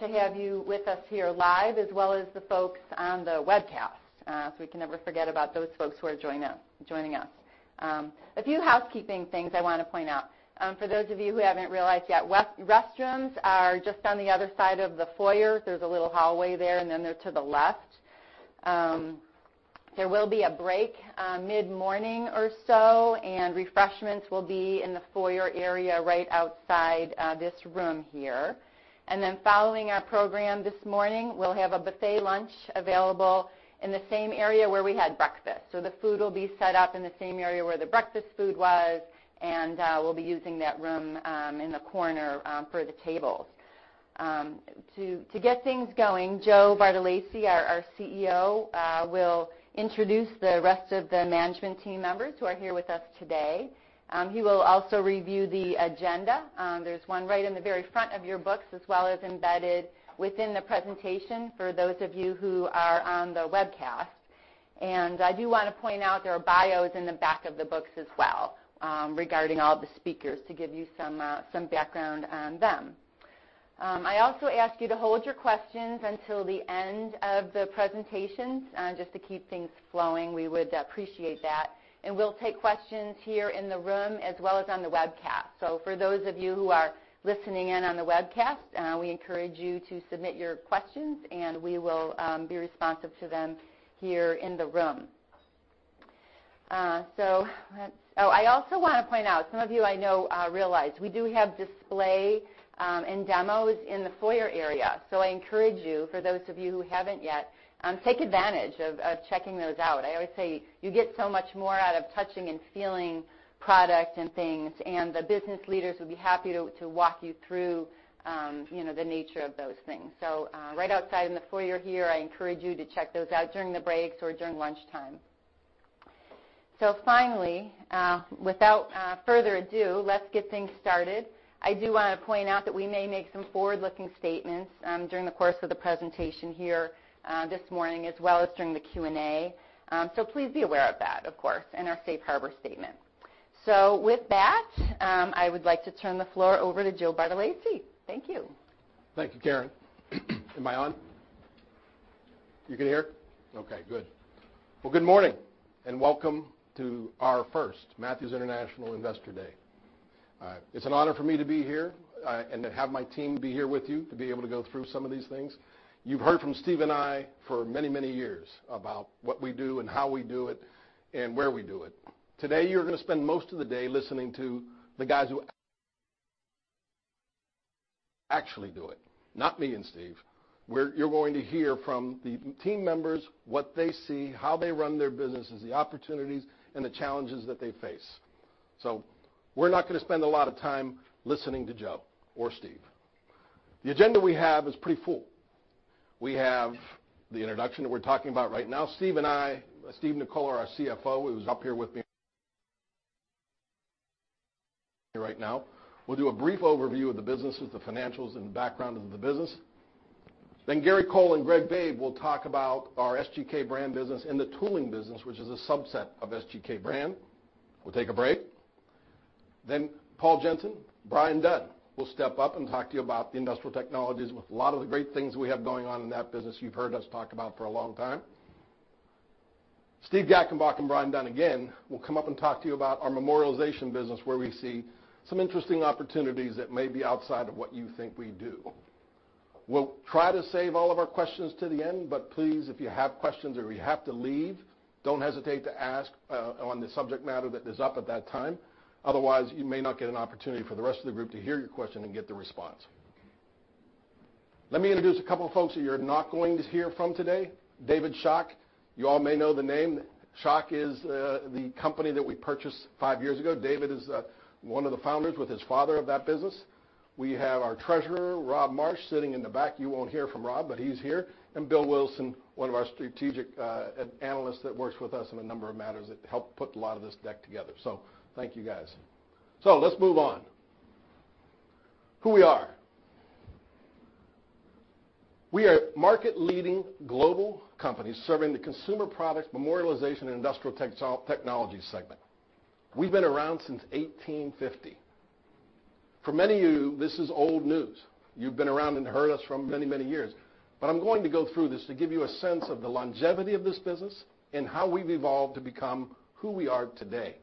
To have you with us here live, as well as the folks on the webcast. We can never forget about those folks who are joining us. A few housekeeping things I want to point out. For those of you who haven't realized yet, restrooms are just on the other side of the foyer. There's a little hallway there, and then they're to the left. There will be a break mid-morning or so, and refreshments will be in the foyer area right outside this room here. Following our program this morning, we'll have a buffet lunch available in the same area where we had breakfast. The food will be set up in the same area where the breakfast food was, and we'll be using that room, in the corner, for the tables. To get things going, Joe Bartolacci, our CEO, will introduce the rest of the management team members who are here with us today. He will also review the agenda. There's one right in the very front of your books as well as embedded within the presentation for those of you who are on the webcast. I do want to point out there are bios in the back of the books as well, regarding all of the speakers, to give you some background on them. I also ask you to hold your questions until the end of the presentations, just to keep things flowing. We would appreciate that. We'll take questions here in the room as well as on the webcast. For those of you who are listening in on the webcast, we encourage you to submit your questions, and we will be responsive to them here in the room. I also want to point out, some of you I know realize, we do have display and demos in the foyer area. I encourage you, for those of you who haven't yet, take advantage of checking those out. I always say you get so much more out of touching and feeling product and things, and the business leaders would be happy to walk you through the nature of those things. Right outside in the foyer here, I encourage you to check those out during the breaks or during lunchtime. Finally, without further ado, let's get things started. I do want to point out that we may make some forward-looking statements during the course of the presentation here this morning as well as during the Q&A. Please be aware of that, of course, and our safe harbor statement. With that, I would like to turn the floor over to Joe Bartolacci. Thank you. Thank you, Karen. Am I on? You can hear? Okay, good. Good morning, and welcome to our first Matthews International Investor Day. It's an honor for me to be here, and to have my team be here with you to be able to go through some of these things. You've heard from Steve and me for many, many years about what we do and how we do it and where we do it. Today, you're going to spend most of the day listening to the guys who actually do it, not me and Steve. You're going to hear from the team members what they see, how they run their businesses, the opportunities, and the challenges that they face. We're not going to spend a lot of time listening to Joe or Steve. The agenda we have is pretty full. We have the introduction that we're talking about right now. Steve Nicola, our CFO, who's up here with me right now. We'll do a brief overview of the business, the financials, and the background of the business. Gary Kohl and Greg Babe will talk about our SGK Brand business and the tooling business, which is a subset of SGK Brand. We'll take a break. Paul Jensen, Brian Dunn will step up and talk to you about the Industrial Technologies with a lot of the great things we have going on in that business you've heard us talk about for a long time. Steve Gackenbach and Brian Dunn again will come up and talk to you about our Memorialization business, where we see some interesting opportunities that may be outside of what you think we do. We'll try to save all of our questions to the end, but please, if you have questions or you have to leave, don't hesitate to ask on the subject matter that is up at that time. Otherwise, you may not get an opportunity for the rest of the group to hear your question and get the response. Let me introduce a couple of folks that you're not going to hear from today. David Schawk. You all may know the name. Schawk is the company that we purchased 5 years ago. David is one of the founders, with his father, of that business. We have our Treasurer, Rob Marsh, sitting in the back. You won't hear from Rob, but he's here. Bill Wilson, one of our strategic analysts that works with us on a number of matters that helped put a lot of this deck together. Thank you, guys. Let's move on. Who we are. We are a market-leading global company serving the consumer product, Memorialization, and Industrial Technology segment. We've been around since 1850. For many of you, this is old news. You've been around and heard us for many, many years. I'm going to go through this to give you a sense of the longevity of this business and how we've evolved to become who we are today.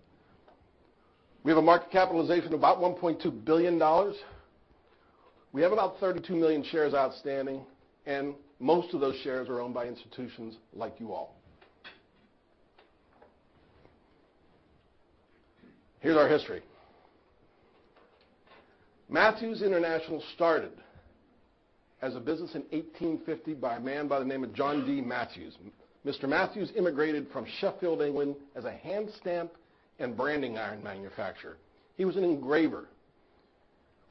We have a market capitalization of about $1.2 billion. We have about 32 million shares outstanding, and most of those shares are owned by institutions like you all. Here's our history. Matthews International started as a business in 1850 by a man by the name of John D. Matthews. Mr. Matthews immigrated from Sheffield, England, as a hand stamp and branding iron manufacturer. He was an engraver.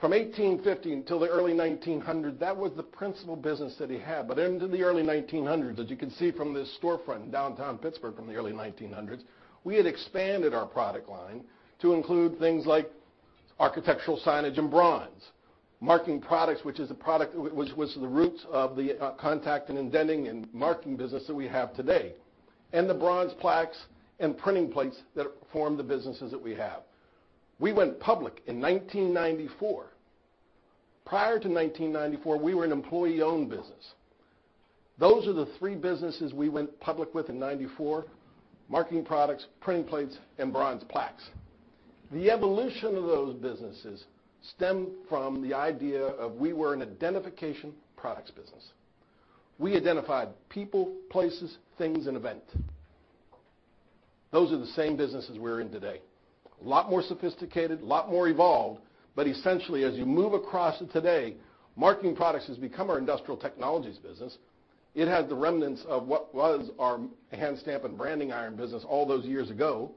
From 1850 until the early 1900s, that was the principal business that he had. Into the early 1900s, as you can see from this storefront in downtown Pittsburgh from the early 1900s, we had expanded our product line to include things like architectural signage and bronze, Marking Products, which was the roots of the contact and indenting and marking business that we have today, and the bronze plaques and printing plates that form the businesses that we have. We went public in 1994. Prior to 1994, we were an employee-owned business. Those are the three businesses we went public with in 1994: Marking Products, printing plates, and bronze plaques. The evolution of those businesses stemmed from the idea of we were an identification products business. We identified people, places, things, and events. Those are the same businesses we're in today. A lot more sophisticated, a lot more evolved, essentially as you move across to today, Marking Products has become our Industrial Technologies business. It has the remnants of what was our hand stamp and branding iron business all those years ago.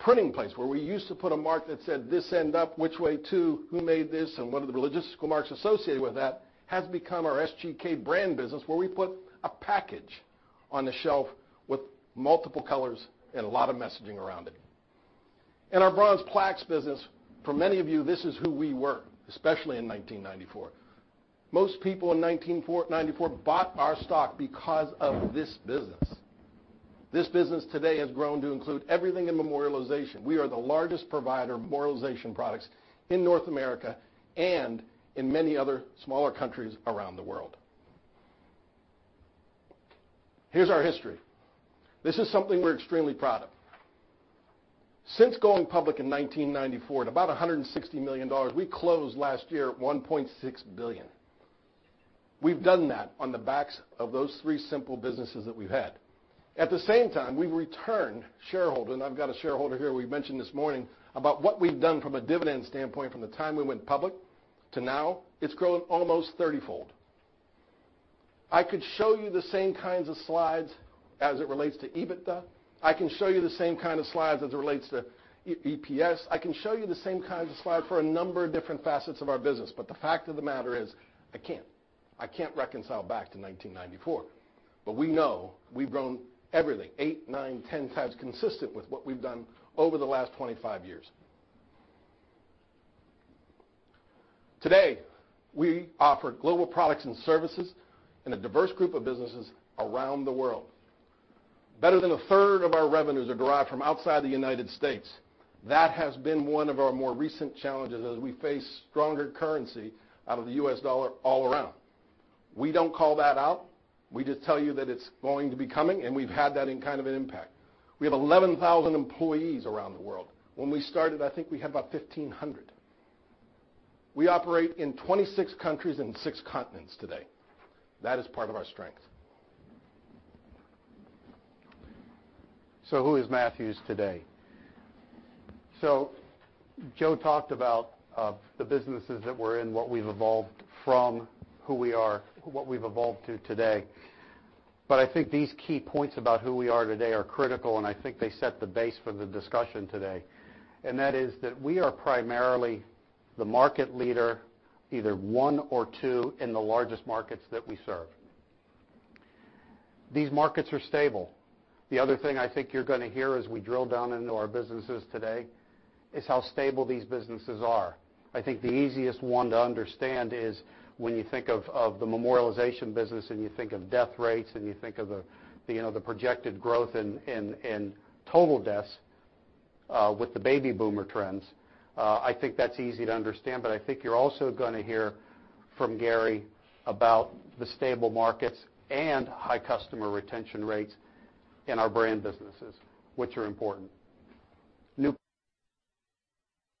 Printing plates, where we used to put a mark that said, "This end up, which way to, who made this," and one of the logistical marks associated with that, has become our SGK brand business, where we put a package on the shelf with multiple colors and a lot of messaging around it. Our bronze plaques business, for many of you, this is who we were, especially in 1994. Most people in 1994 bought our stock because of this business. This business today has grown to include everything in Memorialization. We are the largest provider of Memorialization products in North America and in many other smaller countries around the world. Here's our history. This is something we're extremely proud of. Since going public in 1994, at about $160 million, we closed last year at $1.6 billion. We've done that on the backs of those three simple businesses that we've had. At the same time, we've returned shareholder, and I've got a shareholder here we've mentioned this morning, about what we've done from a dividend standpoint from the time we went public to now. It's grown almost 30-fold. I could show you the same kinds of slides as it relates to EBITDA. I can show you the same kind of slides as it relates to EPS. I can show you the same kinds of slides for a number of different facets of our business. The fact of the matter is, I can't. I can't reconcile back to 1994. We know we've grown everything eight, nine, 10 times, consistent with what we've done over the last 25 years. Today, we offer global products and services in a diverse group of businesses around the world. Better than a third of our revenues are derived from outside the United States. That has been one of our more recent challenges as we face stronger currency out of the U.S. dollar all around. We don't call that out. We just tell you that it's going to be coming, and we've had that in kind of an impact. We have 11,000 employees around the world. When we started, I think we had about 1,500. We operate in 26 countries and six continents today. That is part of our strength. Who is Matthews today? Joe talked about the businesses that we're in, what we've evolved from, who we are, what we've evolved to today. I think these key points about who we are today are critical, and I think they set the base for the discussion today. That is that we are primarily the market leader, either one or two in the largest markets that we serve. These markets are stable. The other thing I think you're going to hear as we drill down into our businesses today is how stable these businesses are. I think the easiest one to understand is when you think of the Memorialization business, and you think of death rates, and you think of the projected growth in total deaths with the baby boomer trends. I think that's easy to understand, I think you're also going to hear from Gary about the stable markets and high customer retention rates in our Brand Solutions businesses, which are important. New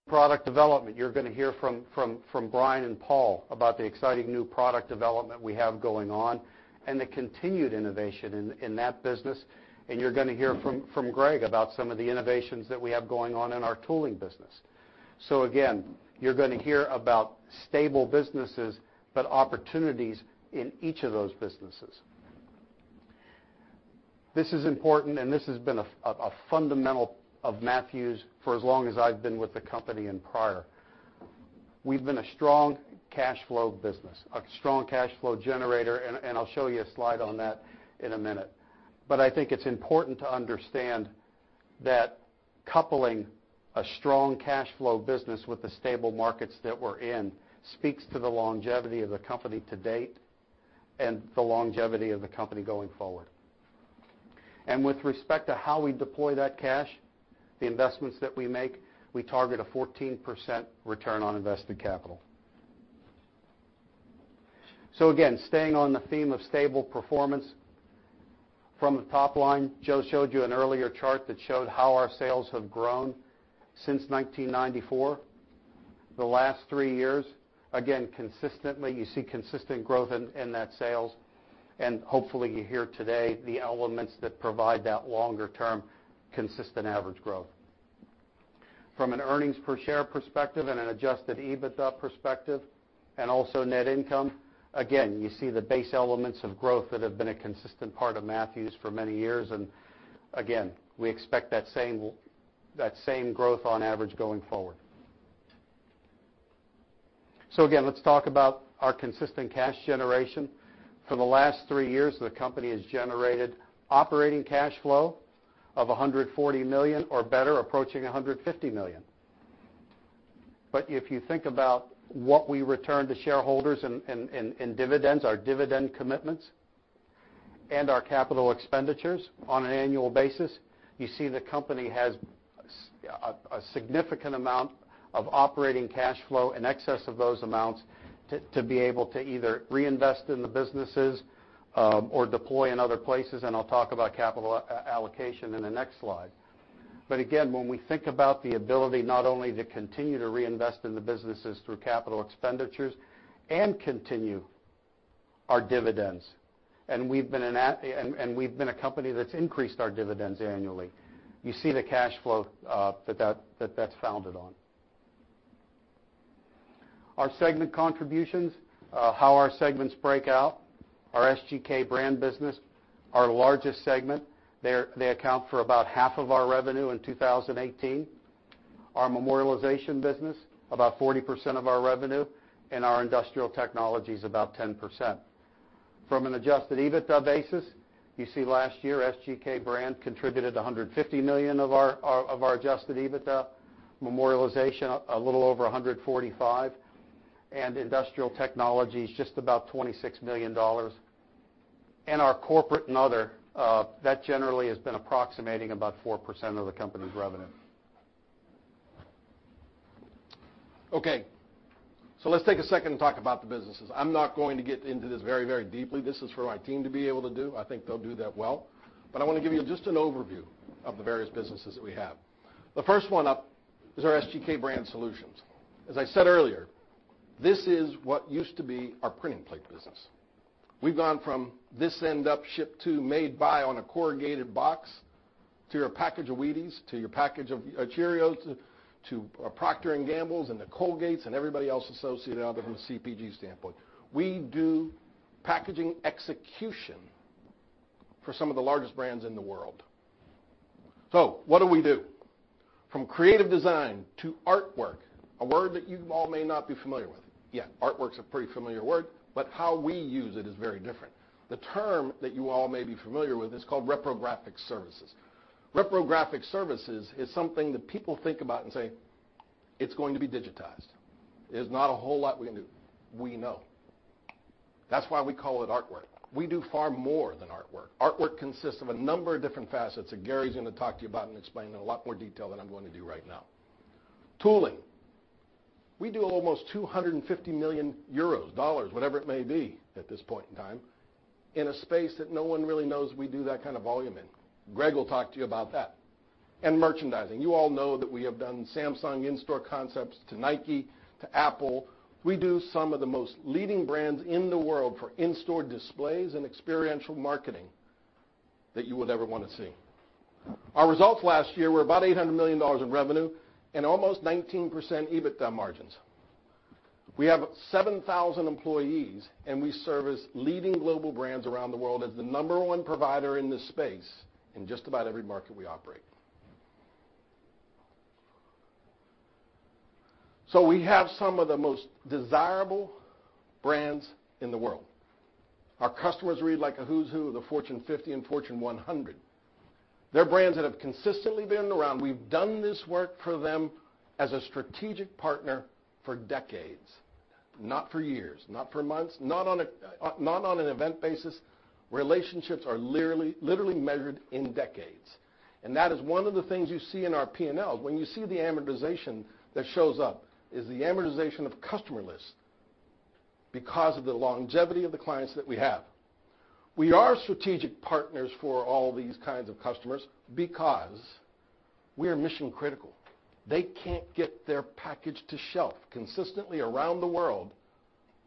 product development. You're going to hear from Brian and Paul about the exciting new product development we have going on and the continued innovation in that business. You're going to hear from Greg about some of the innovations that we have going on in our tooling business. Again, you're going to hear about stable businesses, but opportunities in each of those businesses. This is important, and this has been a fundamental of Matthews for as long as I've been with the company and prior. We've been a strong cash flow business, a strong cash flow generator, and I'll show you a slide on that in a minute. I think it's important to understand that coupling a strong cash flow business with the stable markets that we're in speaks to the longevity of the company to date and the longevity of the company going forward. With respect to how we deploy that cash, the investments that we make, we target a 14% return on invested capital. Again, staying on the theme of stable performance from the top line, Joe showed you an earlier chart that showed how our sales have grown since 1994. The last three years, again, consistently, you see consistent growth in that sales, and hopefully, you hear today the elements that provide that longer-term, consistent average growth. From an earnings per share perspective and an adjusted EBITDA perspective and also net income, again, you see the base elements of growth that have been a consistent part of Matthews for many years. Again, we expect that same growth on average going forward. Again, let's talk about our consistent cash generation. For the last three years, the company has generated operating cash flow of $140 million or better, approaching $150 million. If you think about what we return to shareholders in dividends, our dividend commitments Our capital expenditures on an annual basis. You see the company has a significant amount of operating cash flow in excess of those amounts to be able to either reinvest in the businesses or deploy in other places, and I'll talk about capital allocation in the next slide. Again, when we think about the ability not only to continue to reinvest in the businesses through capital expenditures and continue our dividends, and we've been a company that's increased our dividends annually, you see the cash flow that that's founded on. Our segment contributions, how our segments break out. Our SGK Brand business, our largest segment. They account for about half of our revenue in 2018. Our Memorialization business, about 40% of our revenue, and our Industrial Technologies' about 10%. From an adjusted EBITDA basis, you see last year SGK Brand contributed $150 million of our adjusted EBITDA. Memorialization, a little over $145 million, and Industrial Technologies is just about $26 million. Our corporate and other, that generally has been approximating about 4% of the company's revenue. Let's take a second and talk about the businesses. I'm not going to get into this very deeply. This is for my team to be able to do. I think they'll do that well. I want to give you just an overview of the various businesses that we have. The first one up is our SGK Brand Solutions. As I said earlier, this is what used to be our printing plate business. We've gone from this end up, shipped to, made by on a corrugated box to your package of Wheaties, to your package of Cheerios, to Procter & Gamble, and the Colgate, and everybody else associated out of a CPG standpoint. We do packaging execution for some of the largest brands in the world. What do we do? From creative design to artwork, a word that you all may not be familiar with. Artwork's a pretty familiar word, but how we use it is very different. The term that you all may be familiar with is called reprographic services. Reprographic services is something that people think about and say, "It's going to be digitized. There's not a whole lot we can do." We know. That's why we call it artwork. We do far more than artwork. Artwork consists of a number of different facets that Gary's going to talk to you about and explain in a lot more detail than I'm going to do right now. Tooling. We do almost $250 million euros, dollars, whatever it may be at this point in time, in a space that no one really knows we do that kind of volume in. Greg will talk to you about that. Merchandising. You all know that we have done Samsung in-store concepts, to Nike, to Apple. We do some of the most leading brands in the world for in-store displays and experiential marketing that you would ever want to see. Our results last year were about $800 million in revenue and almost 19% EBITDA margins. We have 7,000 employees, and we service leading global brands around the world as the number one provider in this space in just about every market we operate. We have some of the most desirable brands in the world. Our customers read like a who's who of the Fortune 50 and Fortune 100. They're brands that have consistently been around. We've done this work for them as a strategic partner for decades. Not for years, not for months, not on an event basis. Relationships are literally measured in decades. That is one of the things you see in our P&L. When you see the amortization that shows up is the amortization of customer lists because of the longevity of the clients that we have. We are strategic partners for all these kinds of customers because we are mission-critical. They can't get their package to shelf consistently around the world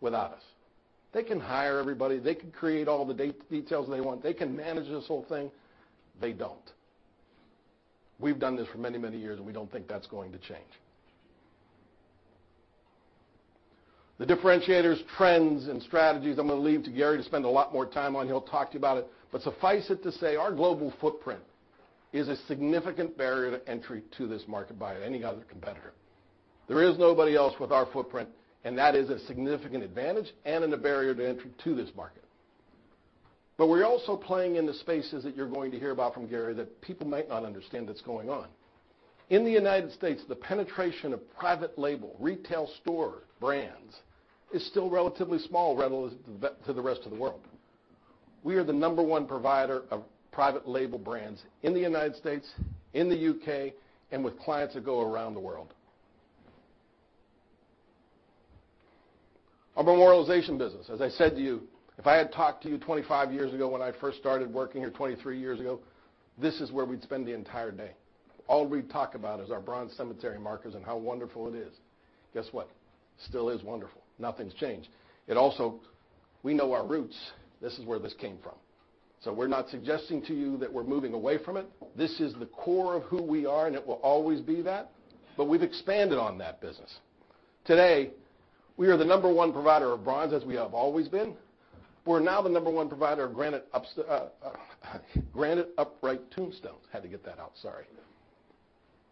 without us. They can hire everybody. They can create all the details they want. They can manage this whole thing. They don't. We've done this for many years, and we don't think that's going to change. The differentiators, trends, and strategies, I'm going to leave to Gary to spend a lot more time on. He'll talk to you about it. Suffice it to say, our global footprint is a significant barrier to entry to this market by any other competitor. There is nobody else with our footprint, and that is a significant advantage and in a barrier to entry to this market. We're also playing in the spaces that you're going to hear about from Gary that people might not understand that's going on. In the U.S., the penetration of private label retail store brands is still relatively small to the rest of the world. We are the number 1 provider of private label brands in the U.S., in the U.K., and with clients that go around the world. Our Memorialization business, as I said to you, if I had talked to you 25 years ago when I first started working here 23 years ago, this is where we'd spend the entire day. All we'd talk about is our bronze cemetery markers and how wonderful it is. Guess what? Still is wonderful. Nothing's changed. We know our roots. This is where this came from. We're not suggesting to you that we're moving away from it. This is the core of who we are, and it will always be that, but we've expanded on that business. Today, we are the number 1 provider of bronze, as we have always been. We're now the number 1 provider of granite upright tombstones. Had to get that out, sorry.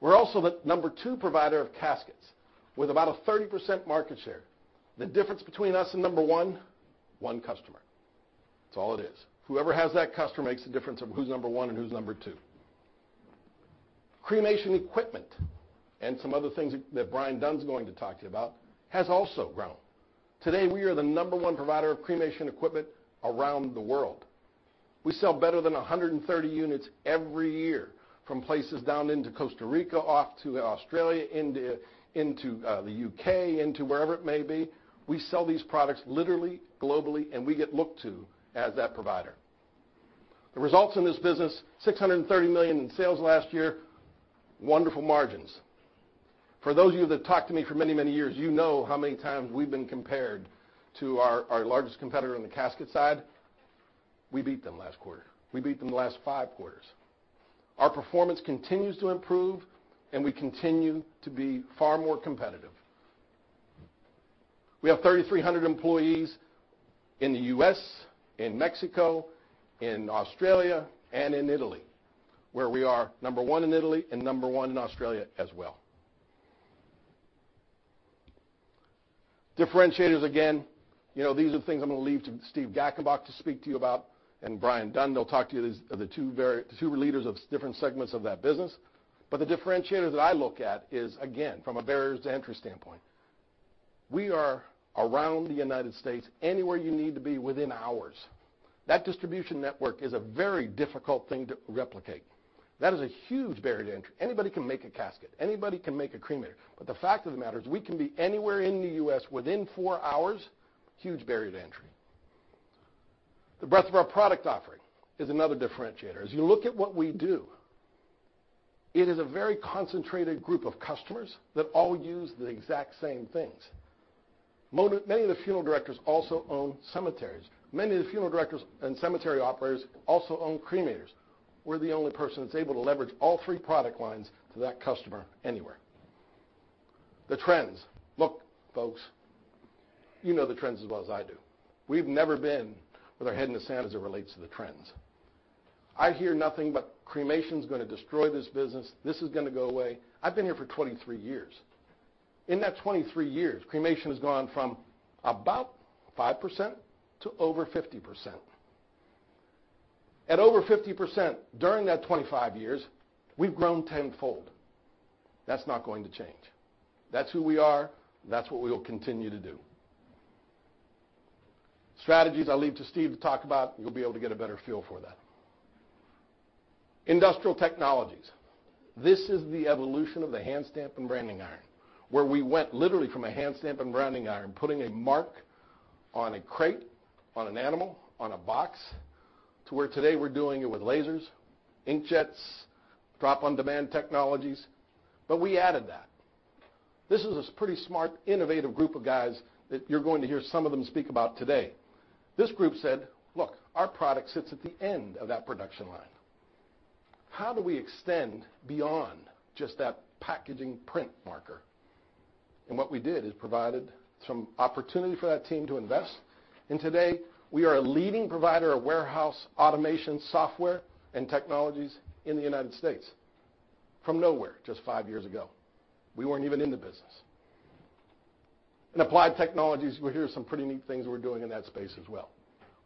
We're also the number 2 provider of caskets, with about a 30% market share. The difference between us and number 1, one customer. It's all it is. Whoever has that customer makes the difference of who's number 1 and who's number 2. Cremation equipment and some other things that Brian Dunn's going to talk to you about has also grown. Today, we are the number 1 provider of cremation equipment around the world. We sell better than 130 units every year from places down into Costa Rica, off to Australia, India, into the U.K., into wherever it may be. We sell these products literally globally, and we get looked to as that provider. The results in this business, $630 million in sales last year, wonderful margins. For those of you that talked to me for many, many years, you know how many times we've been compared to our largest competitor on the casket side. We beat them last quarter. We beat them the last five quarters. Our performance continues to improve, we continue to be far more competitive. We have 3,300 employees in the U.S., in Mexico, in Australia, and in Italy, where we are number one in Italy and number one in Australia as well. Differentiators, again, these are things I'm going to leave to Steve Gackenbach to speak to you about and Brian Dunn. They'll talk to you, the two leaders of different segments of that business. The differentiator that I look at is, again, from a barriers to entry standpoint. We are around the U.S., anywhere you need to be within hours. That distribution network is a very difficult thing to replicate. That is a huge barrier to entry. Anybody can make a casket, anybody can make a cremator, but the fact of the matter is we can be anywhere in the U.S. within four hours, huge barrier to entry. The breadth of our product offering is another differentiator. You look at what we do, it is a very concentrated group of customers that all use the exact same things. Many of the funeral directors also own cemeteries. Many of the funeral directors and cemetery operators also own cremators. We're the only person that's able to leverage all three product lines to that customer anywhere. The trends. Look, folks, you know the trends as well as I do. We've never been with our head in the sand as it relates to the trends. I hear nothing but cremation is going to destroy this business. This is going to go away. I've been here for 23 years. In that 23 years, cremation has gone from about 5% to over 50%. At over 50% during that 25 years, we've grown tenfold. That's not going to change. That's who we are. That's what we will continue to do. Strategies I leave to Steve to talk about. You'll be able to get a better feel for that. Industrial Technologies. This is the evolution of the hand stamp and branding iron. We went literally from a hand stamp and branding iron, putting a mark on a crate, on an animal, on a box, to where today we're doing it with lasers, inkjets, drop-on-demand technologies. We added that. This is a pretty smart, innovative group of guys that you're going to hear some of them speak about today. This group said, "Look, our product sits at the end of that production line. How do we extend beyond just that packaging print marker?" What we did is provided some opportunity for that team to invest, today we are a leading provider of warehouse automation software and technologies in the U.S. from nowhere just five years ago. We weren't even in the business. Applied technologies, well, here are some pretty neat things we're doing in that space as well.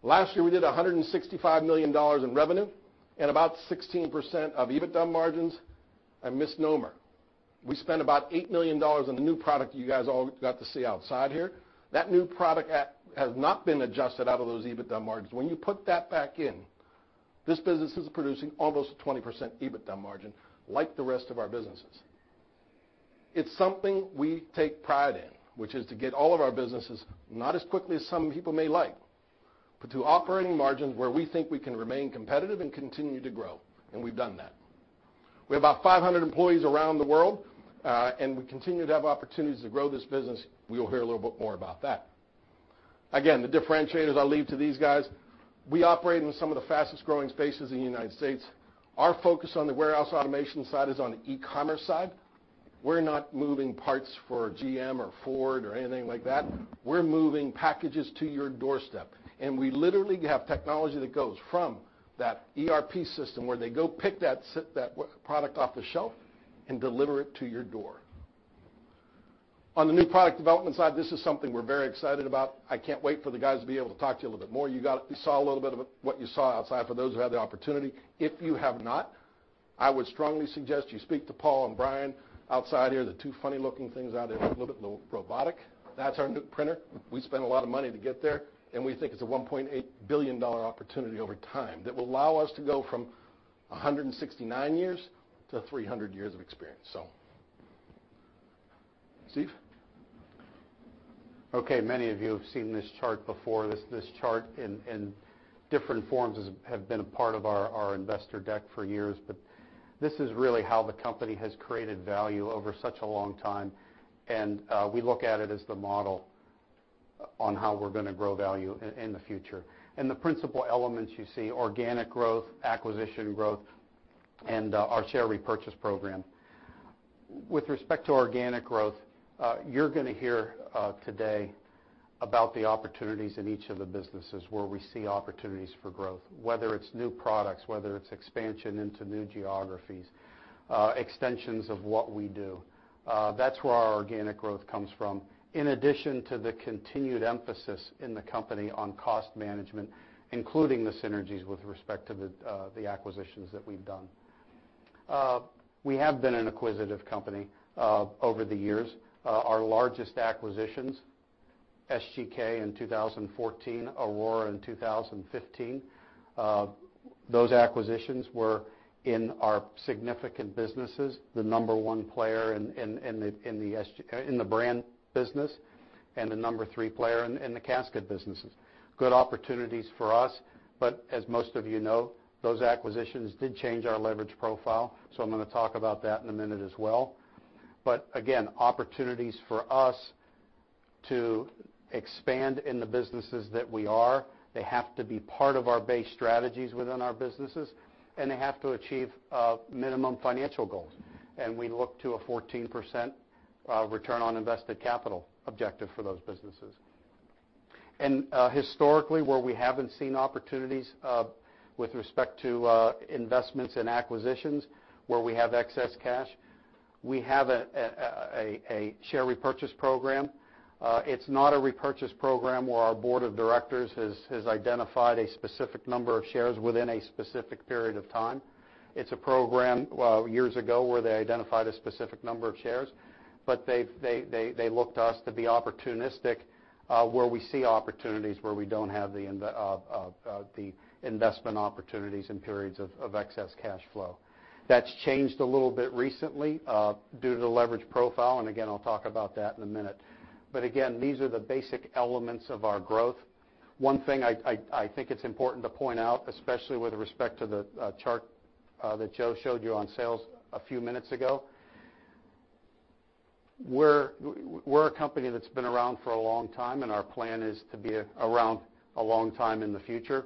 Last year, we did $165 million in revenue and about 16% of EBITDA margins, a misnomer. We spent about $8 million on the new product you guys all got to see outside here. That new product has not been adjusted out of those EBITDA margins. When you put that back in, this business is producing almost a 20% EBITDA margin like the rest of our businesses. It's something we take pride in, which is to get all of our businesses, not as quickly as some people may like, but to operating margins where we think we can remain competitive and continue to grow, and we've done that. We have about 500 employees around the world, and we continue to have opportunities to grow this business. We will hear a little bit more about that. The differentiators I leave to these guys. We operate in some of the fastest-growing spaces in the U.S. Our focus on the warehouse automation side is on the e-commerce side. We're not moving parts for GM or Ford or anything like that. We're moving packages to your doorstep, and we literally have technology that goes from that ERP system where they go pick that product off the shelf and deliver it to your door. On the new product development side, this is something we're very excited about. I can't wait for the guys to be able to talk to you a little bit more. You saw a little bit of what you saw outside for those who had the opportunity. If you have not, I would strongly suggest you speak to Paul and Brian outside here, the two funny-looking things out there that look a little robotic. That's our new printer. We spent a lot of money to get there, and we think it's a $1.8 billion opportunity over time that will allow us to go from 169 years to 300 years of experience. Steve? Many of you have seen this chart before. This chart in different forms have been a part of our investor deck for years, but this is really how the company has created value over such a long time, and we look at it as the model on how we're going to grow value in the future. The principal elements you see, organic growth, acquisition growth, and our share repurchase program. With respect to organic growth, you're going to hear today about the opportunities in each of the businesses where we see opportunities for growth, whether it's new products, whether it's expansion into new geographies, extensions of what we do. That's where our organic growth comes from, in addition to the continued emphasis in the company on cost management, including the synergies with respect to the acquisitions that we've done. We have been an acquisitive company over the years. Our largest acquisitions, SGK in 2014, Aurora in 2015, those acquisitions were in our significant businesses, the number one player in the brand business, and the number three player in the casket businesses. Good opportunities for us, but as most of you know, those acquisitions did change our leverage profile, so I'm going to talk about that in a minute as well. Opportunities for us to expand in the businesses that we are, they have to be part of our base strategies within our businesses, and they have to achieve minimum financial goals. We look to a 14% return on invested capital objective for those businesses. Historically, where we haven't seen opportunities with respect to investments in acquisitions, where we have excess cash, we have a share repurchase program. It's not a repurchase program where our board of directors has identified a specific number of shares within a specific period of time. It's a program, years ago, where they identified a specific number of shares, but they look to us to be opportunistic, where we see opportunities where we don't have the investment opportunities in periods of excess cash flow. Again, I'll talk about that in a minute. Again, these are the basic elements of our growth. One thing I think it's important to point out, especially with respect to the chart that Joe showed you on sales a few minutes ago, we're a company that's been around for a long time, and our plan is to be around a long time in the future.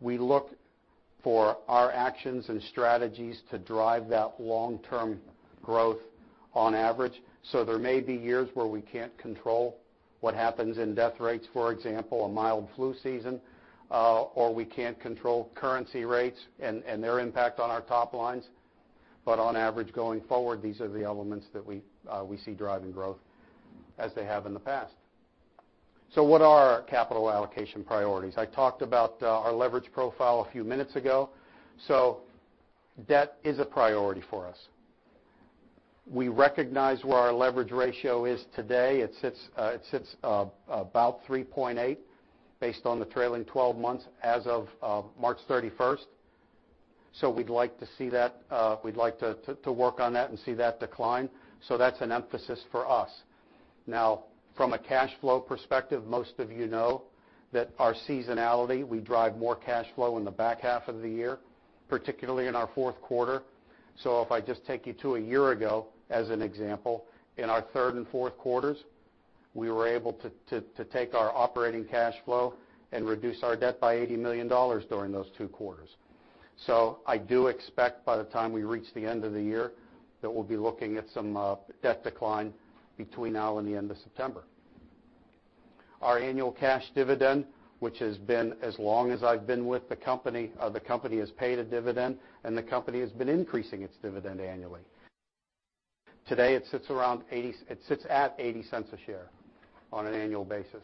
We look for our actions and strategies to drive that long-term growth on average. There may be years where we can't control what happens in death rates, for example, a mild flu season, or we can't control currency rates and their impact on our top lines. On average, going forward, these are the elements that we see driving growth as they have in the past. What are our capital allocation priorities? I talked about our leverage profile a few minutes ago. Debt is a priority for us. We recognize where our leverage ratio is today. It sits about 3.8, based on the trailing 12 months as of March 31st. We'd like to work on that and see that decline. That's an emphasis for us. Now, from a cash flow perspective, most of you know that our seasonality, we drive more cash flow in the back half of the year, particularly in our fourth quarter. If I just take you to a year ago, as an example, in our third and fourth quarters, we were able to take our operating cash flow and reduce our debt by $80 million during those two quarters. I do expect by the time we reach the end of the year, that we'll be looking at some debt decline between now and the end of September. Our annual cash dividend, which has been as long as I've been with the company, the company has paid a dividend, and the company has been increasing its dividend annually. Today, it sits at $0.80 a share on an annual basis.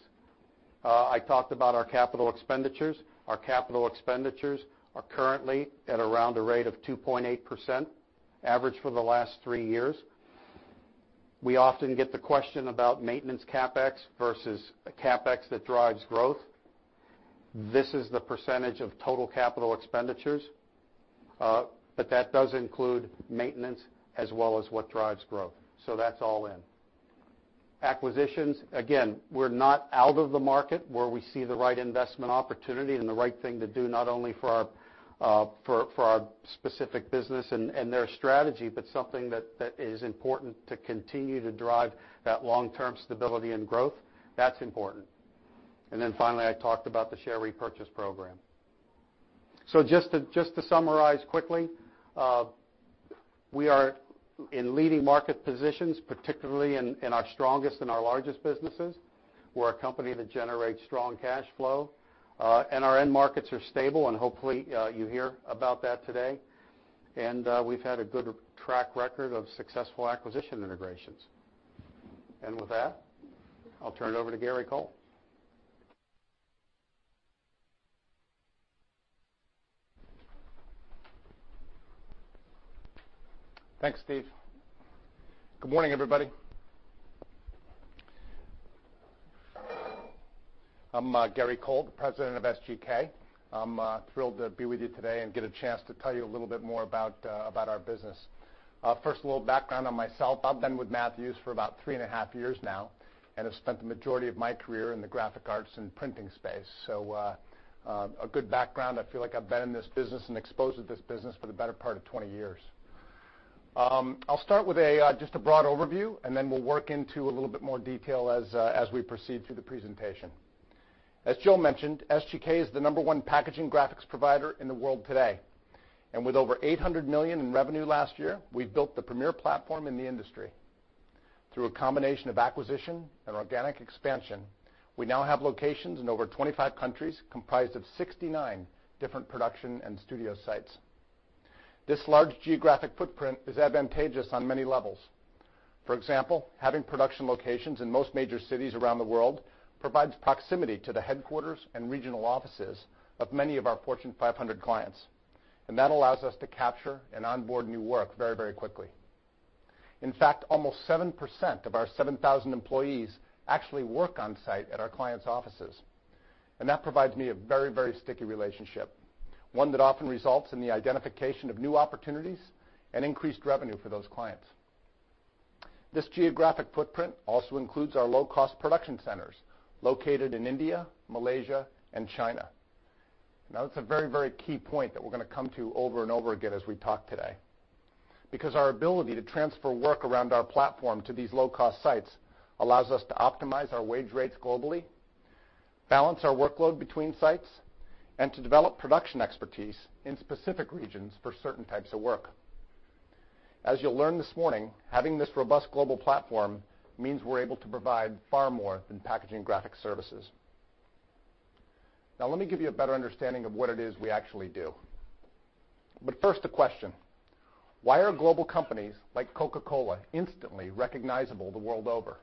I talked about our capital expenditures. Our capital expenditures are currently at around a rate of 2.8%, average for the last three years. We often get the question about maintenance CapEx versus a CapEx that drives growth. This is the percentage of total capital expenditures. That does include maintenance as well as what drives growth. That's all in. Acquisitions, again, we're not out of the market where we see the right investment opportunity and the right thing to do, not only for our specific business and their strategy, but something that is important to continue to drive that long-term stability and growth. That's important. Finally, I talked about the share repurchase program. Just to summarize quickly, we are in leading market positions, particularly in our strongest and our largest businesses. We're a company that generates strong cash flow. Our end markets are stable, and hopefully, you hear about that today. We've had a good track record of successful acquisition integrations. With that, I'll turn it over to Gary R. Kohl. Thanks, Steve. Good morning, everybody. I'm Gary R. Kohl, the President of SGK. I'm thrilled to be with you today and get a chance to tell you a little bit more about our business. First, a little background on myself. I've been with Matthews International for about three and a half years now and have spent the majority of my career in the graphic arts and printing space. A good background. I feel like I've been in this business and exposed to this business for the better part of 20 years. I'll start with just a broad overview, then we'll work into a little bit more detail as we proceed through the presentation. As Joe Bartolacci mentioned, SGK is the number one packaging graphics provider in the world today. With over $800 million in revenue last year, we've built the premier platform in the industry. Through a combination of acquisition and organic expansion, we now have locations in over 25 countries, comprised of 69 different production and studio sites. This large geographic footprint is advantageous on many levels. For example, having production locations in most major cities around the world provides proximity to the headquarters and regional offices of many of our Fortune 500 clients. That allows us to capture and onboard new work very quickly. In fact, almost 7% of our 7,000 employees actually work on-site at our clients' offices. That provides me a very sticky relationship, one that often results in the identification of new opportunities and increased revenue for those clients. This geographic footprint also includes our low-cost production centers located in India, Malaysia, and China. That's a very key point that we're going to come to over and over again as we talk today. Our ability to transfer work around our platform to these low-cost sites allows us to optimize our wage rates globally, balance our workload between sites, and to develop production expertise in specific regions for certain types of work. As you'll learn this morning, having this robust global platform means we're able to provide far more than packaging graphic services. Let me give you a better understanding of what it is we actually do. First, a question. Why are global companies like Coca-Cola instantly recognizable the world over?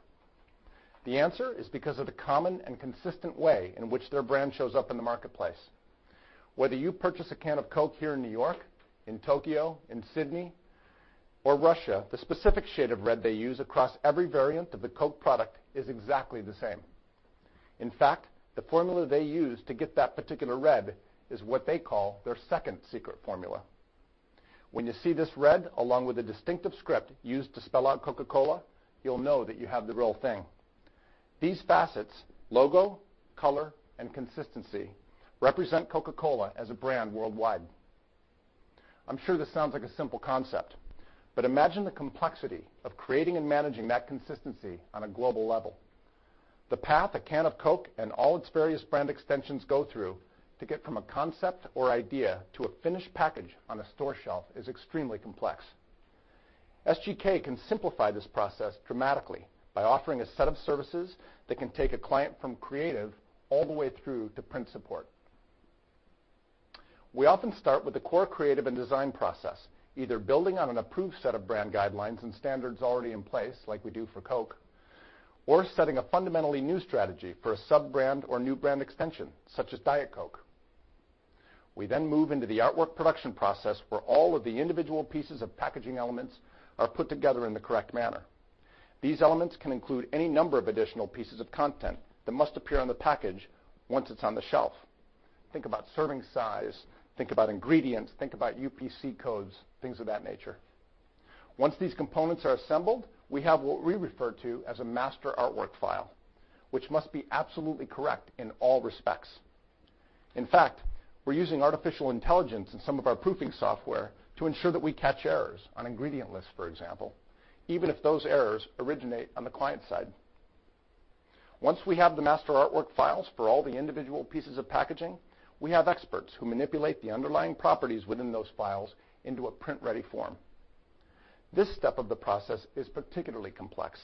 The answer is because of the common and consistent way in which their brand shows up in the marketplace. Whether you purchase a can of Coke here in New York, in Tokyo, in Sydney, or Russia, the specific shade of red they use across every variant of the Coke product is exactly the same. In fact, the formula they use to get that particular red is what they call their second secret formula. When you see this red, along with the distinctive script used to spell out Coca-Cola, you'll know that you have the real thing. These facets, logo, color, and consistency, represent Coca-Cola as a brand worldwide. I'm sure this sounds like a simple concept, but imagine the complexity of creating and managing that consistency on a global level. The path a can of Coke and all its various brand extensions go through to get from a concept or idea to a finished package on a store shelf is extremely complex. SGK can simplify this process dramatically by offering a set of services that can take a client from creative all the way through to print support. We often start with the core creative and design process, either building on an approved set of brand guidelines and standards already in place, like we do for Coke, or setting a fundamentally new strategy for a sub-brand or new brand extension, such as Diet Coke. We move into the artwork production process, where all of the individual pieces of packaging elements are put together in the correct manner. These elements can include any number of additional pieces of content that must appear on the package once it's on the shelf. Think about serving size, think about ingredients, think about UPC codes, things of that nature. Once these components are assembled, we have what we refer to as a master artwork file, which must be absolutely correct in all respects. In fact, we're using artificial intelligence in some of our proofing software to ensure that we catch errors on ingredient lists, for example, even if those errors originate on the client side. Once we have the master artwork files for all the individual pieces of packaging, we have experts who manipulate the underlying properties within those files into a print-ready form. This step of the process is particularly complex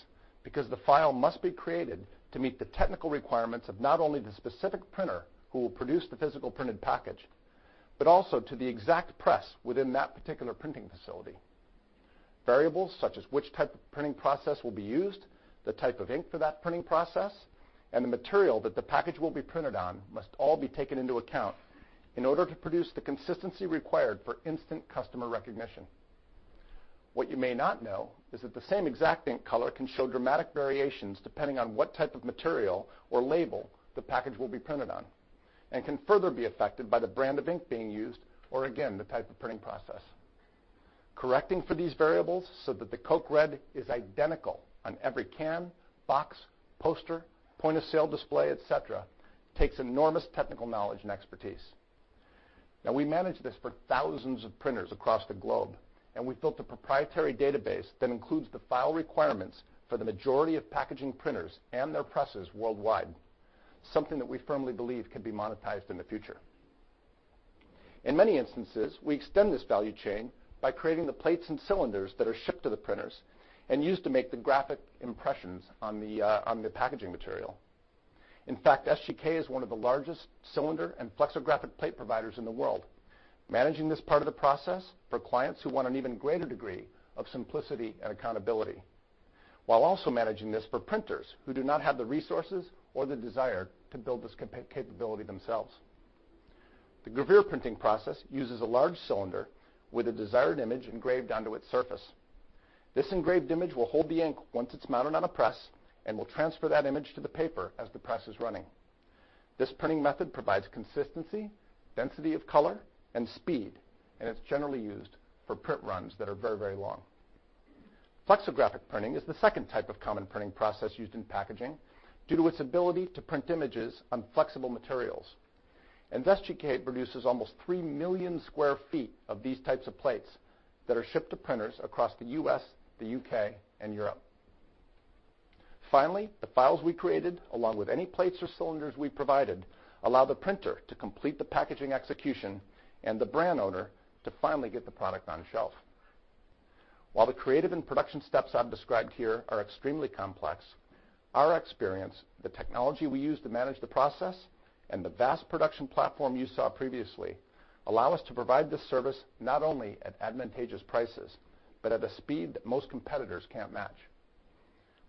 because the file must be created to meet the technical requirements of not only the specific printer who will produce the physical printed package, but also to the exact press within that particular printing facility. Variables such as which type of printing process will be used, the type of ink for that printing process, and the material that the package will be printed on must all be taken into account in order to produce the consistency required for instant customer recognition. What you may not know is that the same exact ink color can show dramatic variations depending on what type of material or label the package will be printed on, and can further be affected by the brand of ink being used, or again, the type of printing process. Correcting for these variables so that the Coke red is identical on every can, box, poster, point-of-sale display, et cetera, takes enormous technical knowledge and expertise. Now we manage this for thousands of printers across the globe, and we've built a proprietary database that includes the file requirements for the majority of packaging printers and their presses worldwide, something that we firmly believe can be monetized in the future. In many instances, we extend this value chain by creating the plates and cylinders that are shipped to the printers and used to make the graphic impressions on the packaging material. In fact, SGK is one of the largest cylinder and flexographic plate providers in the world, managing this part of the process for clients who want an even greater degree of simplicity and accountability, while also managing this for printers who do not have the resources or the desire to build this capability themselves. The gravure printing process uses a large cylinder with a desired image engraved onto its surface. This engraved image will hold the ink once it is mounted on a press and will transfer that image to the paper as the press is running. This printing method provides consistency, density of color, and speed, and it is generally used for print runs that are very long. Flexographic printing is the type 2 of common printing process used in packaging due to its ability to print images on flexible materials. SGK produces almost 3 million sq ft of these types of plates that are shipped to printers across the U.S., the U.K., and Europe. Finally, the files we created, along with any plates or cylinders we provided, allow the printer to complete the packaging execution and the brand owner to finally get the product on shelf. While the creative and production steps I've described here are extremely complex. Our experience, the technology we use to manage the process, and the vast production platform you saw previously allow us to provide this service not only at advantageous prices, but at a speed that most competitors can't match.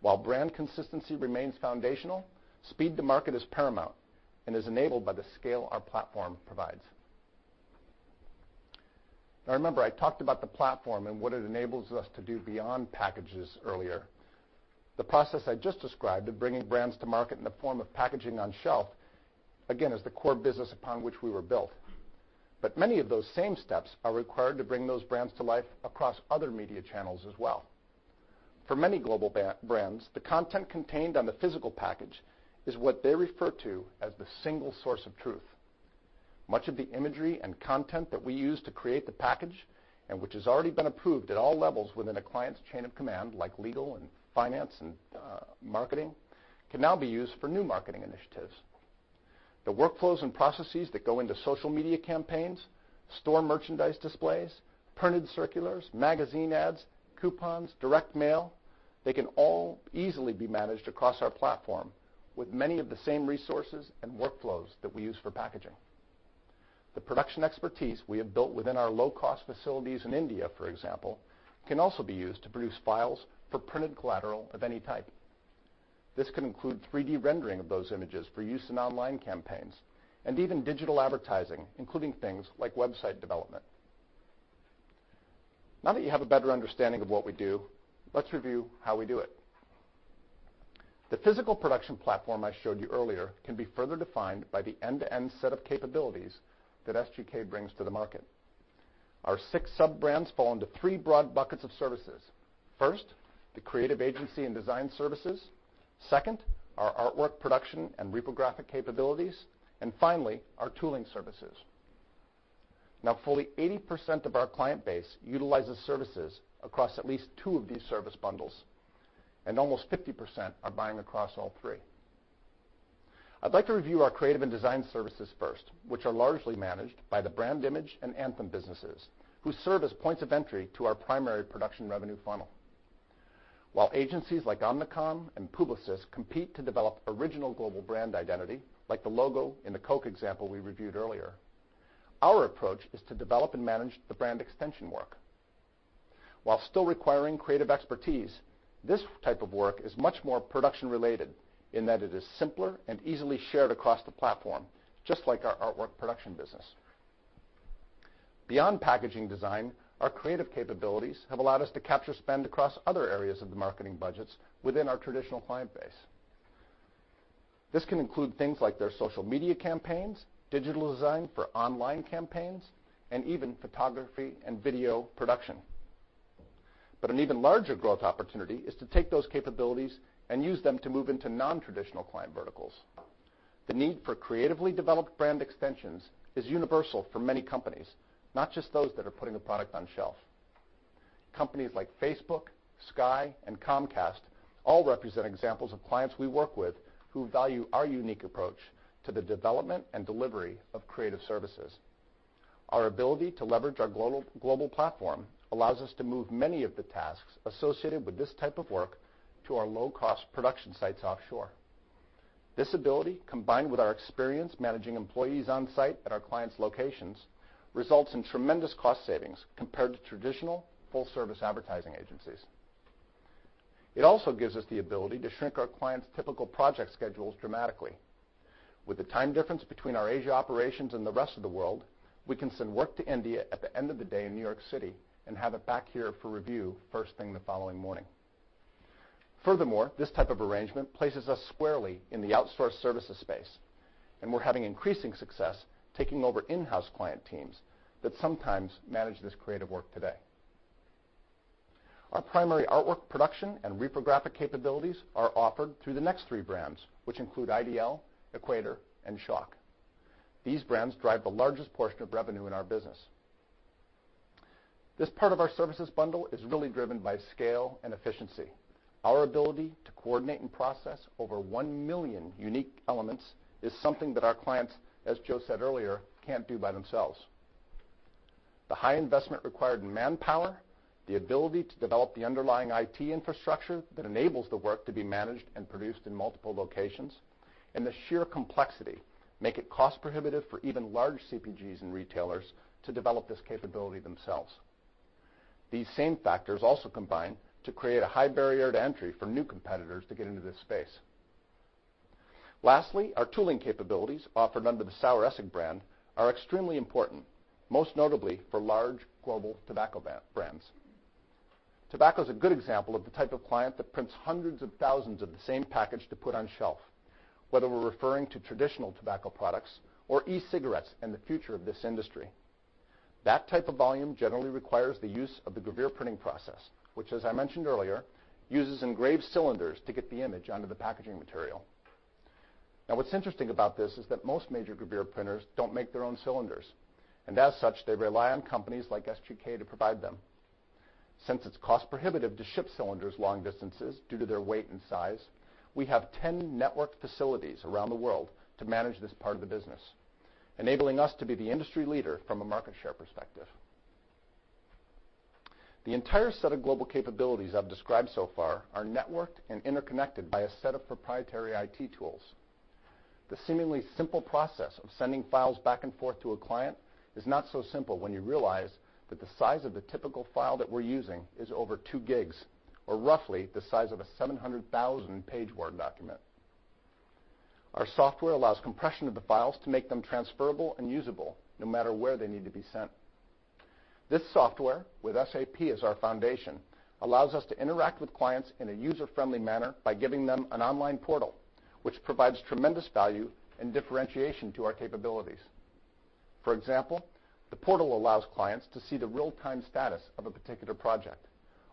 While brand consistency remains foundational, speed to market is paramount and is enabled by the scale our platform provides. Remember, I talked about the platform and what it enables us to do beyond packages earlier. The process I just described of bringing brands to market in the form of packaging on shelf, again, is the core business upon which we were built. Many of those same steps are required to bring those brands to life across other media channels as well. For many global brands, the content contained on the physical package is what they refer to as the single source of truth. Much of the imagery and content that we use to create the package, and which has already been approved at all levels within a client's chain of command, like legal and finance and marketing, can now be used for new marketing initiatives. The workflows and processes that go into social media campaigns, store merchandise displays, printed circulars, magazine ads, coupons, direct mail, they can all easily be managed across our platform with many of the same resources and workflows that we use for packaging. The production expertise we have built within our low-cost facilities in India, for example, can also be used to produce files for printed collateral of any type. This can include 3D rendering of those images for use in online campaigns and even digital advertising, including things like website development. That you have a better understanding of what we do, let's review how we do it. The physical production platform I showed you earlier can be further defined by the end-to-end set of capabilities that SGK brings to the market. Our six sub-brands fall into three broad buckets of services. First, the creative agency and design services. Second, our artwork production and reprographic capabilities, and finally, our tooling services. Fully 80% of our client base utilizes services across at least two of these service bundles, and almost 50% are buying across all three. I'd like to review our creative and design services first, which are largely managed by the Brandimage and Anthem businesses, who serve as points of entry to our primary production revenue funnel. While agencies like Omnicom and Publicis compete to develop original global brand identity, like the logo in the Coke example we reviewed earlier, our approach is to develop and manage the brand extension work. While still requiring creative expertise, this type of work is much more production related in that it is simpler and easily shared across the platform, just like our artwork production business. Beyond packaging design, our creative capabilities have allowed us to capture spend across other areas of the marketing budgets within our traditional client base. This can include things like their social media campaigns, digital design for online campaigns, and even photography and video production. An even larger growth opportunity is to take those capabilities and use them to move into non-traditional client verticals. The need for creatively developed brand extensions is universal for many companies, not just those that are putting a product on shelf. Companies like Facebook, Sky, and Comcast all represent examples of clients we work with who value our unique approach to the development and delivery of creative services. Our ability to leverage our global platform allows us to move many of the tasks associated with this type of work to our low-cost production sites offshore. This ability, combined with our experience managing employees on-site at our clients' locations, results in tremendous cost savings compared to traditional full-service advertising agencies. It also gives us the ability to shrink our clients' typical project schedules dramatically. With the time difference between our Asia operations and the rest of the world, we can send work to India at the end of the day in New York City and have it back here for review first thing the following morning. This type of arrangement places us squarely in the outsource services space, and we're having increasing success taking over in-house client teams that sometimes manage this creative work today. Our primary artwork production and reprographic capabilities are offered through the next three brands, which include IDL, Equator, and Schawk. These brands drive the largest portion of revenue in our business. This part of our services bundle is really driven by scale and efficiency. Our ability to coordinate and process over 1 million unique elements is something that our clients, as Joe said earlier, can't do by themselves. The high investment required in manpower, the ability to develop the underlying IT infrastructure that enables the work to be managed and produced in multiple locations, and the sheer complexity make it cost prohibitive for even large CPGs and retailers to develop this capability themselves. These same factors also combine to create a high barrier to entry for new competitors to get into this space. Our tooling capabilities, offered under the Saueressig brand, are extremely important, most notably for large global tobacco brands. Tobacco is a good example of the type of client that prints hundreds of thousands of the same package to put on shelf, whether we're referring to traditional tobacco products or e-cigarettes and the future of this industry. That type of volume generally requires the use of the gravure printing process, which as I mentioned earlier, uses engraved cylinders to get the image onto the packaging material. What's interesting about this is that most major gravure printers don't make their own cylinders, and as such, they rely on companies like SGK to provide them. Since it's cost prohibitive to ship cylinders long distances due to their weight and size, we have 10 networked facilities around the world to manage this part of the business, enabling us to be the industry leader from a market share perspective. The entire set of global capabilities I've described so far are networked and interconnected by a set of proprietary IT tools. The seemingly simple process of sending files back and forth to a client is not so simple when you realize that the size of the typical file that we're using is over two gigs, or roughly the size of a 700,000-page Word document. Our software allows compression of the files to make them transferable and usable no matter where they need to be sent. This software, with SAP as our foundation, allows us to interact with clients in a user-friendly manner by giving them an online portal, which provides tremendous value and differentiation to our capabilities. For example, the portal allows clients to see the real-time status of a particular project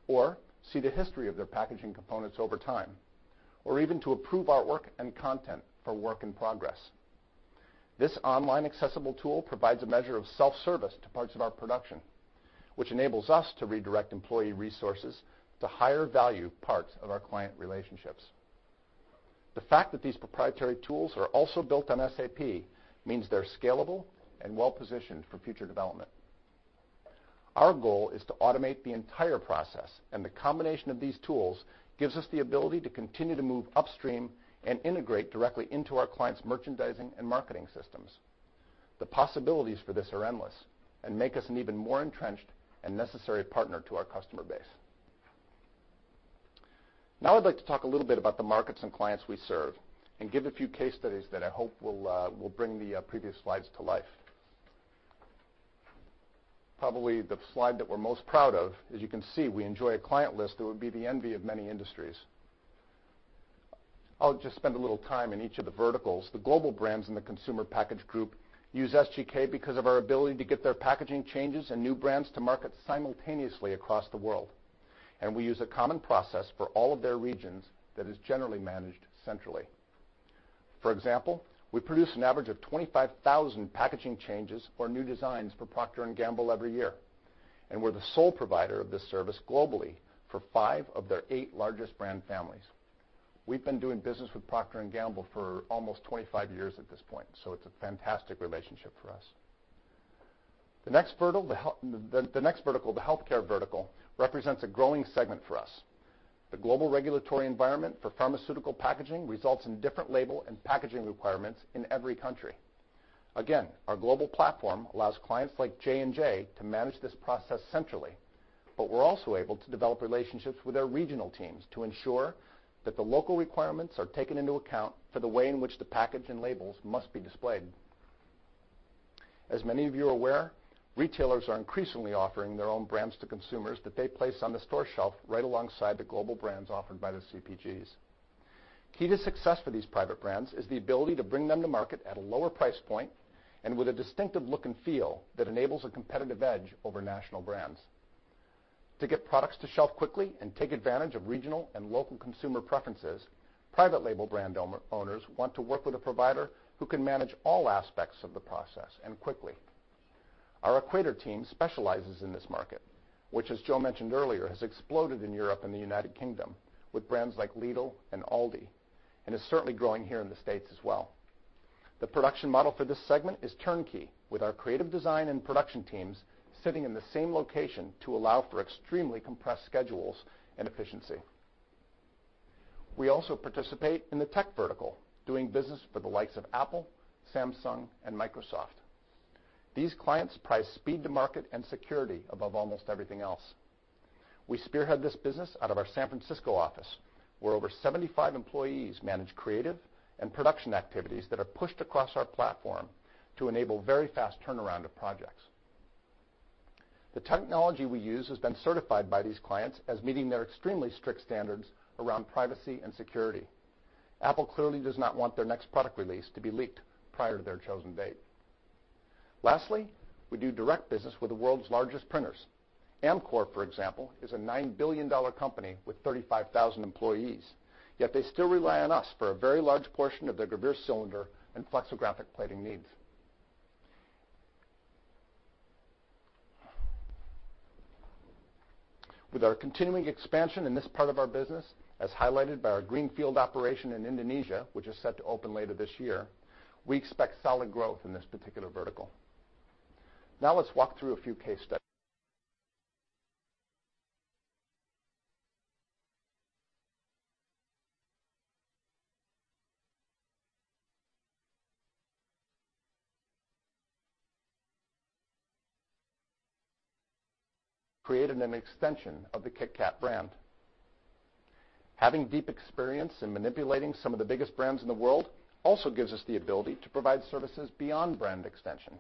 or see the history of their packaging components over time, or even to approve artwork and content for work in progress. This online accessible tool provides a measure of self-service to parts of our production, which enables us to redirect employee resources to higher-value parts of our client relationships. The fact that these proprietary tools are also built on SAP means they're scalable and well-positioned for future development. Our goal is to automate the entire process, and the combination of these tools gives us the ability to continue to move upstream and integrate directly into our clients' merchandising and marketing systems. The possibilities for this are endless and make us an even more entrenched and necessary partner to our customer base. I'd like to talk a little bit about the markets and clients we serve and give a few case studies that I hope will bring the previous slides to life. Probably the slide that we're most proud of, as you can see, we enjoy a client list that would be the envy of many industries. I'll just spend a little time in each of the verticals. The global brands in the consumer package group use SGK because of our ability to get their packaging changes and new brands to market simultaneously across the world, and we use a common process for all of their regions that is generally managed centrally. For example, we produce an average of 25,000 packaging changes or new designs for Procter & Gamble every year, and we're the sole provider of this service globally for five of their eight largest brand families. We've been doing business with Procter & Gamble for almost 25 years at this point, so it's a fantastic relationship for us. The next vertical, the healthcare vertical, represents a growing segment for us. The global regulatory environment for pharmaceutical packaging results in different label and packaging requirements in every country. Again, our global platform allows clients like J&J to manage this process centrally, but we're also able to develop relationships with their regional teams to ensure that the local requirements are taken into account for the way in which the package and labels must be displayed. As many of you are aware, retailers are increasingly offering their own brands to consumers that they place on the store shelf right alongside the global brands offered by the CPGs. Key to success for these private brands is the ability to bring them to market at a lower price point and with a distinctive look and feel that enables a competitive edge over national brands. To get products to shelf quickly and take advantage of regional and local consumer preferences, private label brand owners want to work with a provider who can manage all aspects of the process and quickly. Our Equator team specializes in this market, which, as Joe mentioned earlier, has exploded in Europe and the United Kingdom with brands like Lidl and Aldi and is certainly growing here in the States as well. The production model for this segment is turnkey, with our creative design and production teams sitting in the same location to allow for extremely compressed schedules and efficiency. We also participate in the tech vertical, doing business for the likes of Apple, Samsung, and Microsoft. These clients prize speed to market and security above almost everything else. We spearhead this business out of our San Francisco office, where over 75 employees manage creative and production activities that are pushed across our platform to enable very fast turnaround of projects. The technology we use has been certified by these clients as meeting their extremely strict standards around privacy and security. Apple clearly does not want their next product release to be leaked prior to their chosen date. Lastly, we do direct business with the world's largest printers. Amcor, for example, is a $9 billion company with 35,000 employees, yet they still rely on us for a very large portion of their gravure cylinder and flexographic plating needs. With our continuing expansion in this part of our business, as highlighted by our Greenfield operation in Indonesia, which is set to open later this year, we expect solid growth in this particular vertical. Now let's walk through a few case studies Created an extension of the KitKat brand. Having deep experience in manipulating some of the biggest brands in the world also gives us the ability to provide services beyond brand extension.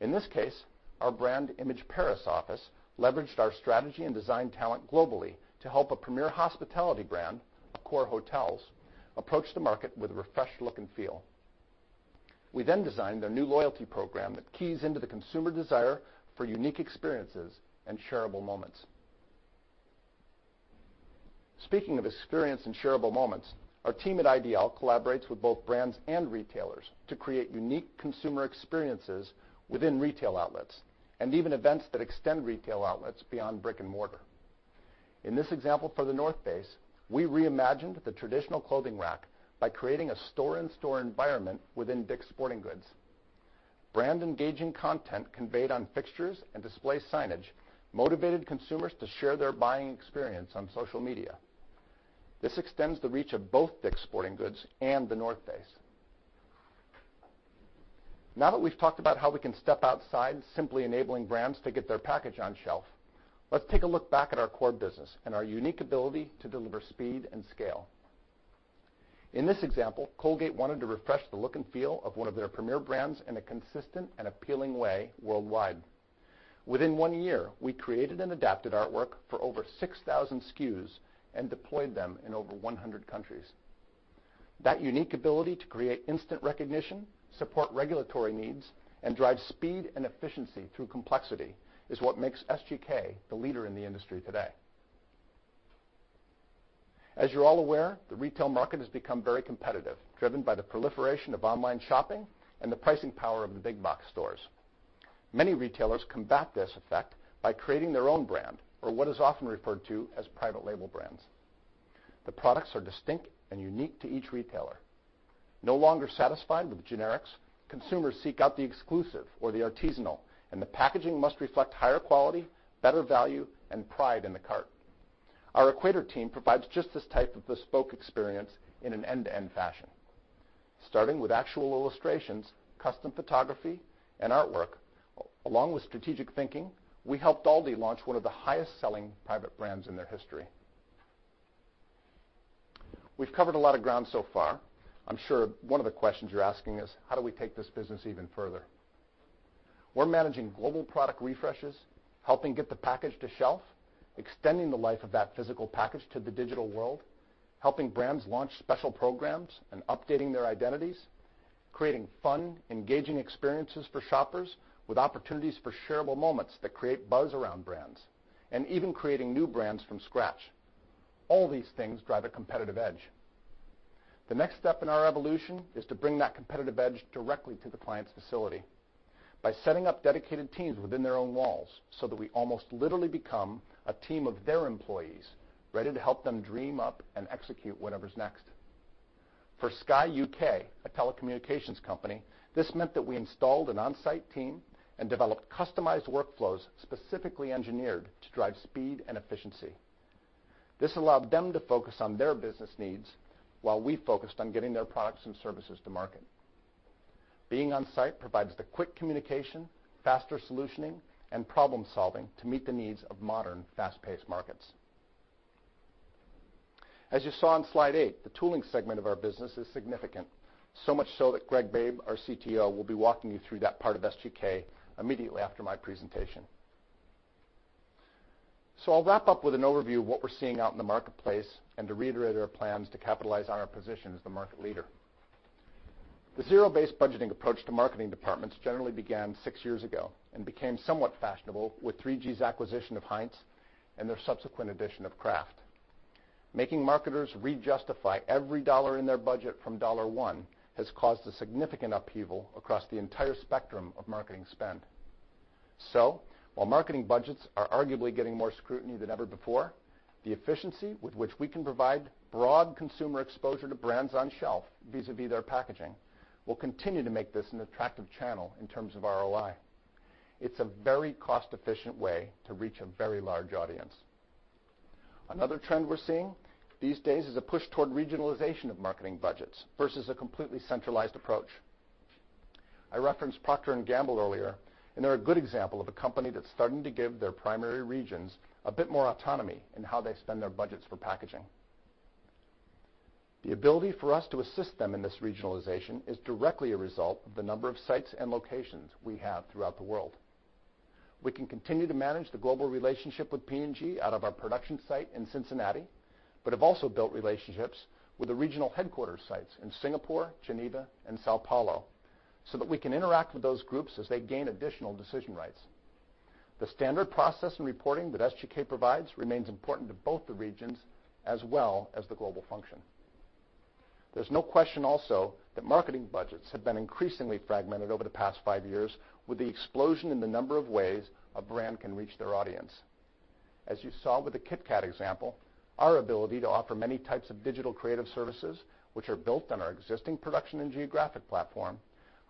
In this case, our Brandimage Paris office leveraged our strategy and design talent globally to help a premier hospitality brand, Accor Hotels, approach the market with a refreshed look and feel. We designed their new loyalty program that keys into the consumer desire for unique experiences and shareable moments. Speaking of experience and shareable moments, our team at IDL collaborates with both brands and retailers to create unique consumer experiences within retail outlets and even events that extend retail outlets beyond brick and mortar. In this example for The North Face, we reimagined the traditional clothing rack by creating a store-in-store environment within Dick's Sporting Goods. Brand-engaging content conveyed on fixtures and display signage motivated consumers to share their buying experience on social media. This extends the reach of both Dick's Sporting Goods and The North Face. Now that we've talked about how we can step outside simply enabling brands to get their package on shelf, let's take a look back at our core business and our unique ability to deliver speed and scale. In this example, Colgate wanted to refresh the look and feel of one of their premier brands in a consistent and appealing way worldwide. Within one year, we created and adapted artwork for over 6,000 SKUs and deployed them in over 100 countries. That unique ability to create instant recognition, support regulatory needs, and drive speed and efficiency through complexity is what makes SGK the leader in the industry today. As you're all aware, the retail market has become very competitive, driven by the proliferation of online shopping and the pricing power of the big box stores. Many retailers combat this effect by creating their own brand, or what is often referred to as private label brands. The products are distinct and unique to each retailer. No longer satisfied with generics, consumers seek out the exclusive or the artisanal. The packaging must reflect higher quality, better value, and pride in the cart. Our Equator team provides just this type of bespoke experience in an end-to-end fashion. Starting with actual illustrations, custom photography, and artwork, along with strategic thinking, we helped Aldi launch one of the highest-selling private brands in their history. We've covered a lot of ground so far. I'm sure one of the questions you're asking is, how do we take this business even further? We're managing global product refreshes, helping get the package to shelf, extending the life of that physical package to the digital world, helping brands launch special programs and updating their identities, creating fun, engaging experiences for shoppers with opportunities for shareable moments that create buzz around brands, even creating new brands from scratch. All these things drive a competitive edge. The next step in our evolution is to bring that competitive edge directly to the client's facility by setting up dedicated teams within their own walls so that we almost literally become a team of their employees, ready to help them dream up and execute whatever's next. For Sky UK, a telecommunications company, this meant that we installed an on-site team and developed customized workflows specifically engineered to drive speed and efficiency. This allowed them to focus on their business needs while we focused on getting their products and services to market. Being on-site provides the quick communication, faster solutioning, and problem-solving to meet the needs of modern, fast-paced markets. As you saw on slide eight, the tooling segment of our business is significant. Much so that Greg Babe, our CTO, will be walking you through that part of SGK immediately after my presentation. I'll wrap up with an overview of what we're seeing out in the marketplace and to reiterate our plans to capitalize on our position as the market leader. The zero-based budgeting approach to marketing departments generally began six years ago and became somewhat fashionable with 3G's acquisition of Heinz and their subsequent addition of Kraft. Making marketers rejustify every dollar in their budget from dollar one has caused a significant upheaval across the entire spectrum of marketing spend. While marketing budgets are arguably getting more scrutiny than ever before, the efficiency with which we can provide broad consumer exposure to brands on shelf, vis-à-vis their packaging, will continue to make this an attractive channel in terms of ROI. It's a very cost-efficient way to reach a very large audience. Another trend we're seeing these days is a push toward regionalization of marketing budgets versus a completely centralized approach. I referenced Procter & Gamble earlier, and they're a good example of a company that's starting to give their primary regions a bit more autonomy in how they spend their budgets for packaging. The ability for us to assist them in this regionalization is directly a result of the number of sites and locations we have throughout the world. We can continue to manage the global relationship with P&G out of our production site in Cincinnati, but have also built relationships with the regional headquarters sites in Singapore, Geneva, and São Paulo so that we can interact with those groups as they gain additional decision rights. The standard process and reporting that SGK provides remains important to both the regions as well as the global function. There's no question also that marketing budgets have been increasingly fragmented over the past five years with the explosion in the number of ways a brand can reach their audience. As you saw with the KitKat example, our ability to offer many types of digital creative services, which are built on our existing production and geographic platform,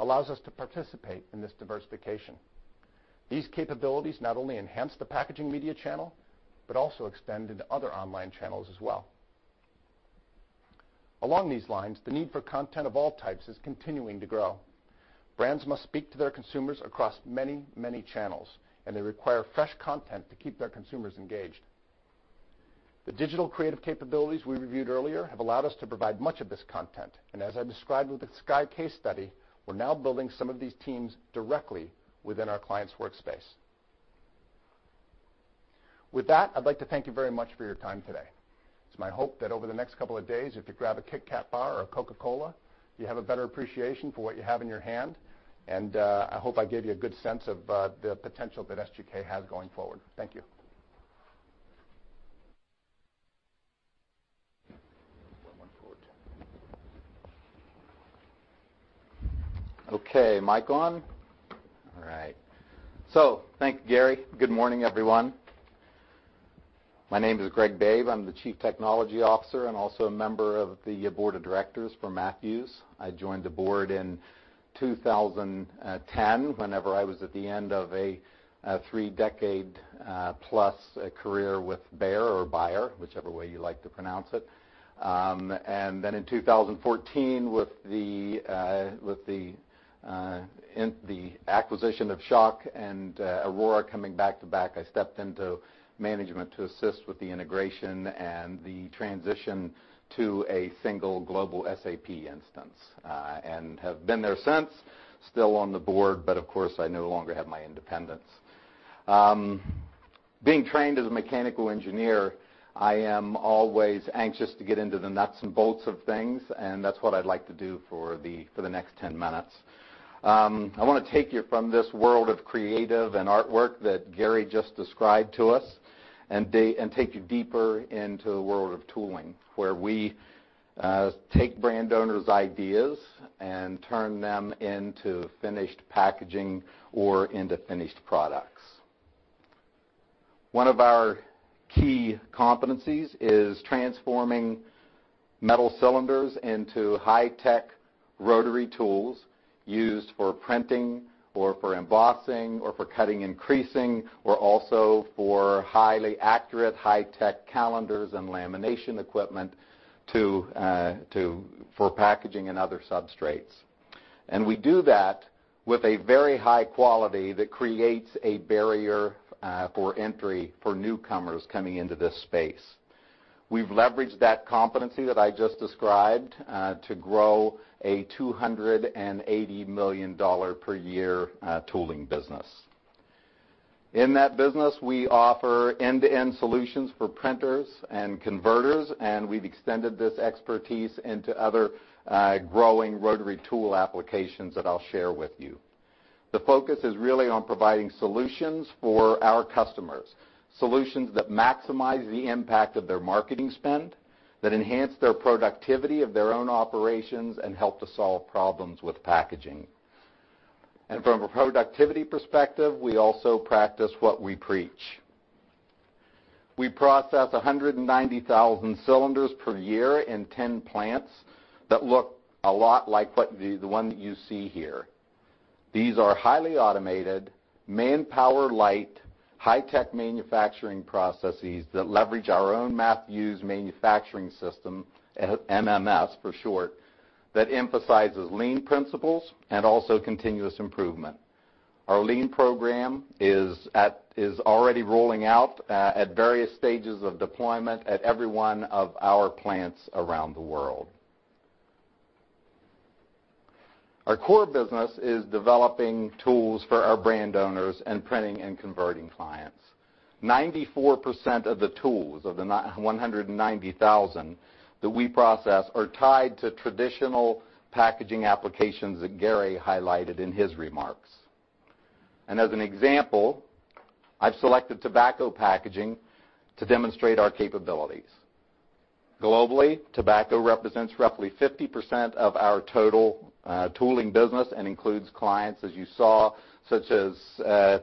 allows us to participate in this diversification. These capabilities not only enhance the packaging media channel, but also extend into other online channels as well. Along these lines, the need for content of all types is continuing to grow. Brands must speak to their consumers across many, many channels, and they require fresh content to keep their consumers engaged. The digital creative capabilities we reviewed earlier have allowed us to provide much of this content, and as I described with the Sky case study, we're now building some of these teams directly within our client's workspace. With that, I'd like to thank you very much for your time today. It's my hope that over the next couple of days, if you grab a KitKat bar or a Coca-Cola, you have a better appreciation for what you have in your hand. I hope I gave you a good sense of the potential that SGK has going forward. Thank you. Okay, mic on? All right. Thank you, Gary. Good morning, everyone. My name is Greg Babe. I am the Chief Technology Officer and also a member of the Board of Directors for Matthews. I joined the board in 2010, whenever I was at the end of a three-decade-plus career with Bayer or Bayer, whichever way you like to pronounce it. In 2014, with the acquisition of Schawk and Aurora Casket Company coming back-to-back, I stepped into management to assist with the integration and the transition to a single global SAP instance. Have been there since, still on the board, but of course, I no longer have my independence. Being trained as a mechanical engineer, I am always anxious to get into the nuts and bolts of things, and that's what I'd like to do for the next 10 minutes. I want to take you from this world of creative and artwork that Gary just described to us and take you deeper into the world of tooling, where we take brand owners' ideas and turn them into finished packaging or into finished products. One of our key competencies is transforming metal cylinders into high-tech rotary tools used for printing or for embossing or for cutting and creasing, or also for highly accurate, high-tech calendars and lamination equipment for packaging and other substrates. We do that with a very high quality that creates a barrier for entry for newcomers coming into this space. We've leveraged that competency that I just described to grow a $280 million per year tooling business. In that business, we offer end-to-end solutions for printers and converters, and we've extended this expertise into other growing rotary tool applications that I'll share with you. The focus is really on providing solutions for our customers, solutions that maximize the impact of their marketing spend, that enhance their productivity of their own operations and help to solve problems with packaging. From a productivity perspective, we also practice what we preach. We process 190,000 cylinders per year in 10 plants that look a lot like the one that you see here. These are highly automated, manpower-light, high-tech manufacturing processes that leverage our own Matthews Manufacturing System, MMS for short, that emphasizes lean principles and also continuous improvement. Our lean program is already rolling out at various stages of deployment at every one of our plants around the world. Our core business is developing tools for our brand owners and printing and converting clients. 94% of the tools, of the 190,000 that we process, are tied to traditional packaging applications that Gary highlighted in his remarks. As an example, I've selected tobacco packaging to demonstrate our capabilities. Globally, tobacco represents roughly 50% of our total tooling business and includes clients, as you saw, such as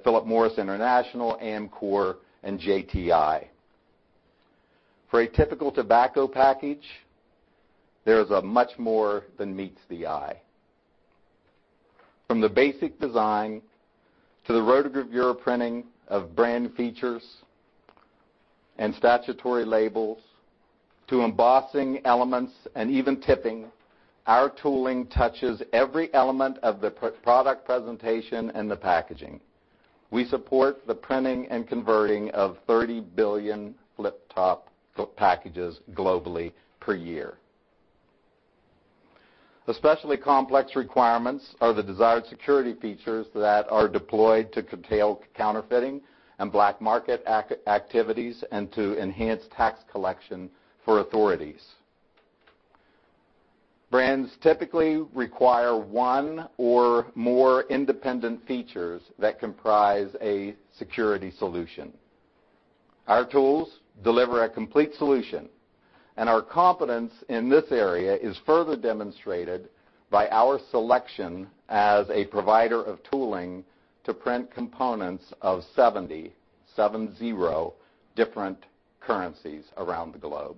Philip Morris International, Amcor, and JTI. For a typical tobacco package, there is much more than meets the eye. From the basic design to the rotogravure printing of brand features and statutory labels to embossing elements and even tipping, our tooling touches every element of the product presentation and the packaging. We support the printing and converting of 30 billion flip-top packages globally per year. Especially complex requirements are the desired security features that are deployed to curtail counterfeiting and black market activities and to enhance tax collection for authorities. Brands typically require one or more independent features that comprise a security solution. Our tools deliver a complete solution. Our competence in this area is further demonstrated by our selection as a provider of tooling to print components of 70, 7-0, different currencies around the globe.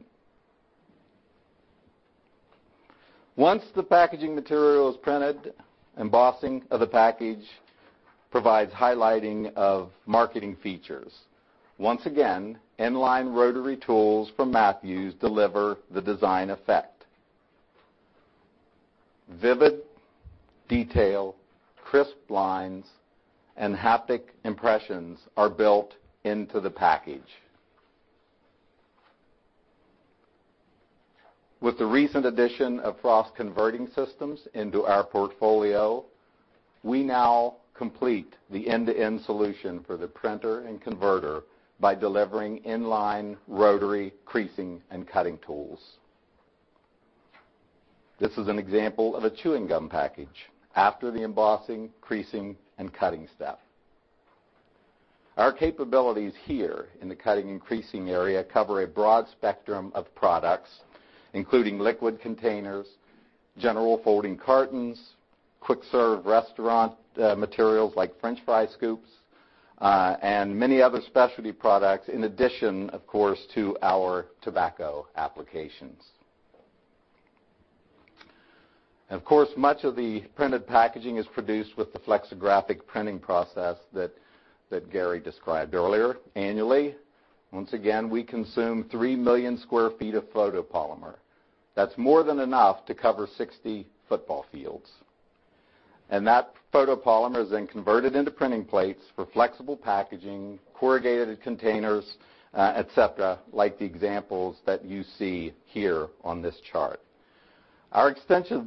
Once the packaging material is printed, embossing of the package provides highlighting of marketing features. Once again, in-line rotary tools from Matthews deliver the design effect. Vivid detail, crisp lines, and haptic impressions are built into the package. With the recent addition of Frost Converting Systems into our portfolio, we now complete the end-to-end solution for the printer and converter by delivering in-line rotary creasing and cutting tools. This is an example of a chewing gum package after the embossing, creasing, and cutting step. Our capabilities here in the cutting and creasing area cover a broad spectrum of products, including liquid containers, general folding cartons, quick-serve restaurant materials like french fry scoops, and many other specialty products, in addition, of course, to our tobacco applications. Of course, much of the printed packaging is produced with the flexographic printing process that Gary described earlier. Annually, once again, we consume 3 million square feet of photopolymer. That's more than enough to cover 60 football fields. That photopolymer is then converted into printing plates for flexible packaging, corrugated containers, et cetera, like the examples that you see here on this chart. Our extensive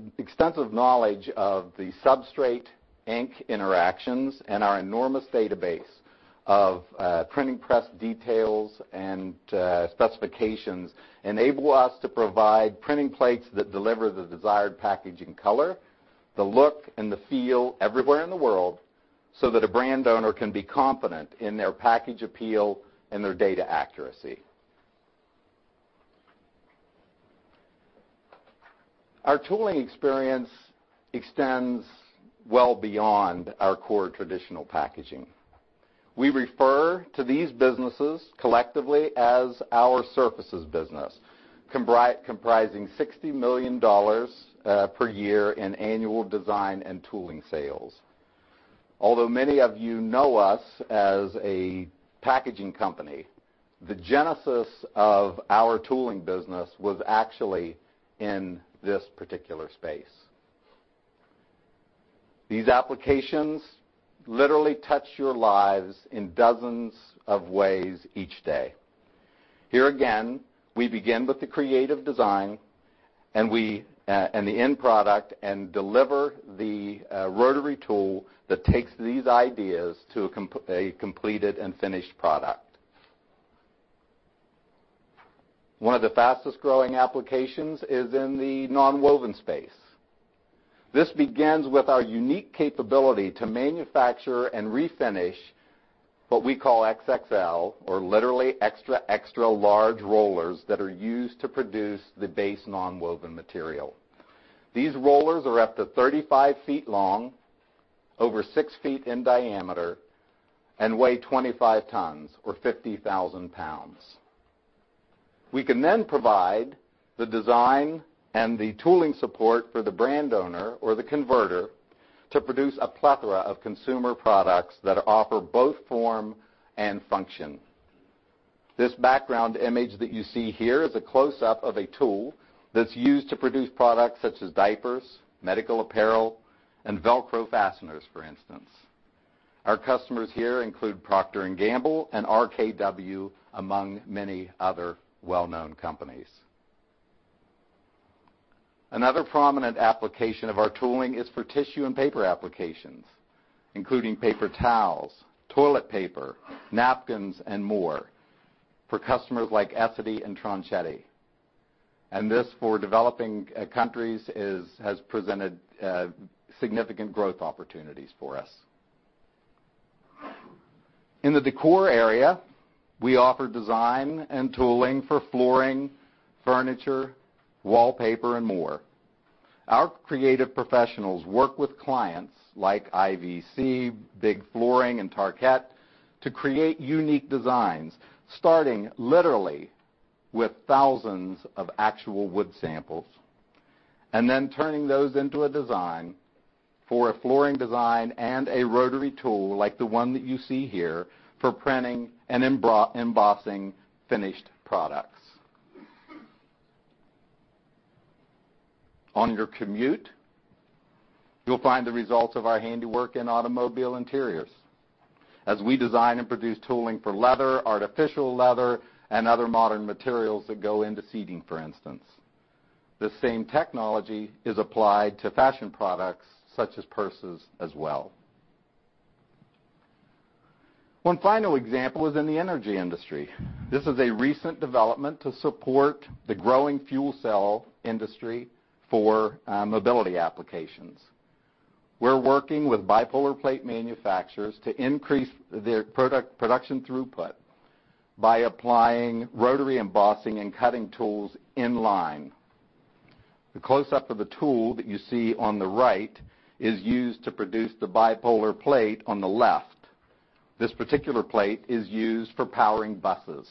knowledge of the substrate ink interactions and our enormous database of printing press details and specifications enable us to provide printing plates that deliver the desired packaging color, the look, and the feel everywhere in the world, so that a brand owner can be confident in their package appeal and their data accuracy. Our tooling experience extends well beyond our core traditional packaging. We refer to these businesses collectively as our surfaces business, comprising $60 million per year in annual design and tooling sales. Although many of you know us as a packaging company, the genesis of our tooling business was actually in this particular space. These applications literally touch your lives in dozens of ways each day. Here again, we begin with the creative design and the end product, deliver the rotary tool that takes these ideas to a completed and finished product. One of the fastest-growing applications is in the nonwoven space. This begins with our unique capability to manufacture and refinish what we call XXL, or literally extra large rollers that are used to produce the base nonwoven material. These rollers are up to 35 feet long, over 6 feet in diameter, and weigh 25 tons, or 50,000 pounds. We can then provide the design and the tooling support for the brand owner or the converter to produce a plethora of consumer products that offer both form and function. This background image that you see here is a close-up of a tool that's used to produce products such as diapers, medical apparel, and VELCRO fasteners, for instance. Our customers here include Procter & Gamble and RKW, among many other well-known companies. Another prominent application of our tooling is for tissue and paper applications, including paper towels, toilet paper, napkins, and more, for customers like Essity and Tronchetti. This, for developing countries, has presented significant growth opportunities for us. In the decor area, we offer design and tooling for flooring, furniture, wallpaper, and more. Our creative professionals work with clients like IVC, B.I.G. Flooring, and Tarkett to create unique designs, starting literally with thousands of actual wood samples, and then turning those into a design for a flooring design and a rotary tool, like the one that you see here, for printing and embossing finished products. On your commute, you'll find the results of our handiwork in automobile interiors, as we design and produce tooling for leather, artificial leather, and other modern materials that go into seating, for instance. This same technology is applied to fashion products such as purses as well. One final example is in the energy industry. This is a recent development to support the growing fuel cell industry for mobility applications. We're working with bipolar plate manufacturers to increase their production throughput by applying rotary embossing and cutting tools in line. The close-up of the tool that you see on the right is used to produce the bipolar plate on the left. This particular plate is used for powering buses.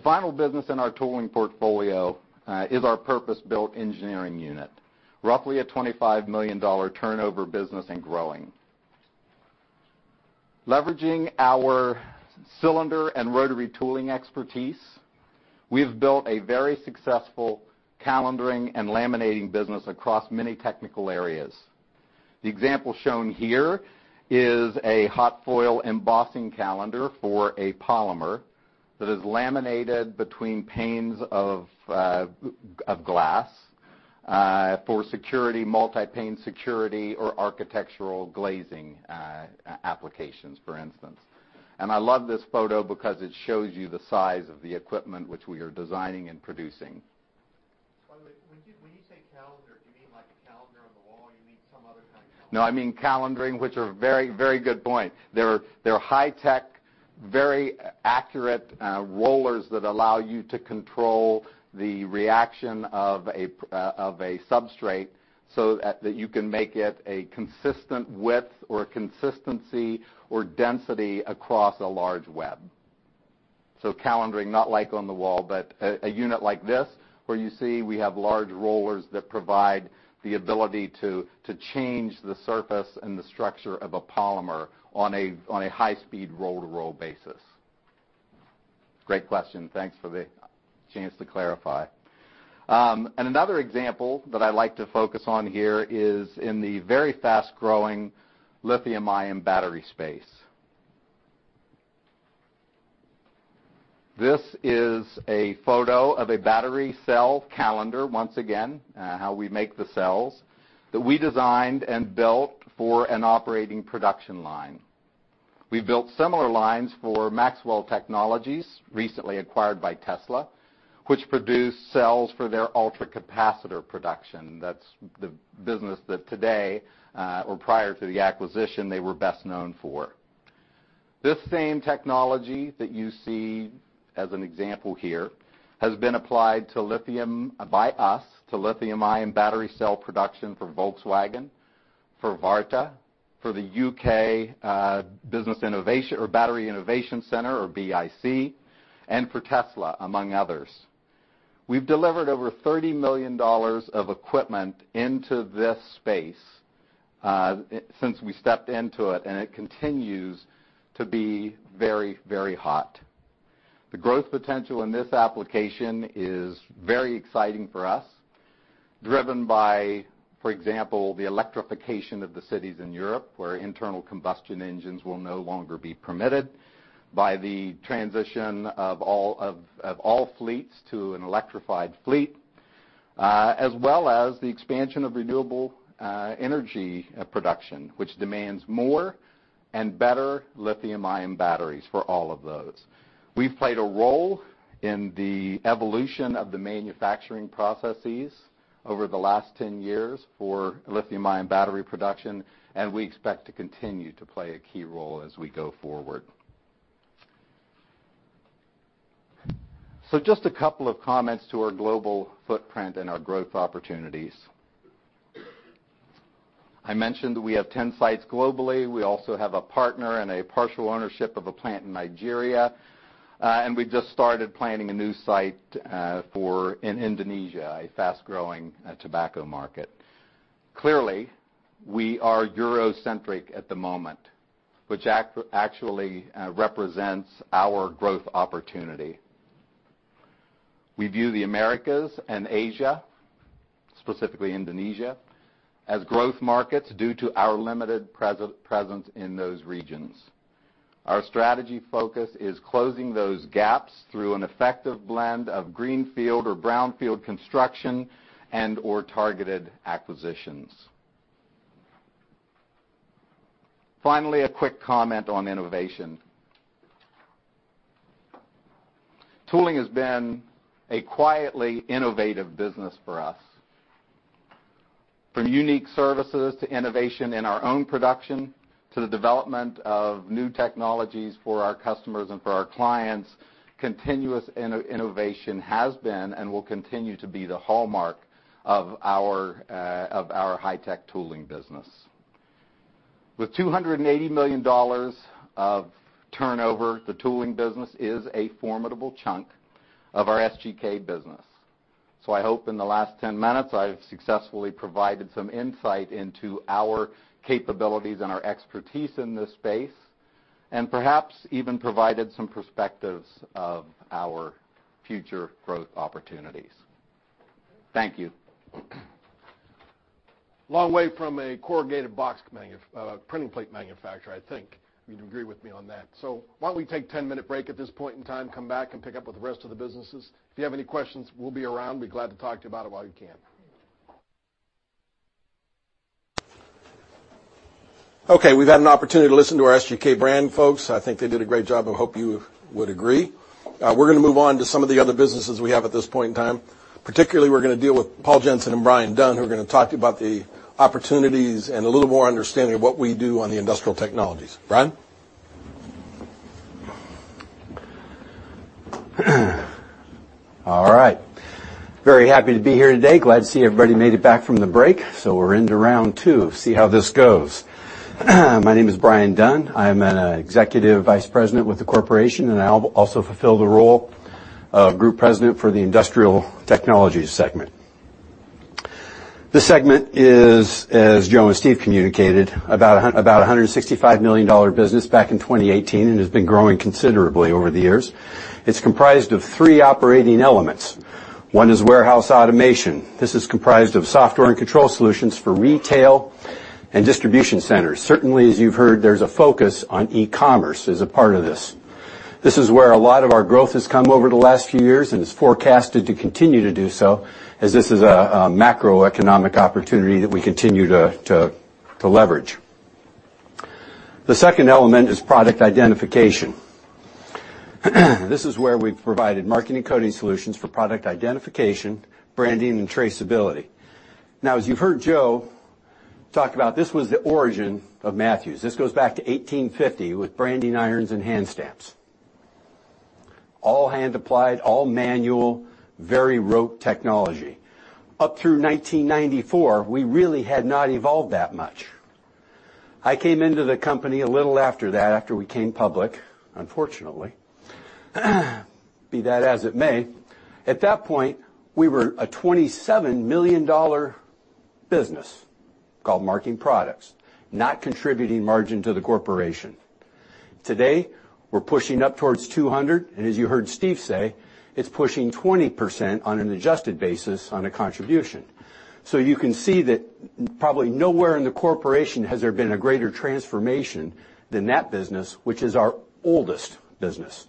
The final business in our tooling portfolio is our purpose-built engineering unit, roughly a $25 million turnover business and growing. Leveraging our cylinder and rotary tooling expertise, we've built a very successful calendaring and laminating business across many technical areas. The example shown here is a hot foil embossing calendar for a polymer that is laminated between panes of glass for security, multi-pane security, or architectural glazing applications, for instance. I love this photo because it shows you the size of the equipment which we are designing and producing. When you say calendar, do you mean like a calendar on the wall, or you mean some other kind of calendar? No, I mean, calendaring, which is a very good point. They're high-tech, very accurate rollers that allow you to control the reaction of a substrate so that you can make it a consistent width or consistency or density across a large web. Calendaring, not like on the wall, but a unit like this, where you see we have large rollers that provide the ability to change the surface and the structure of a polymer on a high-speed roll-to-roll basis. Great question. Thanks for the chance to clarify. Another example that I like to focus on here is in the very fast-growing lithium-ion battery space. This is a photo of a battery cell calendar, once again, how we make the cells, that we designed and built for an operating production line. We built similar lines for Maxwell Technologies, recently acquired by Tesla, which produce cells for their ultracapacitor production. That's the business that today, or prior to the acquisition, they were best known for. This same technology that you see as an example here has been applied by us to lithium-ion battery cell production for Volkswagen, for Varta, for the U.K. Battery Industrialisation Centre, or BIC, and for Tesla, among others. We've delivered over $30 million of equipment into this space since we stepped into it, and it continues to be very hot. The growth potential in this application is very exciting for us, driven by, for example, the electrification of the cities in Europe, where internal combustion engines will no longer be permitted by the transition of all fleets to an electrified fleet, as well as the expansion of renewable energy production, which demands more and better lithium-ion batteries for all of those. We've played a role in the evolution of the manufacturing processes over the last 10 years for lithium-ion battery production, and we expect to continue to play a key role as we go forward. Just a couple of comments to our global footprint and our growth opportunities. I mentioned we have 10 sites globally. We also have a partner and a partial ownership of a plant in Nigeria. We just started planning a new site in Indonesia, a fast-growing tobacco market. Clearly, we are Eurocentric at the moment, which actually represents our growth opportunity. We view the Americas and Asia, specifically Indonesia, as growth markets due to our limited presence in those regions. Our strategy focus is closing those gaps through an effective blend of greenfield or brownfield construction and or targeted acquisitions. Finally, a quick comment on innovation. Tooling has been a quietly innovative business for us. From unique services to innovation in our own production, to the development of new technologies for our customers and for our clients, continuous innovation has been and will continue to be the hallmark of our high-tech tooling business. With $280 million of turnover, the tooling business is a formidable chunk of our SGK business. I hope in the last 10 minutes I've successfully provided some insight into our capabilities and our expertise in this space, and perhaps even provided some perspectives of our future growth opportunities. Thank you. Long way from a corrugated box printing plate manufacturer, I think. You'd agree with me on that. Why don't we take a 10-minute break at this point in time, come back, and pick up with the rest of the businesses. If you have any questions, we'll be around. Be glad to talk to you about it while you can. Okay, we've had an opportunity to listen to our SGK brand folks. I think they did a great job, and hope you would agree. We're going to move on to some of the other businesses we have at this point in time. Particularly, we're going to deal with Paul Jensen and Brian Dunn, who are going to talk to you about the opportunities and a little more understanding of what we do on the Industrial Technologies. Brian? All right. Very happy to be here today. Glad to see everybody made it back from the break. We're into round two. See how this goes. My name is Brian Dunn. I am an Executive Vice President with the corporation, and I also fulfill the role of Group President for the Industrial Technologies segment. This segment is, as Joe and Steve communicated, about $165 million business back in 2018 and has been growing considerably over the years. It's comprised of three operating elements. One is Warehouse Automation. This is comprised of software and control solutions for retail and distribution centers. Certainly, as you've heard, there's a focus on e-commerce as a part of this. This is where a lot of our growth has come over the last few years and is forecasted to continue to do so, as this is a macroeconomic opportunity that we continue to leverage. The second element is Product Identification. This is where we've provided marking and coding solutions for product identification, branding, and traceability. Now, as you've heard Joe talk about, this was the origin of Matthews. This goes back to 1850 with branding irons and hand stamps. All hand applied, all manual, very rote technology. Up through 1994, we really had not evolved that much. I came into the company a little after that, after we came public, unfortunately. Be that as it may, at that point, we were a $27 million business called Marking Products, not contributing margin to the corporation. Today, we're pushing up towards 200, and as you heard Steve say, it's pushing 20% on an adjusted basis on a contribution. You can see that probably nowhere in the corporation has there been a greater transformation than that business, which is our oldest business.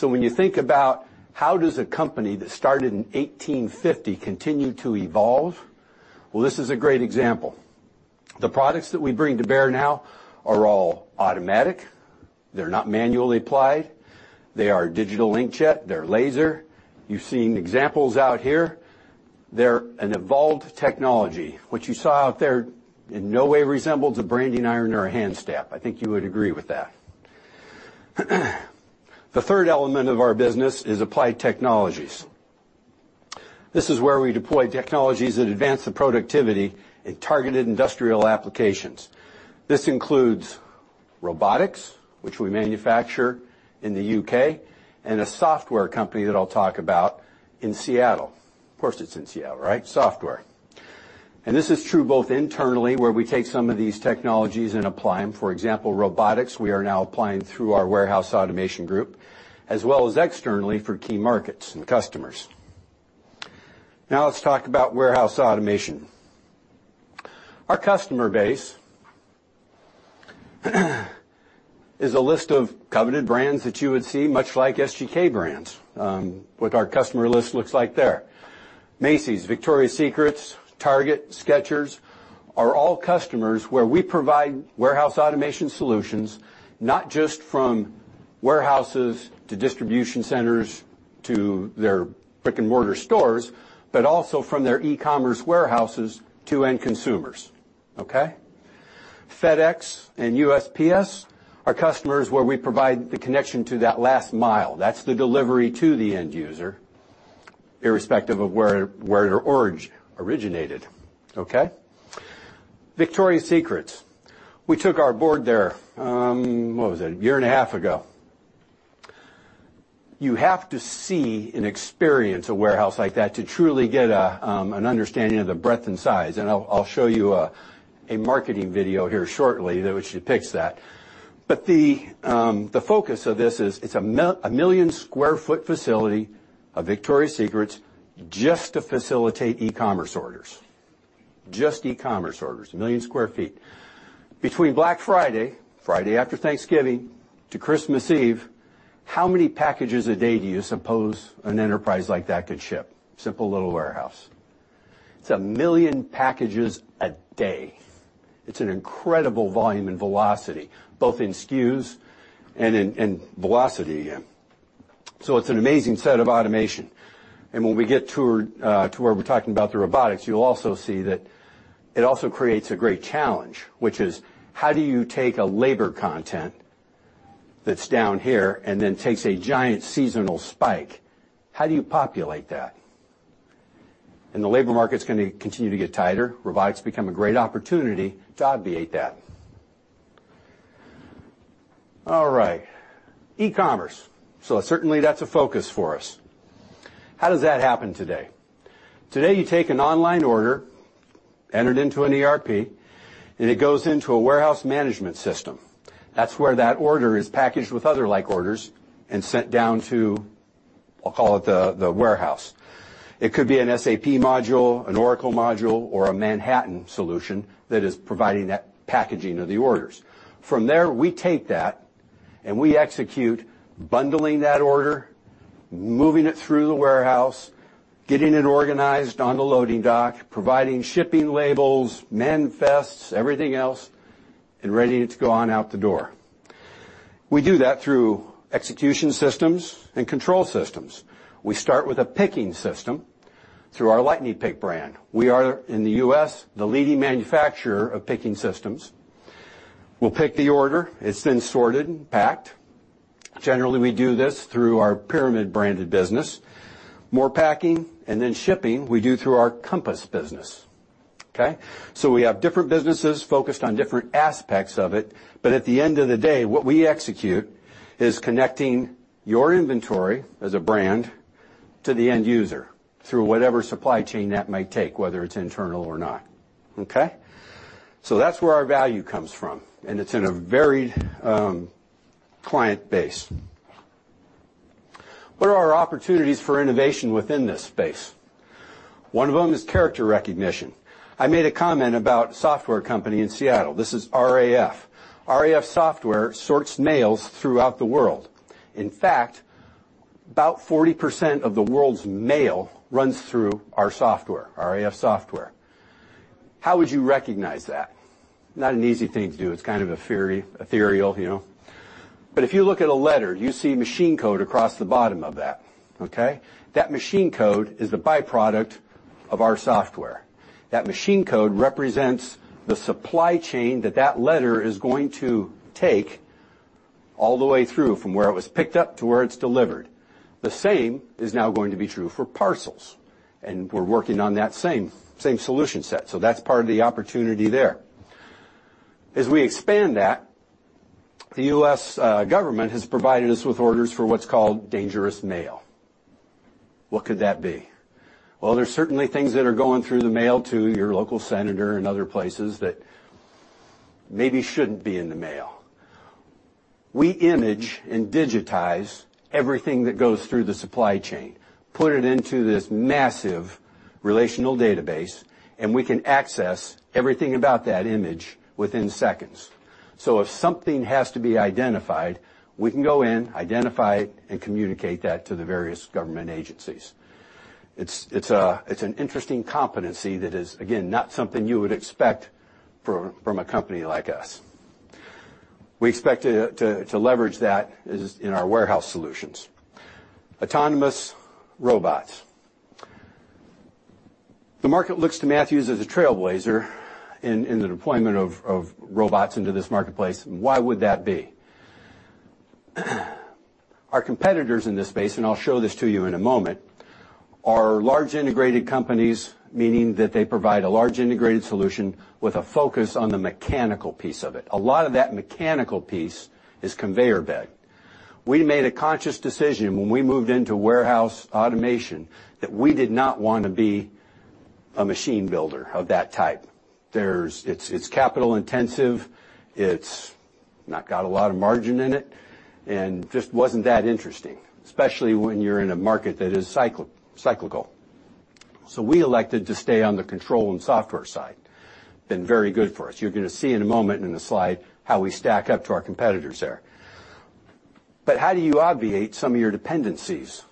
When you think about how does a company that started in 1850 continue to evolve, well, this is a great example. The products that we bring to bear now are all automatic. They're not manually applied. They are digital inkjet. They're laser. You're seeing examples out here. They're an evolved technology. What you saw out there in no way resembles a branding iron or a hand stamp. I think you would agree with that. The third element of our business is Applied Technologies. This is where we deploy technologies that advance the productivity in targeted industrial applications. This includes robotics, which we manufacture in the U.K., and a software company that I'll talk about in Seattle. Of course, it's in Seattle, right? Software. This is true both internally, where we take some of these technologies and apply them, for example, robotics, we are now applying through our warehouse automation group, as well as externally for key markets and customers. Let's talk about warehouse automation. Our customer base is a list of coveted brands that you would see, much like SGK brands, what our customer list looks like there. Macy's, Victoria's Secret, Target, Skechers are all customers where we provide warehouse automation solutions, not just from warehouses to distribution centers to their brick-and-mortar stores, but also from their e-commerce warehouses to end consumers. Okay. FedEx and USPS are customers where we provide the connection to that last mile. That's the delivery to the end user, irrespective of where it originated. Okay. Victoria's Secret. We took our board there, what was it? A year and a half ago. You have to see and experience a warehouse like that to truly get an understanding of the breadth and size, and I'll show you a marketing video here shortly that should fix that. The focus of this is, it's a 1 million square foot facility of Victoria's Secret just to facilitate e-commerce orders. Just e-commerce orders, 1 million square feet. Between Black Friday after Thanksgiving, to Christmas Eve, how many packages a day do you suppose an enterprise like that could ship? Simple little warehouse. It's 1 million packages a day. It's an incredible volume and velocity, both in SKUs and velocity. It's an amazing set of automation. When we get to where we're talking about the robotics, you'll also see that it also creates a great challenge, which is: how do you take a labor content that's down here and then takes a giant seasonal spike? How do you populate that? The labor market's going to continue to get tighter. Robotics become a great opportunity to obviate that. All right. E-commerce. Certainly that's a focus for us. How does that happen today? Today, you take an online order, enter it into an ERP, and it goes into a warehouse management system. That's where that order is packaged with other like orders and sent down to, I'll call it the warehouse. It could be an SAP module, an Oracle module, or a Manhattan solution that is providing that packaging of the orders. From there, we take that, we execute bundling that order, moving it through the warehouse, getting it organized on the loading dock, providing shipping labels, manifests, everything else, and readying it to go on out the door. We do that through execution systems and control systems. We start with a picking system through our Lightning Pick brand. We are, in the U.S., the leading manufacturer of picking systems. We'll pick the order. It's then sorted and packed. Generally, we do this through our Pyramid-branded business. More packing, and then shipping, we do through our Compass business. Okay. We have different businesses focused on different aspects of it, but at the end of the day, what we execute is connecting your inventory as a brand to the end user through whatever supply chain that might take, whether it's internal or not. Okay. That's where our value comes from, and it's in a varied client base. What are our opportunities for innovation within this space? One of them is character recognition. I made a comment about a software company in Seattle. This is RAF. RAF software sorts mails throughout the world. About 40% of the world's mail runs through our software, our RAF software. How would you recognize that? Not an easy thing to do. It's kind of ethereal. If you look at a letter, you see machine code across the bottom of that, okay? That machine code is the byproduct of our software. That machine code represents the supply chain that letter is going to take all the way through, from where it was picked up to where it's delivered. The same is now going to be true for parcels, and we're working on that same solution set. That's part of the opportunity there. As we expand that, the U.S. government has provided us with orders for what's called dangerous mail. What could that be? There's certainly things that are going through the mail to your local senator and other places that maybe shouldn't be in the mail. We image and digitize everything that goes through the supply chain, put it into this massive relational database, and we can access everything about that image within seconds. If something has to be identified, we can go in, identify it, and communicate that to the various government agencies. It's an interesting competency that is, again, not something you would expect from a company like us. We expect to leverage that in our warehouse solutions. Autonomous robots. The market looks to Matthews as a trailblazer in the deployment of robots into this marketplace. Why would that be? Our competitors in this space, I'll show this to you in a moment, are large integrated companies, meaning that they provide a large integrated solution with a focus on the mechanical piece of it. A lot of that mechanical piece is conveyor bed. We made a conscious decision when we moved into warehouse automation that we did not want to be a machine builder of that type. It's capital intensive, it's not got a lot of margin in it, and just wasn't that interesting, especially when you're in a market that is cyclical. We elected to stay on the control and software side. Been very good for us. You're going to see in a moment in a slide how we stack up to our competitors there. How do you obviate some of your dependencies?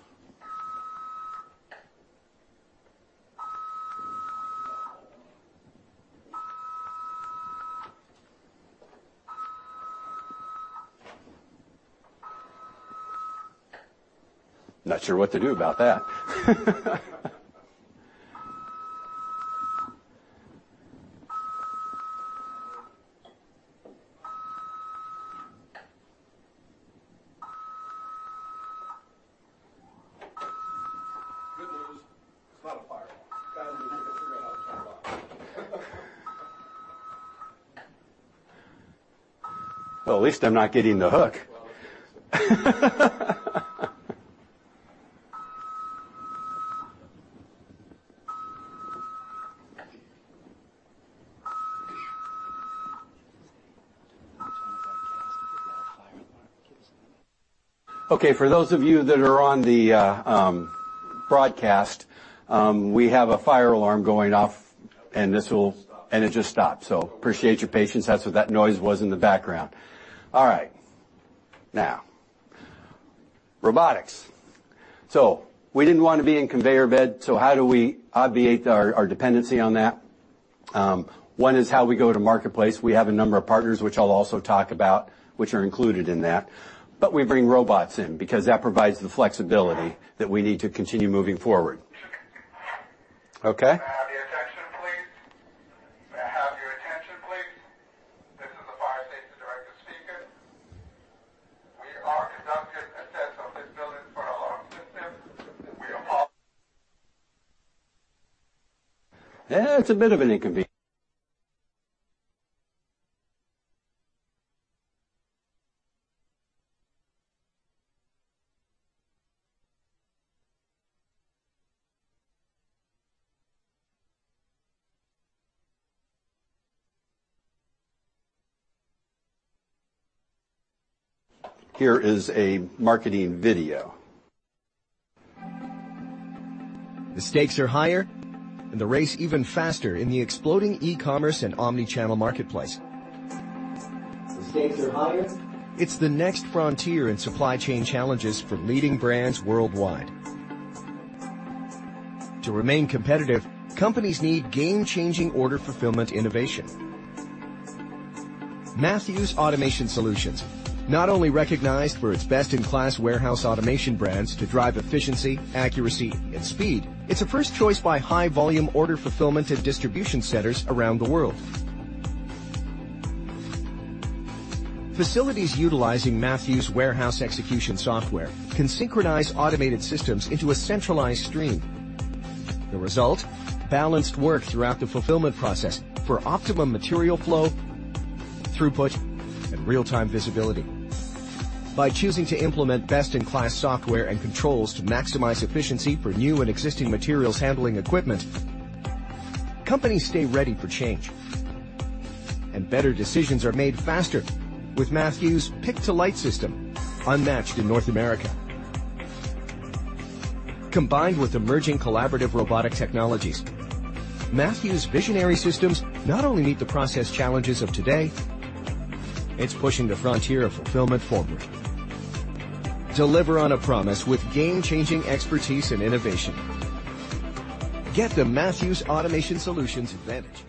Not sure what to do about that. Good news. It's not a fire. Bad news, we've got to figure out how to turn it off. Well, at least I'm not getting the hook. Well Okay, for those of you that are on the broadcast, we have a fire alarm going off. It just stopped. It just stopped. Appreciate your patience. That's what that noise was in the background. All right. Now, robotics. We didn't want to be in conveyor bed, so how do we obviate our dependency on that? One is how we go to marketplace. We have a number of partners, which I'll also talk about, which are included in that. We bring robots in, because that provides the flexibility that we need to continue moving forward. Okay. Can I have your attention, please? May I have your attention, please? This is the fire safety director speaking. We are conducting a test of this building for alarm system. Yeah. Here is a marketing video. The stakes are higher and the race even faster in the exploding e-commerce and omni-channel marketplace. The stakes are higher. It's the next frontier in supply chain challenges for leading brands worldwide. To remain competitive, companies need game-changing order fulfillment innovation. Matthews Automation Solutions, not only recognized for its best-in-class warehouse automation brands to drive efficiency, accuracy, and speed, it's a first choice by high volume order fulfillment and distribution centers around the world. Facilities utilizing Matthews warehouse execution software can synchronize automated systems into a centralized stream. The result, balanced work throughout the fulfillment process for optimum material flow, throughput, and real-time visibility. By choosing to implement best-in-class software and controls to maximize efficiency for new and existing materials handling equipment, companies stay ready for change and better decisions are made faster with Matthews' Lightning Pick system, unmatched in North America. Combined with emerging collaborative robotic technologies, Matthews' visionary systems not only meet the process challenges of today. It's pushing the frontier of fulfillment forward. Deliver on a promise with game-changing expertise and innovation. Get the Matthews Automation Solutions advantage.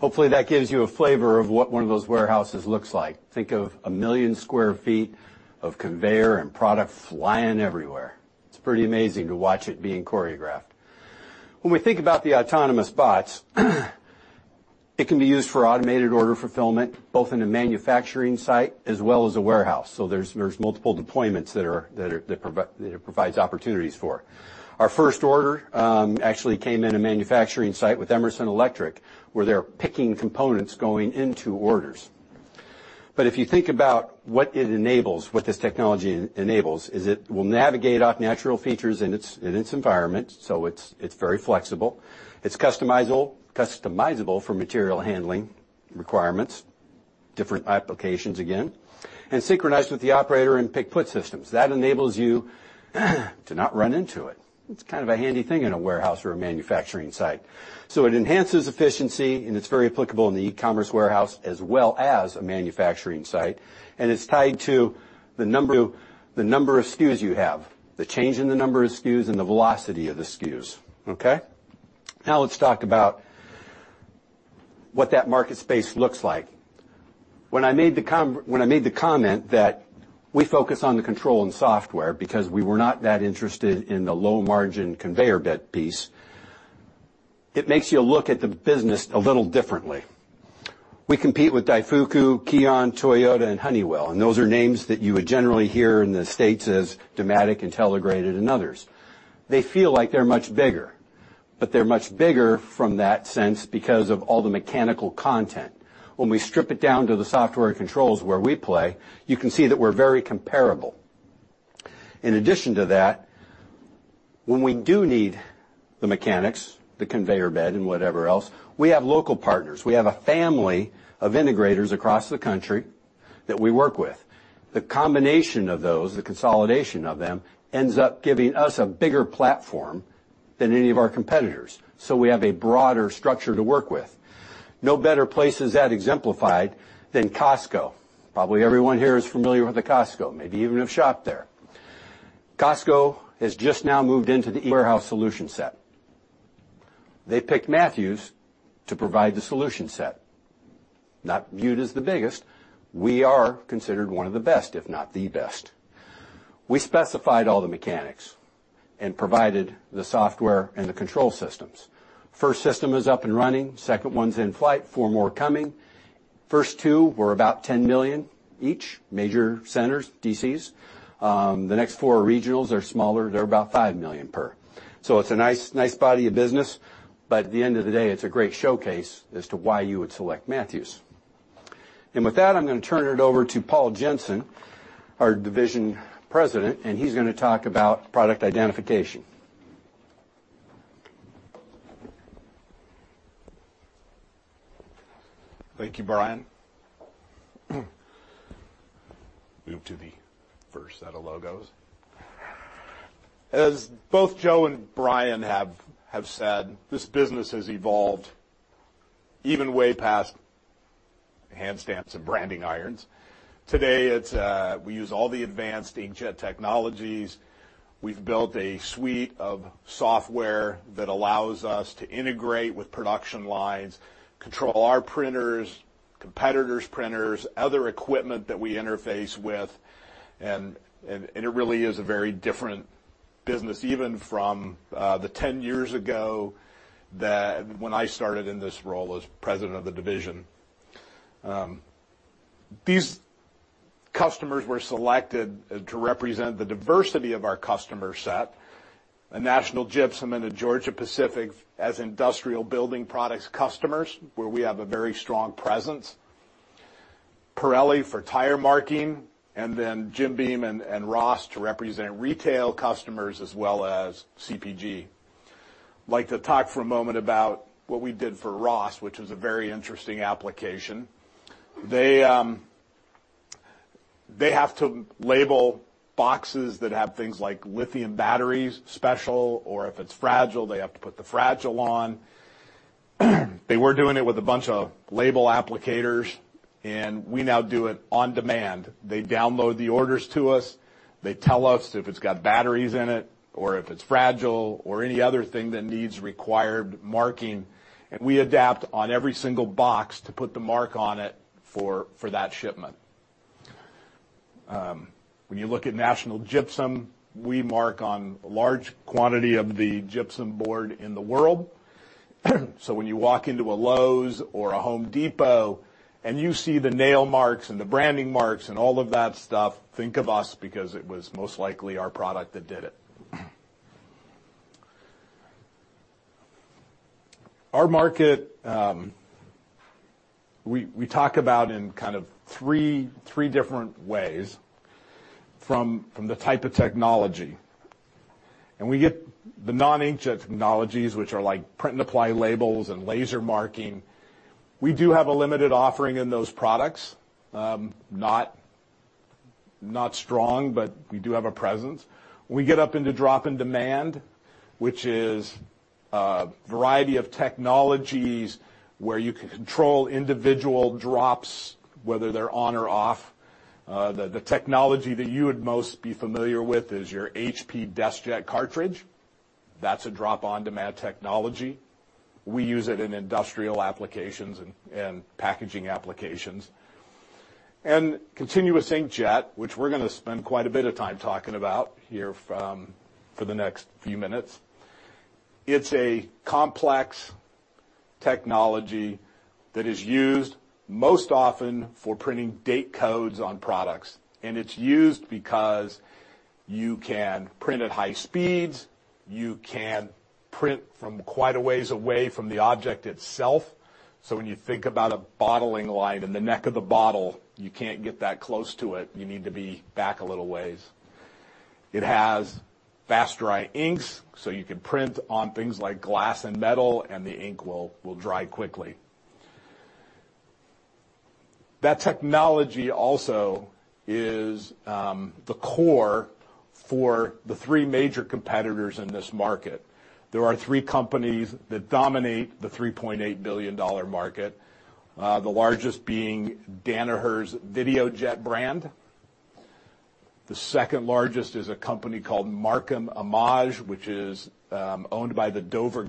Hopefully, that gives you a flavor of what one of those warehouses looks like. Think of 1 million sq ft of conveyor and product flying everywhere. It's pretty amazing to watch it being choreographed. When we think about the autonomous bots, it can be used for automated order fulfillment, both in a manufacturing site as well as a warehouse. There's multiple deployments that it provides opportunities for. Our first order actually came in a manufacturing site with Emerson Electric, where they're picking components going into orders. If you think about what this technology enables, is it will navigate off natural features in its environment. It's very flexible. It's customizable for material handling requirements, different applications, again, and synchronized with the operator in pick-put systems. That enables you to not run into it. It's kind of a handy thing in a warehouse or a manufacturing site. It enhances efficiency, and it's very applicable in the e-commerce warehouse, as well as a manufacturing site, and it's tied to the number of SKUs you have, the change in the number of SKUs, and the velocity of the SKUs. Okay? Let's talk about what that market space looks like. When I made the comment that we focus on the control and software because we were not that interested in the low-margin conveyor bed piece, it makes you look at the business a little differently. We compete with Daifuku, KION, Toyota, and Honeywell, and those are names that you would generally hear in the U.S. as Dematic, Intelligrated, and others. They feel like they're much bigger, but they're much bigger from that sense because of all the mechanical content. When we strip it down to the software controls where we play, you can see that we're very comparable. In addition to that, when we do need the mechanics, the conveyor bed, and whatever else, we have local partners. We have a family of integrators across the country that we work with. The combination of those, the consolidation of them, ends up giving us a bigger platform than any of our competitors. We have a broader structure to work with. No better place is that exemplified than Costco. Probably everyone here is familiar with Costco, maybe even have shopped there. Costco has just now moved into the e-warehouse solution set. They picked Matthews to provide the solution set. Not viewed as the biggest. We are considered one of the best, if not the best. We specified all the mechanics and provided the software and the control systems. First system is up and running. Second one's in flight. Four more coming. First two were about $10 million each, major centers, DCs. The next four regionals are smaller. They're about $5 million per. It's a nice body of business, but at the end of the day, it's a great showcase as to why you would select Matthews. With that, I'm going to turn it over to Paul Jensen, our division president, and he's going to talk about product identification. Thank you, Brian. Move to the first set of logos. As both Joe and Brian have said, this business has evolved even way past hand stamps and branding irons. Today, we use all the advanced inkjet technologies. We've built a suite of software that allows us to integrate with production lines, control our printers, competitors' printers, other equipment that we interface with, and it really is a very different business, even from the 10 years ago, when I started in this role as president of the division. These customers were selected to represent the diversity of our customer set. National Gypsum and Georgia-Pacific as industrial building products customers, where we have a very strong presence. Pirelli for tire marking, and then Jim Beam and Ross to represent retail customers as well as CPG. Like to talk for a moment about what we did for Ross, which was a very interesting application. They have to label boxes that have things like lithium batteries, special, or if it's fragile, they have to put the fragile on. They were doing it with a bunch of label applicators, we now do it on demand. They download the orders to us. They tell us if it's got batteries in it or if it's fragile or any other thing that needs required marking, we adapt on every single box to put the mark on it for that shipment. When you look at National Gypsum, we mark on large quantity of the gypsum board in the world. When you walk into a Lowe's or a Home Depot, and you see the nail marks and the branding marks and all of that stuff, think of us because it was most likely our product that did it. Our market, we talk about in kind of three different ways. From the type of technology. We get the non-inkjet technologies, which are like print and apply labels and laser marking. We do have a limited offering in those products. Not strong, but we do have a presence. When we get up into drop-on-demand, which is a variety of technologies where you can control individual drops, whether they're on or off. The technology that you would most be familiar with is your HP DeskJet cartridge. That's a drop-on-demand technology. We use it in industrial applications and packaging applications. Continuous inkjet, which we're going to spend quite a bit of time talking about here for the next few minutes, it's a complex technology that is used most often for printing date codes on products. It's used because you can print at high speeds, you can print from quite a ways away from the object itself. When you think about a bottling line and the neck of the bottle, you can't get that close to it. You need to be back a little ways. It has fast-dry inks, so you can print on things like glass and metal, and the ink will dry quickly. That technology also is the core for the three major competitors in this market. There are three companies that dominate the $3.8 billion market, the largest being Danaher's Videojet brand. The second largest is a company called Markem-Imaje, which is owned by the Dover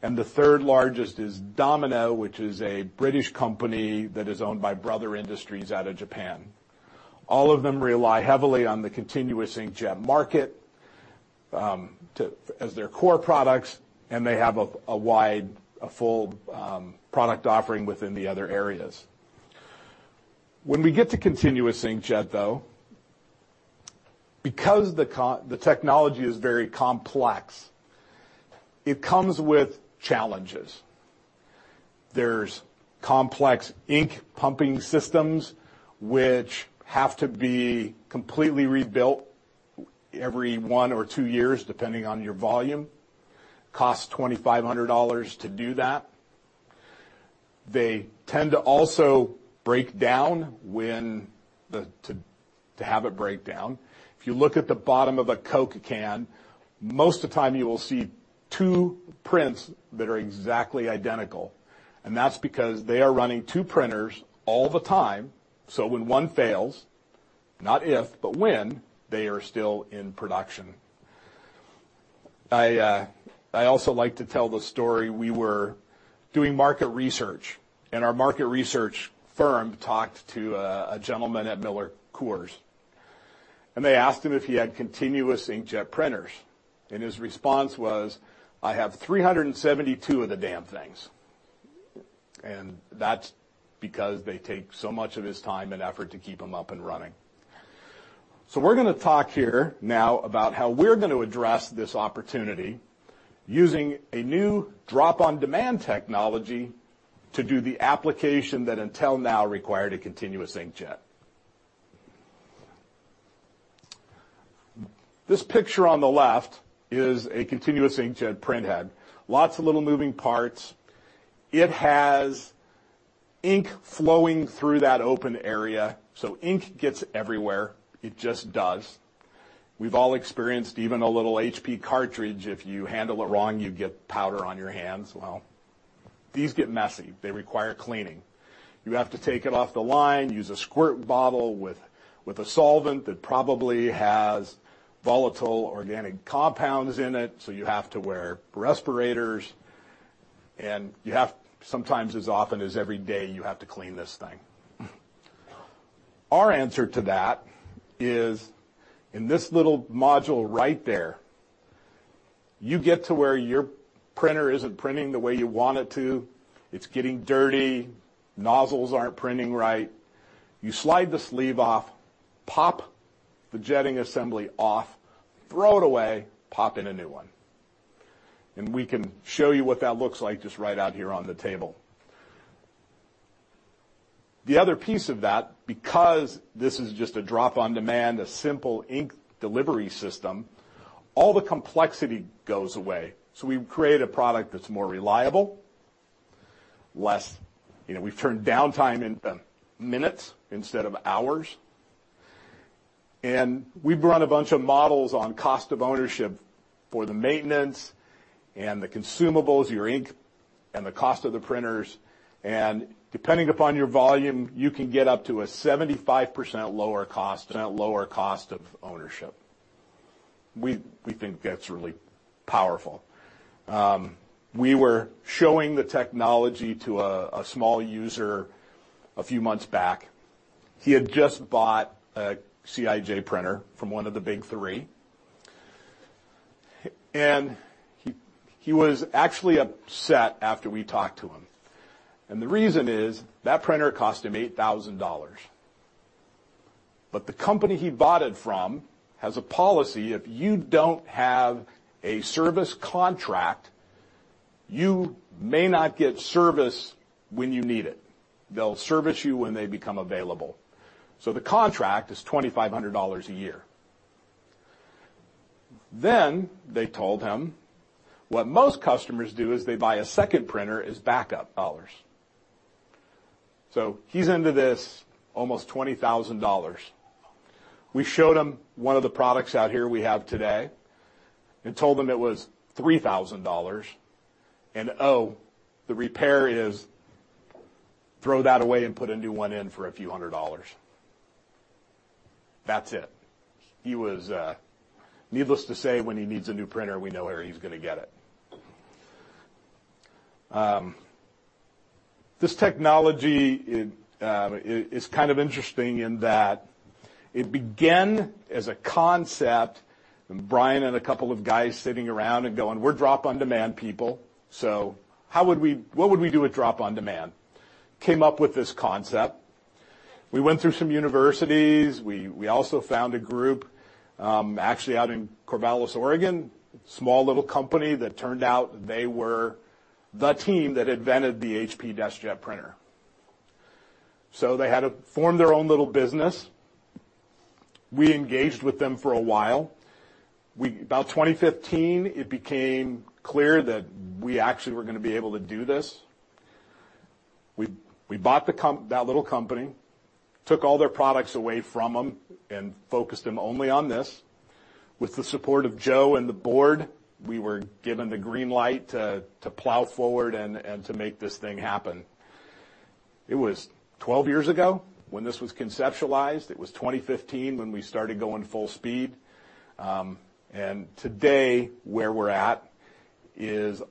Corporation. The third largest is Domino, which is a British company that is owned by Brother Industries out of Japan. All of them rely heavily on the continuous inkjet market as their core products, and they have a wide, a full product offering within the other areas. When we get to continuous inkjet, though, because the technology is very complex, it comes with challenges. There's complex ink pumping systems which have to be completely rebuilt every one or two years, depending on your volume. Costs $2,500 to do that. They tend to also break down. If you look at the bottom of a Coke can, most of the time you will see two prints that are exactly identical, and that's because they are running two printers all the time. When one fails, not if, but when, they are still in production. I also like to tell the story. We were doing market research, and our market research firm talked to a gentleman at MillerCoors, and they asked him if he had continuous inkjet printers. His response was, "I have 372 of the damn things." That's because they take so much of his time and effort to keep them up and running. We're going to talk here now about how we're going to address this opportunity using a new drop-on-demand technology to do the application that until now required a continuous inkjet. This picture on the left is a continuous inkjet printhead. Lots of little moving parts. It has ink flowing through that open area. Ink gets everywhere. It just does. We've all experienced even a little HP cartridge. If you handle it wrong, you get powder on your hands. These get messy. They require cleaning. You have to take it off the line, use a squirt bottle with a solvent that probably has volatile organic compounds in it, you have to wear respirators, and you have sometimes, as often as every day, you have to clean this thing. Our answer to that is in this little module right there. You get to where your printer isn't printing the way you want it to, it's getting dirty, nozzles aren't printing right. You slide the sleeve off, pop the jetting assembly off, throw it away, pop in a new one. We can show you what that looks like just right out here on the table. The other piece of that, because this is just a drop-on-demand, a simple ink delivery system, all the complexity goes away. We've created a product that's more reliable. We've turned downtime into minutes instead of hours. We've run a bunch of models on cost of ownership for the maintenance and the consumables, your ink, and the cost of the printers. Depending upon your volume, you can get up to a 75% lower cost of ownership. We think that's really powerful. We were showing the technology to a small user a few months back. He had just bought a CIJ printer from one of the big three, he was actually upset after we talked to him. The reason is, that printer cost him $8,000. The company he bought it from has a policy, if you don't have a service contract. You may not get service when you need it. They'll service you when they become available. The contract is $2,500 a year. They told him, "What most customers do is they buy a second printer as backup." He's into this almost $20,000. We showed him one of the products out here we have today and told him it was $3,000, and oh, the repair is throw that away and put a new one in for a few hundred dollars. That's it. Needless to say, when he needs a new printer, we know where he's going to get it. This technology is kind of interesting in that it began as a concept, Brian and a couple of guys sitting around and going, "We're drop-on-demand people, what would we do with drop-on-demand?" Came up with this concept. We went through some universities. We also found a group, actually, out in Corvallis, Oregon, small little company that turned out they were the team that invented the HP DeskJet printer. They had formed their own little business. We engaged with them for a while. About 2015, it became clear that we actually were going to be able to do this. We bought that little company, took all their products away from them, and focused them only on this. With the support of Joe and the board, we were given the green light to plow forward and to make this thing happen. It was 12 years ago when this was conceptualized. It was 2015 when we started going full speed. Today, where we're at is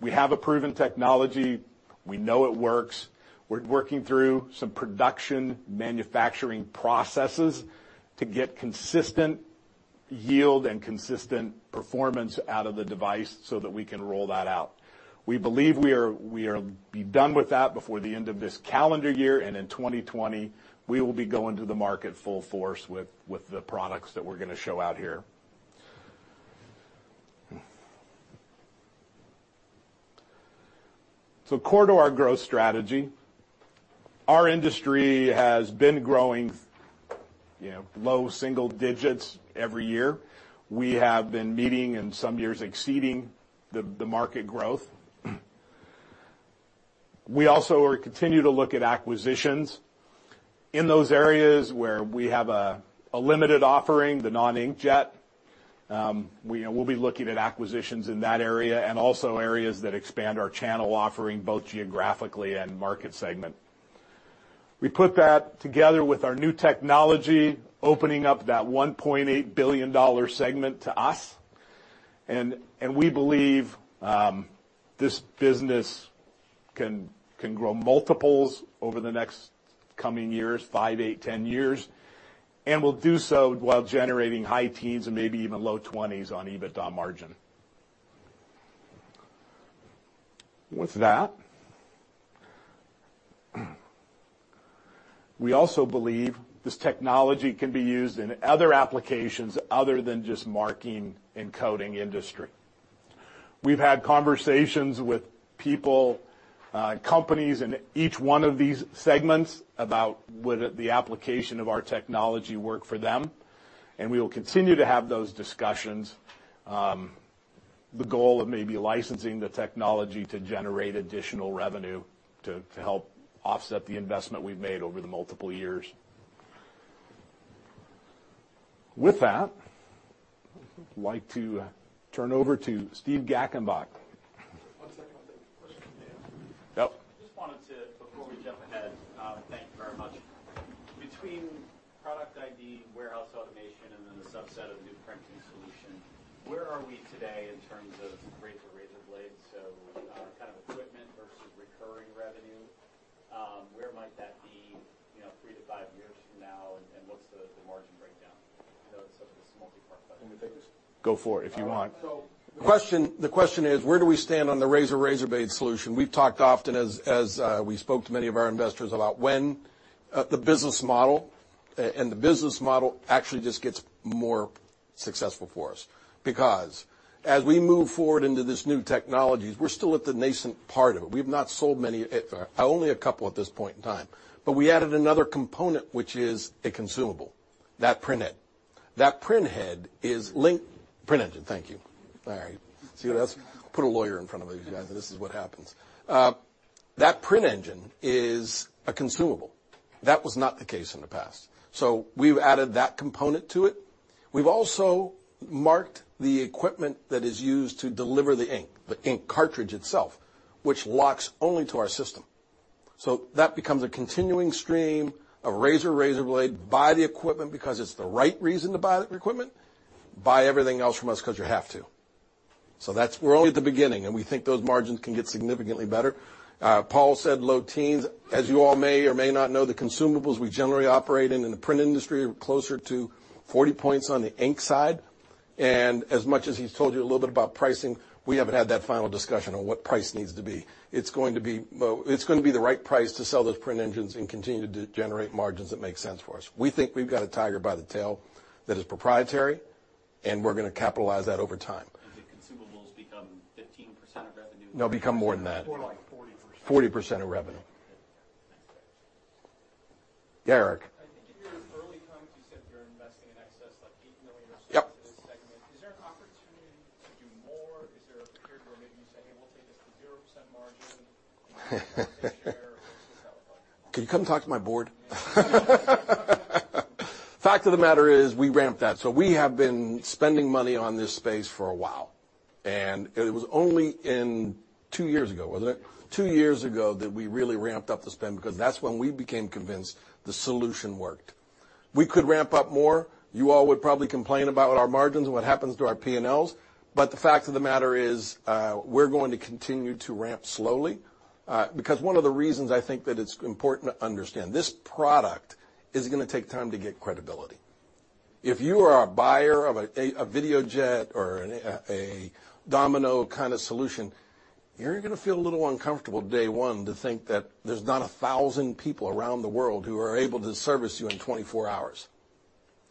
we have a proven technology. We know it works. We're working through some production manufacturing processes to get consistent yield and consistent performance out of the device so that we can roll that out. We believe we will be done with that before the end of this calendar year, and in 2020, we will be going to the market full force with the products that we're going to show out here. Core to our growth strategy, our industry has been growing low single digits every year. We have been meeting, and some years exceeding, the market growth. We also continue to look at acquisitions in those areas where we have a limited offering, the non-inkjet. We'll be looking at acquisitions in that area and also areas that expand our channel offering, both geographically and market segment. We put that together with our new technology, opening up that $1.8 billion segment to us. We believe this business can grow multiples over the next coming years, five, eight, 10 years, and will do so while generating high teens and maybe even low 20s on EBITDA margin. That, we also believe this technology can be used in other applications other than just marking and coding industry. We've had conversations with people, companies in each one of these segments about would the application of our technology work for them. We will continue to have those discussions. The goal of maybe licensing the technology to generate additional revenue to help offset the investment we've made over the multiple years. That, I'd like to turn over to Steve Gackenbach. One second. I have a question for [Dan]. Yep. Just wanted to, before we jump ahead, thank you very much. Between product ID, warehouse automation, and then the subset of new printing solution, where are we today in terms of razor, razorblades? Kind of equipment versus recurring revenue, where might that be three to five years from now, and what's the margin breakdown? I know it's sort of this multi-part question. Can we take this? Go for it, if you want. All right. The question is: where do we stand on the razor, razorblades solution? We've talked often, as we spoke to many of our investors about when the business model actually just gets more successful for us. As we move forward into this new technologies, we're still at the nascent part of it. We've not sold many, only a couple at this point in time. We added another component, which is a consumable, that Print Engine. Thank you. All right. See what happens. Put a lawyer in front of these guys, and this is what happens. That Print Engine is a consumable. That was not the case in the past. We've added that component to it. We've also marked the equipment that is used to deliver the ink, the ink cartridge itself, which locks only to our system. That becomes a continuing stream of razor, razorblade. Buy the equipment because it's the right reason to buy the equipment, buy everything else from us because you have to. We're only at the beginning, we think those margins can get significantly better. Paul said low teens. As you all may or may not know, the consumables we generally operate in in the print industry are closer to 40 points on the ink side. As much as he's told you a little bit about pricing, we haven't had that final discussion on what price needs to be. It's going to be the right price to sell those Print Engines and continue to generate margins that make sense for us. We think we've got a tiger by the tail that is proprietary, we're going to capitalize that over time. Is it consumable? Percent of revenue? No, become more than that. More like 40%. 40% of revenue. Thanks. Yeah, Eric. I think in your early comments you said you're investing in excess like $8 million. Yep this segment. Is there an opportunity to do more? Is there a period where maybe you say, "Hey, we'll take this to 0% margin?" Share versus how it goes. Can you come talk to my board? Yeah. Fact of the matter is we ramped that. We have been spending money on this space for a while, and it was only in, two years ago, wasn't it? Two years ago that we really ramped up the spend because that's when we became convinced the solution worked. We could ramp up more. You all would probably complain about our margins and what happens to our P&Ls, the fact of the matter is, we're going to continue to ramp slowly. One of the reasons I think that it's important to understand, this product is gonna take time to get credibility. If you are a buyer of a Videojet or a Domino kind of solution, you're gonna feel a little uncomfortable day one to think that there's not 1,000 people around the world who are able to service you in 24 hours.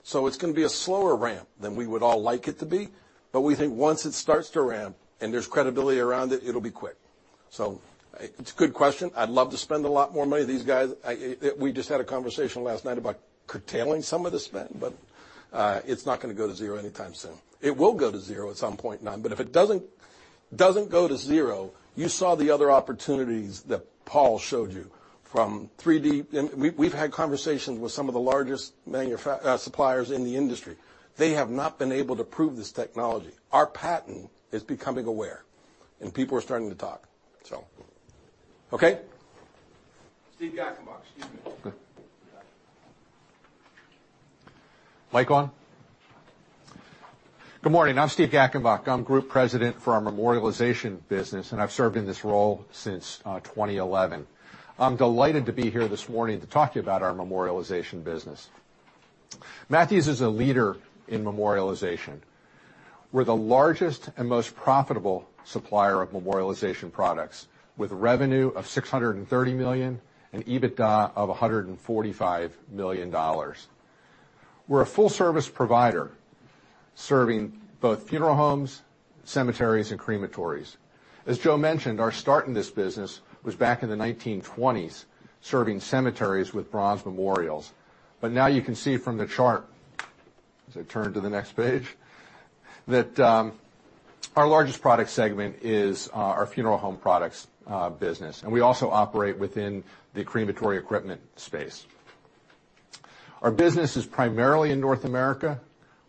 It's gonna be a slower ramp than we would all like it to be, but we think once it starts to ramp and there's credibility around it'll be quick. It's a good question. I'd love to spend a lot more money. These guys. We just had a conversation last night about curtailing some of the spend, but it's not gonna go to zero anytime soon. It will go to zero at some point in time. If it doesn't go to zero, you saw the other opportunities that Paul showed you from 3D. We've had conversations with some of the largest suppliers in the industry. They have not been able to prove this technology. Our patent is becoming aware and people are starting to talk. Okay? Steve Gackenbach. Excuse me. Go ahead. Mic on? Good morning. I'm Steve Gackenbach. I'm Group President for our Memorialization business, and I've served in this role since 2011. I'm delighted to be here this morning to talk to you about our Memorialization business. Matthews is a leader in Memorialization. We're the largest and most profitable supplier of Memorialization products, with revenue of $630 million and EBITDA of $145 million. We're a full-service provider serving both funeral homes, cemeteries and crematories. As Joe mentioned, our start in this business was back in the 1920s, serving cemeteries with bronze memorials. Now you can see from the chart, as I turn to the next page, that our largest product segment is our funeral home products business, and we also operate within the crematory equipment space. Our business is primarily in North America,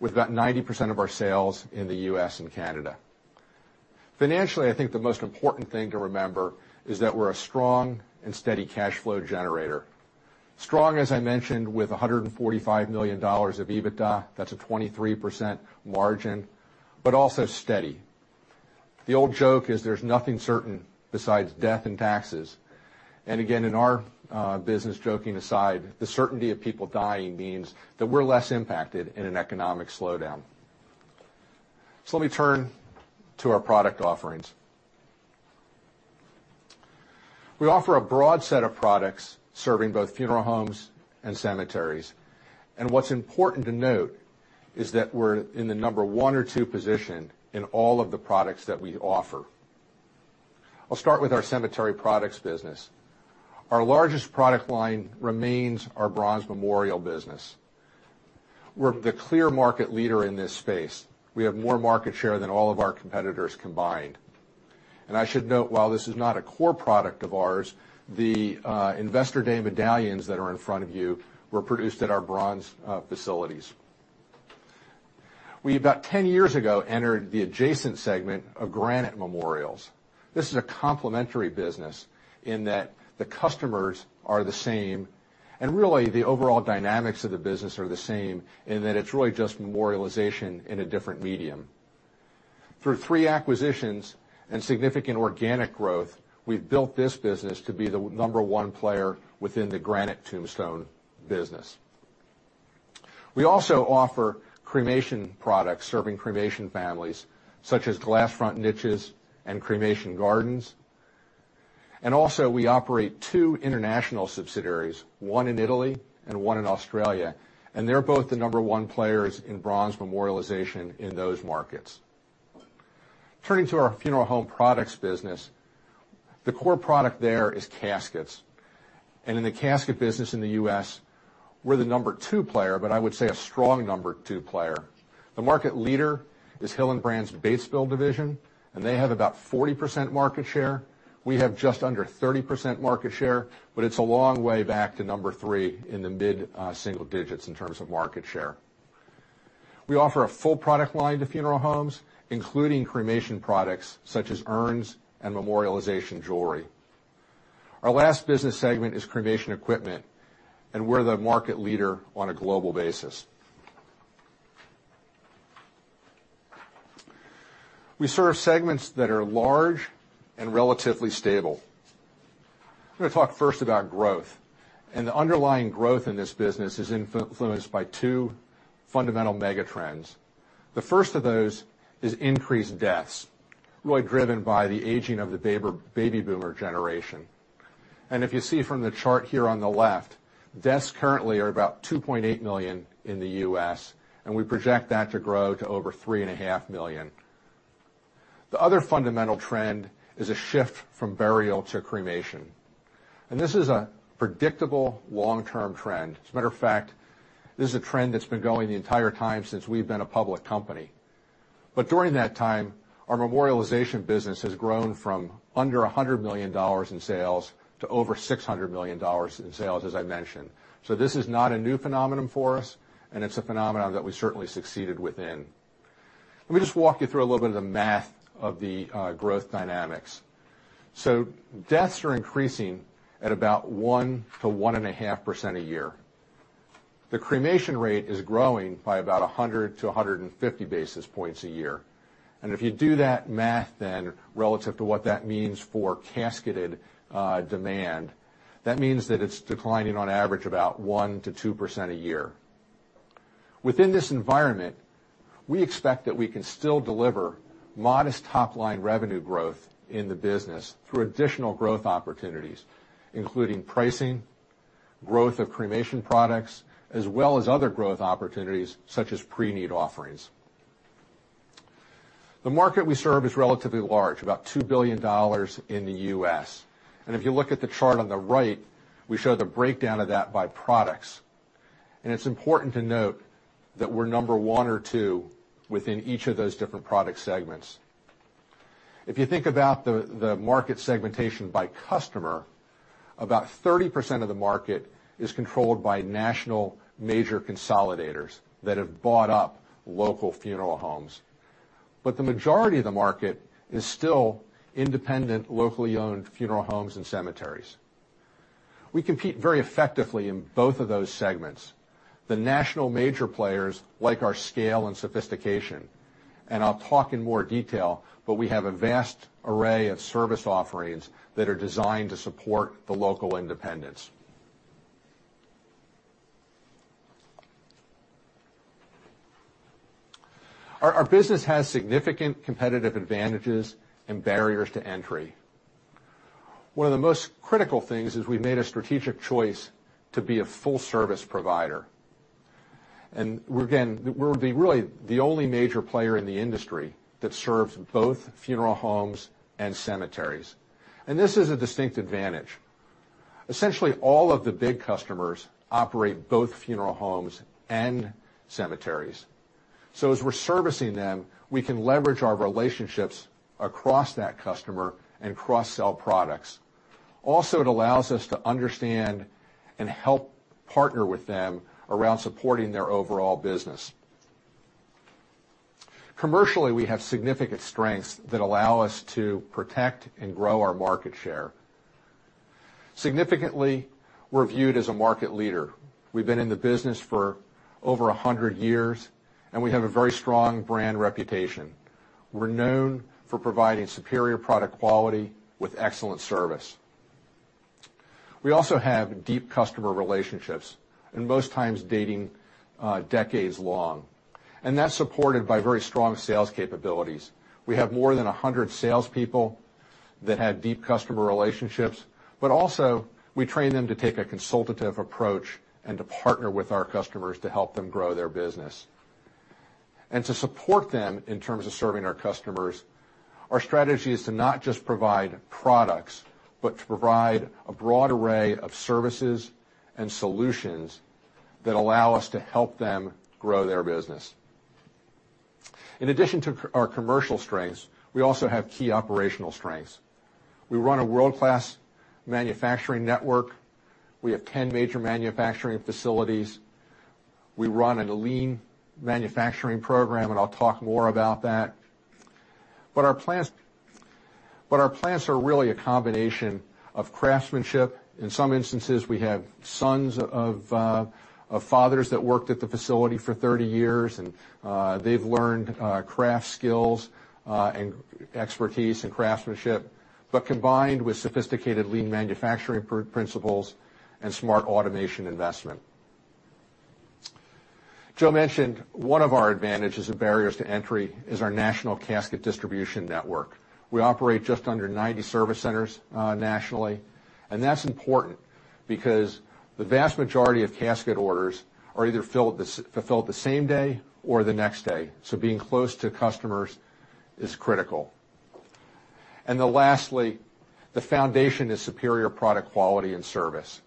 with about 90% of our sales in the U.S. and Canada. Financially, I think the most important thing to remember is that we're a strong and steady cash flow generator. Strong, as I mentioned, with $145 million of EBITDA. That's a 23% margin, also steady. The old joke is there's nothing certain besides death and taxes. Again, in our business, joking aside, the certainty of people dying means that we're less impacted in an economic slowdown. Let me turn to our product offerings. We offer a broad set of products serving both funeral homes and cemeteries. What's important to note is that we're in the number one or two position in all of the products that we offer. I'll start with our cemetery products business. Our largest product line remains our bronze memorial business. We're the clear market leader in this space. We have more market share than all of our competitors combined. I should note, while this is not a core product of ours, the Investor Day medallions that are in front of you were produced at our bronze facilities. We, about 10 years ago, entered the adjacent segment of granite memorials. This is a complementary business in that the customers are the same and really, the overall dynamics of the business are the same in that it's really just memorialization in a different medium. Through three acquisitions and significant organic growth, we've built this business to be the number one player within the granite tombstone business. We also offer cremation products serving cremation families such as glass front niches and cremation gardens. Also we operate two international subsidiaries, one in Italy and one in Australia, and they're both the number one players in bronze memorialization in those markets. Turning to our funeral home products business, the core product there is caskets, in the casket business in the U.S., we're the number two player, but I would say a strong number two player. The market leader is Hillenbrand's Batesville division, and they have about 40% market share. We have just under 30% market share, but it's a long way back to number three in the mid-single digits in terms of market share. We offer a full product line to funeral homes, including cremation products such as urns and memorialization jewelry. Our last business segment is cremation equipment, we're the market leader on a global basis. We serve segments that are large and relatively stable. I'm going to talk first about growth, the underlying growth in this business is influenced by two fundamental mega trends. The first of those is increased deaths, really driven by the aging of the baby boomer generation. If you see from the chart here on the left, deaths currently are about 2.8 million in the U.S., and we project that to grow to over 3.5 million. The other fundamental trend is a shift from burial to cremation, this is a predictable long-term trend. As a matter of fact, this is a trend that's been going the entire time since we've been a public company. During that time, our memorialization business has grown from under $100 million in sales to over $600 million in sales, as I mentioned. This is not a new phenomenon for us, it's a phenomenon that we certainly succeeded within. Let me just walk you through a little bit of the math of the growth dynamics. Deaths are increasing at about 1%-1.5% a year. The cremation rate is growing by about 100 to 150 basis points a year. If you do that math relative to what that means for casketed demand, that means that it's declining on average about 1%-2% a year. Within this environment, we expect that we can still deliver modest top-line revenue growth in the business through additional growth opportunities, including pricing, growth of cremation products, as well as other growth opportunities such as pre-need offerings. The market we serve is relatively large, about $2 billion in the U.S., and if you look at the chart on the right, we show the breakdown of that by products. It's important to note that we're number one or two within each of those different product segments. If you think about the market segmentation by customer, about 30% of the market is controlled by national major consolidators that have bought up local funeral homes. The majority of the market is still independent, locally owned funeral homes and cemeteries. We compete very effectively in both of those segments. The national major players like our scale and sophistication, and I'll talk in more detail, we have a vast array of service offerings that are designed to support the local independents. Our business has significant competitive advantages and barriers to entry. One of the most critical things is we've made a strategic choice to be a full service provider. Again, we're really the only major player in the industry that serves both funeral homes and cemeteries. This is a distinct advantage. Essentially, all of the big customers operate both funeral homes and cemeteries. As we're servicing them, we can leverage our relationships across that customer and cross-sell products. Also, it allows us to understand and help partner with them around supporting their overall business. Commercially, we have significant strengths that allow us to protect and grow our market share. Significantly, we're viewed as a market leader. We've been in the business for over 100 years, we have a very strong brand reputation. We're known for providing superior product quality with excellent service. We also have deep customer relationships, most times dating decades long. That's supported by very strong sales capabilities. We have more than 100 salespeople that have deep customer relationships, also we train them to take a consultative approach and to partner with our customers to help them grow their business. To support them in terms of serving our customers, our strategy is to not just provide products, but to provide a broad array of services and solutions that allow us to help them grow their business. In addition to our commercial strengths, we also have key operational strengths. We run a world-class manufacturing network. We have 10 major manufacturing facilities. We run a lean manufacturing program, I'll talk more about that. Our plants are really a combination of craftsmanship. In some instances, we have sons of fathers that worked at the facility for 30 years, they've learned craft skills and expertise and craftsmanship. Combined with sophisticated lean manufacturing principles and smart automation investment. Joe mentioned one of our advantages of barriers to entry is our national casket distribution network. We operate just under 90 service centers nationally, that's important because the vast majority of casket orders are either fulfilled the same day or the next day. Being close to customers is critical. Lastly, the foundation is superior product quality and service.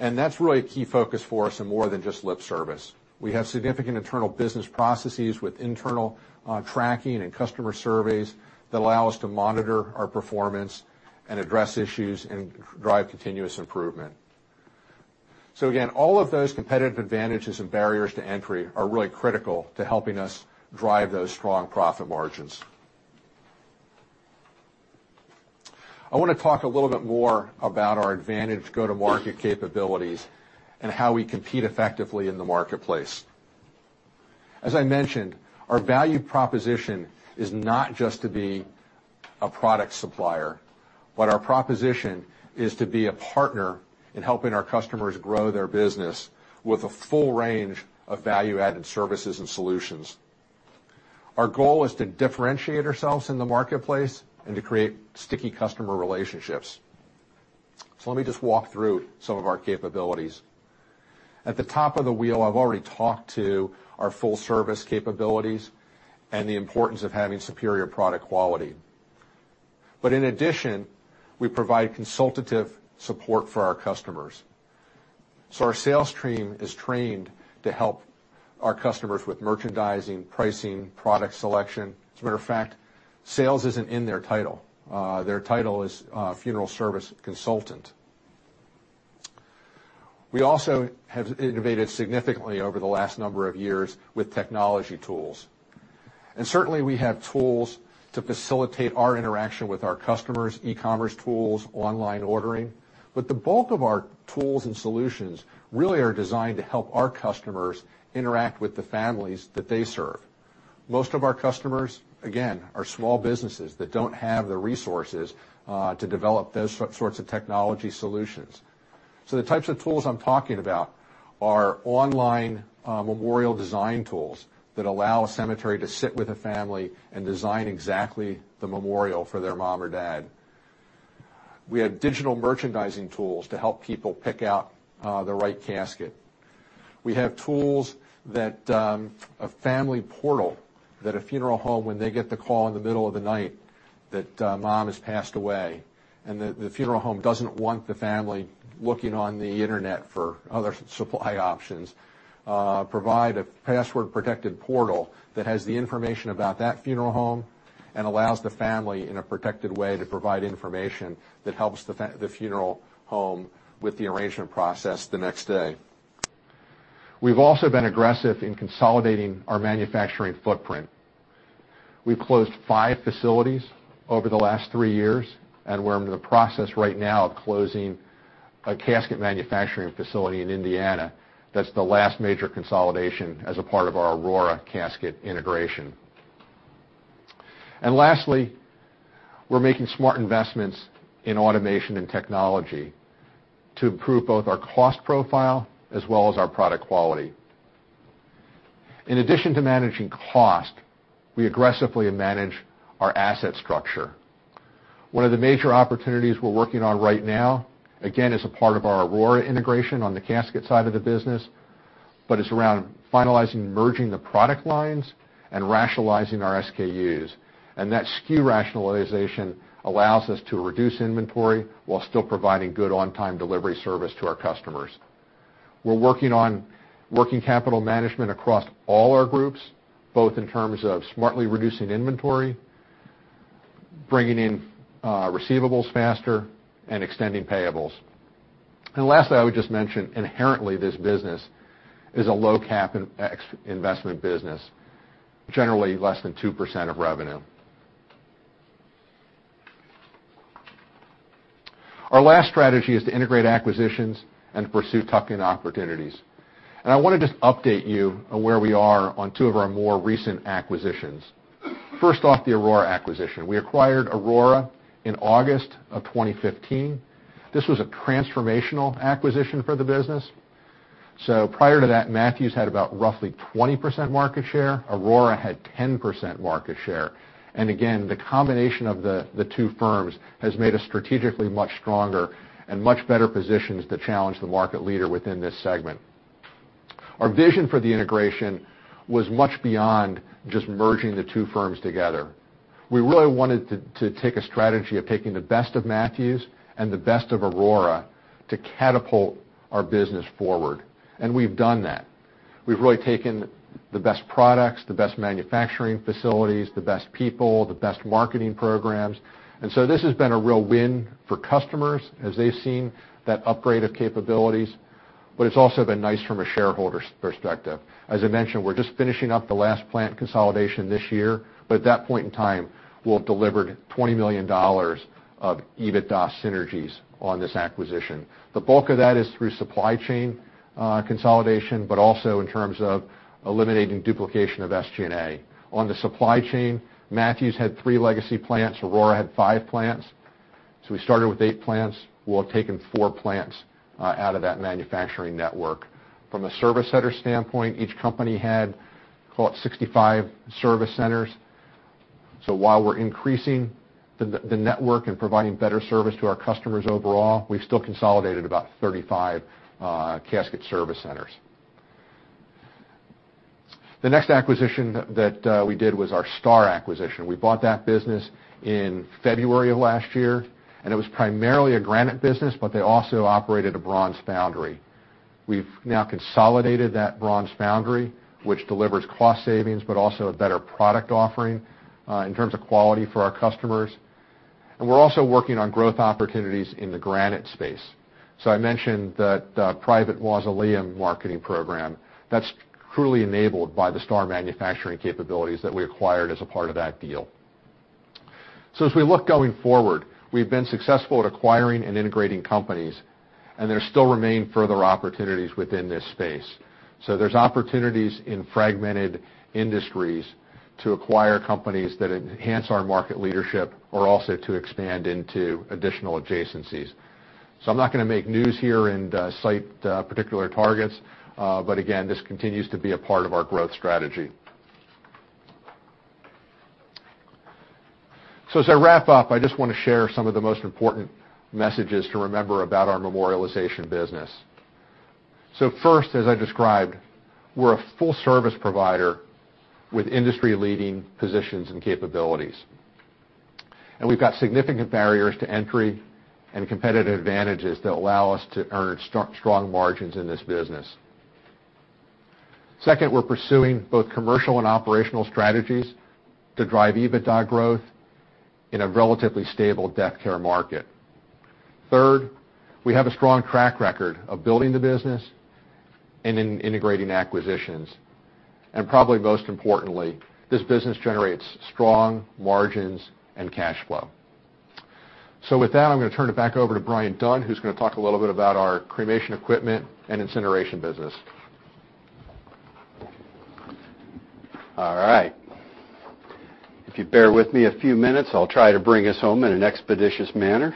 That's really a key focus for us and more than just lip service. We have significant internal business processes with internal tracking and customer surveys that allow us to monitor our performance and address issues and drive continuous improvement. Again, all of those competitive advantages and barriers to entry are really critical to helping us drive those strong profit margins. I want to talk a little bit more about our advantage go-to-market capabilities and how we compete effectively in the marketplace. As I mentioned, our value proposition is not just to be a product supplier, but our proposition is to be a partner in helping our customers grow their business with a full range of value-added services and solutions. Our goal is to differentiate ourselves in the marketplace and to create sticky customer relationships. Let me just walk through some of our capabilities. At the top of the wheel, I've already talked to our full service capabilities and the importance of having superior product quality. In addition, we provide consultative support for our customers. Our sales team is trained to help our customers with merchandising, pricing, product selection. As a matter of fact, sales isn't in their title. Their title is funeral service consultant. We also have innovated significantly over the last number of years with technology tools. Certainly, we have tools to facilitate our interaction with our customers, e-commerce tools, online ordering. The bulk of our tools and solutions really are designed to help our customers interact with the families that they serve. Most of our customers, again, are small businesses that don't have the resources to develop those sorts of technology solutions. The types of tools I'm talking about are online memorial design tools that allow a cemetery to sit with a family and design exactly the memorial for their mom or dad. We have digital merchandising tools to help people pick out the right casket. We have tools, a family portal that a funeral home, when they get the call in the middle of the night that mom has passed away, the funeral home doesn't want the family looking on the internet for other supply options, provide a password-protected portal that has the information about that funeral home and allows the family, in a protected way, to provide information that helps the funeral home with the arrangement process the next day. We've also been aggressive in consolidating our manufacturing footprint. We've closed five facilities over the last three years, and we're in the process right now of closing a casket manufacturing facility in Indiana. That's the last major consolidation as a part of our Aurora Casket integration. Lastly, we're making smart investments in automation and technology to improve both our cost profile as well as our product quality. In addition to managing cost, we aggressively manage our asset structure. One of the major opportunities we're working on right now, again, as a part of our Aurora integration on the casket side of the business, is finalizing merging the product lines and rationalizing our SKUs. That SKU rationalization allows us to reduce inventory while still providing good on-time delivery service to our customers. We're working on working capital management across all our groups, both in terms of smartly reducing inventory, bringing in receivables faster, and extending payables. Lastly, I would just mention, inherently, this business is a low cap investment business, generally less than 2% of revenue. Our last strategy is to integrate acquisitions and pursue tuck-in opportunities. I want to just update you on where we are on two of our more recent acquisitions. First off, the Aurora acquisition. We acquired Aurora in August of 2015. This was a transformational acquisition for the business. Prior to that, Matthews had about roughly 20% market share. Aurora had 10% market share. Again, the combination of the two firms has made us strategically much stronger and much better positioned to challenge the market leader within this segment. Our vision for the integration was much beyond just merging the two firms together. We really wanted to take a strategy of taking the best of Matthews and the best of Aurora to catapult our business forward, and we've done that. We've really taken the best products, the best manufacturing facilities, the best people, the best marketing programs, this has been a real win for customers as they've seen that upgrade of capabilities. It's also been nice from a shareholder's perspective. As I mentioned, we're just finishing up the last plant consolidation this year. By that point in time, we'll have delivered $20 million of EBITDA synergies on this acquisition. The bulk of that is through supply chain consolidation, but also in terms of eliminating duplication of SG&A. On the supply chain, Matthews had three legacy plants. Aurora had five plants. We started with eight plants. We'll have taken four plants out of that manufacturing network. From a service center standpoint, each company had call it 65 service centers. While we're increasing the network and providing better service to our customers overall, we've still consolidated about 35 casket service centers. The next acquisition that we did was our Star acquisition. We bought that business in February of last year, and it was primarily a granite business, but they also operated a bronze foundry. We've now consolidated that bronze foundry, which delivers cost savings, but also a better product offering in terms of quality for our customers. We're also working on growth opportunities in the granite space. I mentioned the private mausoleum marketing program. That's truly enabled by the Star manufacturing capabilities that we acquired as a part of that deal. As we look going forward, we've been successful at acquiring and integrating companies, there still remain further opportunities within this space. There's opportunities in fragmented industries to acquire companies that enhance our market leadership or also to expand into additional adjacencies. I'm not going to make news here and cite particular targets. Again, this continues to be a part of our growth strategy. As I wrap up, I just want to share some of the most important messages to remember about our Memorialization business. First, as I described, we're a full service provider with industry-leading positions and capabilities. We've got significant barriers to entry and competitive advantages that allow us to earn strong margins in this business. Second, we're pursuing both commercial and operational strategies to drive EBITDA growth in a relatively stable death care market. Third, we have a strong track record of building the business and in integrating acquisitions. Probably most importantly, this business generates strong margins and cash flow. With that, I'm going to turn it back over to Brian Dunn, who's going to talk a little bit about our cremation equipment and incineration business. All right. If you bear with me a few minutes, I'll try to bring us home in an expeditious manner.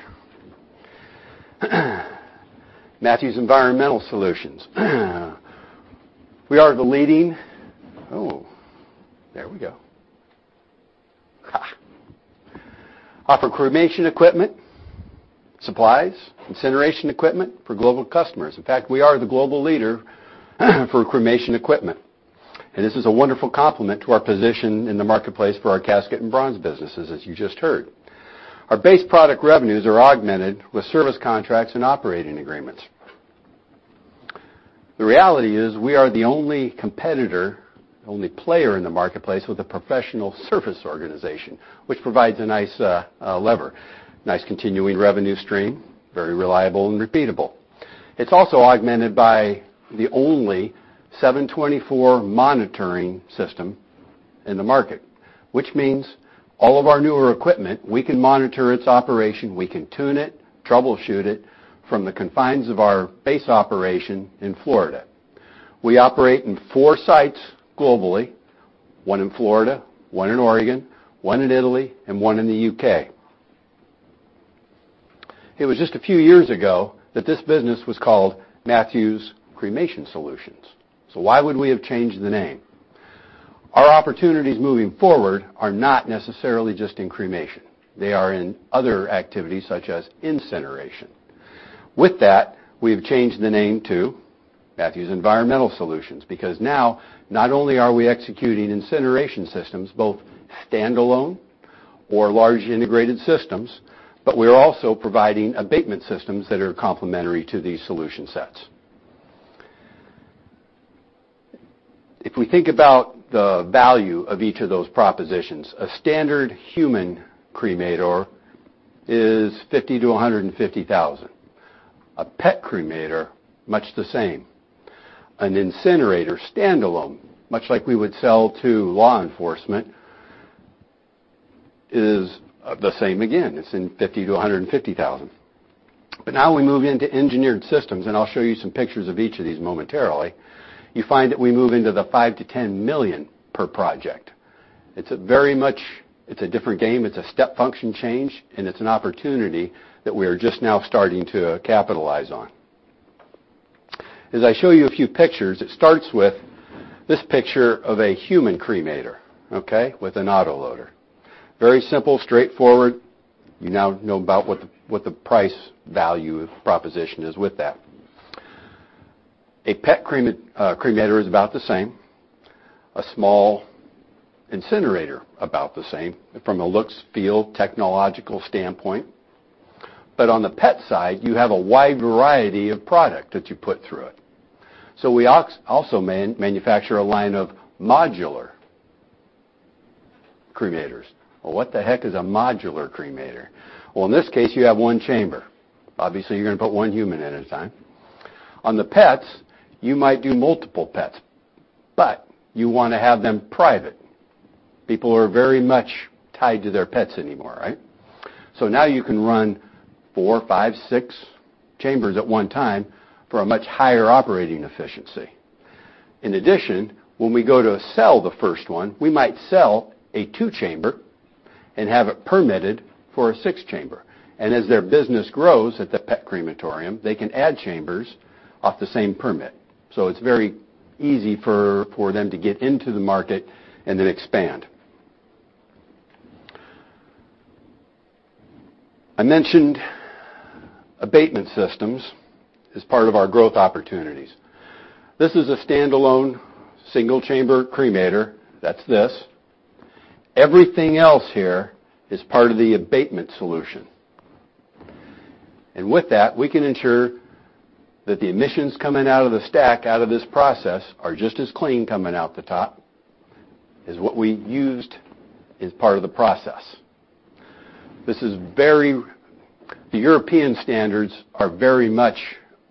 Matthews Environmental Solutions. We offer cremation equipment, supplies, incineration equipment for global customers. In fact, we are the global leader for cremation equipment, and this is a wonderful complement to our position in the marketplace for our casket and bronze businesses, as you just heard. Our base product revenues are augmented with service contracts and operating agreements. The reality is we are the only competitor, the only player in the marketplace with a professional service organization, which provides a nice lever, nice continuing revenue stream, very reliable and repeatable. It's also augmented by the only 7/24 monitoring system in the market, which means all of our newer equipment, we can monitor its operation, we can tune it, troubleshoot it from the confines of our base operation in Florida. We operate in four sites globally, one in Florida, one in Oregon, one in Italy, and one in the U.K. It was just a few years ago that this business was called Matthews Cremation Solutions. Why would we have changed the name? Our opportunities moving forward are not necessarily just in cremation. They are in other activities such as incineration. With that, we've changed the name to Matthews Environmental Solutions because now not only are we executing incineration systems, both standalone or large integrated systems, but we are also providing abatement systems that are complementary to these solution sets. If we think about the value of each of those propositions, a standard human cremator is $50,000-$150,000. A pet cremator, much the same. An incinerator standalone, much like we would sell to law enforcement, is the same again. It's in $50,000-$150,000. Now we move into engineered systems, and I'll show you some pictures of each of these momentarily. You find that we move into the $5 million-$10 million per project. It's a different game. It's a step function change, and it's an opportunity that we are just now starting to capitalize on. As I show you a few pictures, it starts with this picture of a human cremator, okay, with an autoloader. Very simple, straightforward. You now know about what the price value proposition is with that. A pet cremator is about the same. A small incinerator, about the same from a looks, feel, technological standpoint. On the pet side, you have a wide variety of product that you put through it. We also manufacture a line of modular cremators. What the heck is a modular cremator? In this case, you have one chamber. Obviously, you're going to put one human in at a time. On the pets, you might do multiple pets. You want to have them private. People are very much tied to their pets anymore, right? Now you can run 4, 5, 6 chambers at one time for a much higher operating efficiency. In addition, when we go to sell the first one, we might sell a 2-chamber and have it permitted for a 6-chamber. As their business grows at the pet crematorium, they can add chambers off the same permit. It's very easy for them to get into the market and then expand. I mentioned abatement systems as part of our growth opportunities. This is a standalone single-chamber cremator. That's this. Everything else here is part of the abatement solution. With that, we can ensure that the emissions coming out of the stack, out of this process are just as clean coming out the top as what we used as part of the process. The European standards are very much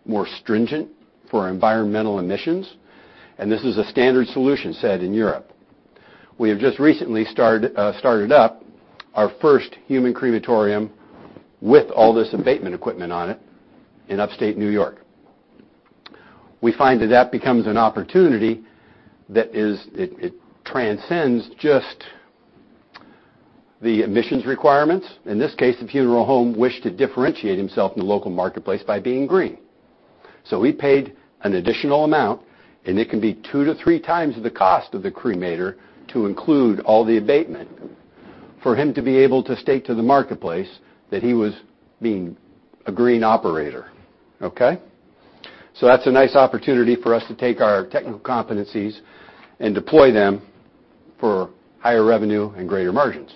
more stringent for environmental emissions, and this is a standard solution set in Europe. We have just recently started up our first human crematorium with all this abatement equipment on it in Upstate N.Y. We find that that becomes an opportunity that it transcends just the emissions requirements. In this case, the funeral home wished to differentiate himself in the local marketplace by being green. We paid an additional amount, and it can be two to three times the cost of the cremator to include all the abatement for him to be able to state to the marketplace that he was being a green operator. That's a nice opportunity for us to take our technical competencies and deploy them for higher revenue and greater margins.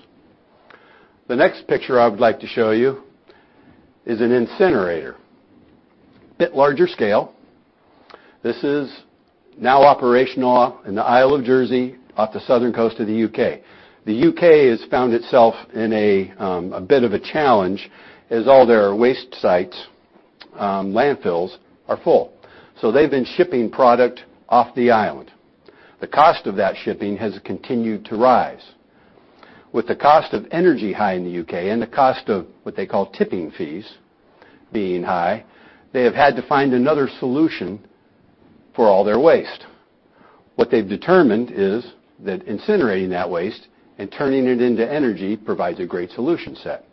The next picture I would like to show you is an incinerator. A bit larger scale. This is now operational in the Isle of Jersey, off the southern coast of the U.K. The U.K. has found itself in a bit of a challenge as all their waste sites, landfills, are full. They've been shipping product off the island. The cost of that shipping has continued to rise. With the cost of energy high in the U.K. and the cost of what they call tipping fees being high, they have had to find another solution for all their waste. What they've determined is that incinerating that waste and turning it into energy provides a great solution set.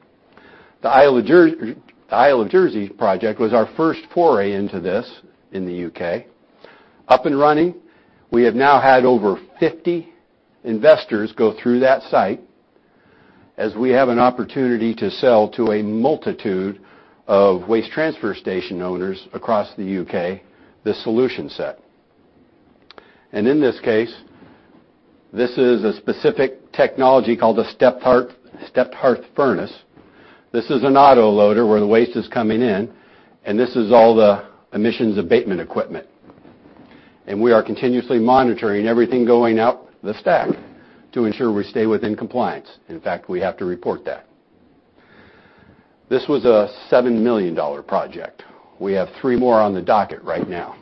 The Isle of Jersey project was our first foray into this in the U.K. Up and running, we have now had over 50 investors go through that site, as we have an opportunity to sell to a multitude of waste transfer station owners across the U.K., this solution set. In this case, this is a specific technology called a stepped-hearth furnace. This is an autoloader where the waste is coming in, and this is all the emissions abatement equipment. We are continuously monitoring everything going out the stack to ensure we stay within compliance. In fact, we have to report that. This was a $7 million project. We have three more on the docket right now.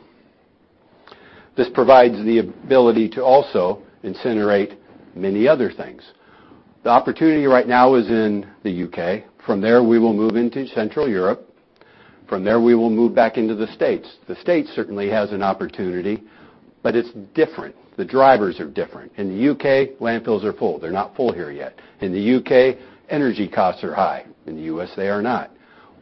This provides the ability to also incinerate many other things. The opportunity right now is in the U.K. From there, we will move into Central Europe. From there, we will move back into the U.S. The U.S. certainly has an opportunity, but it's different. The drivers are different. In the U.K., landfills are full. They're not full here yet. In the U.K., energy costs are high. In the U.S., they are not.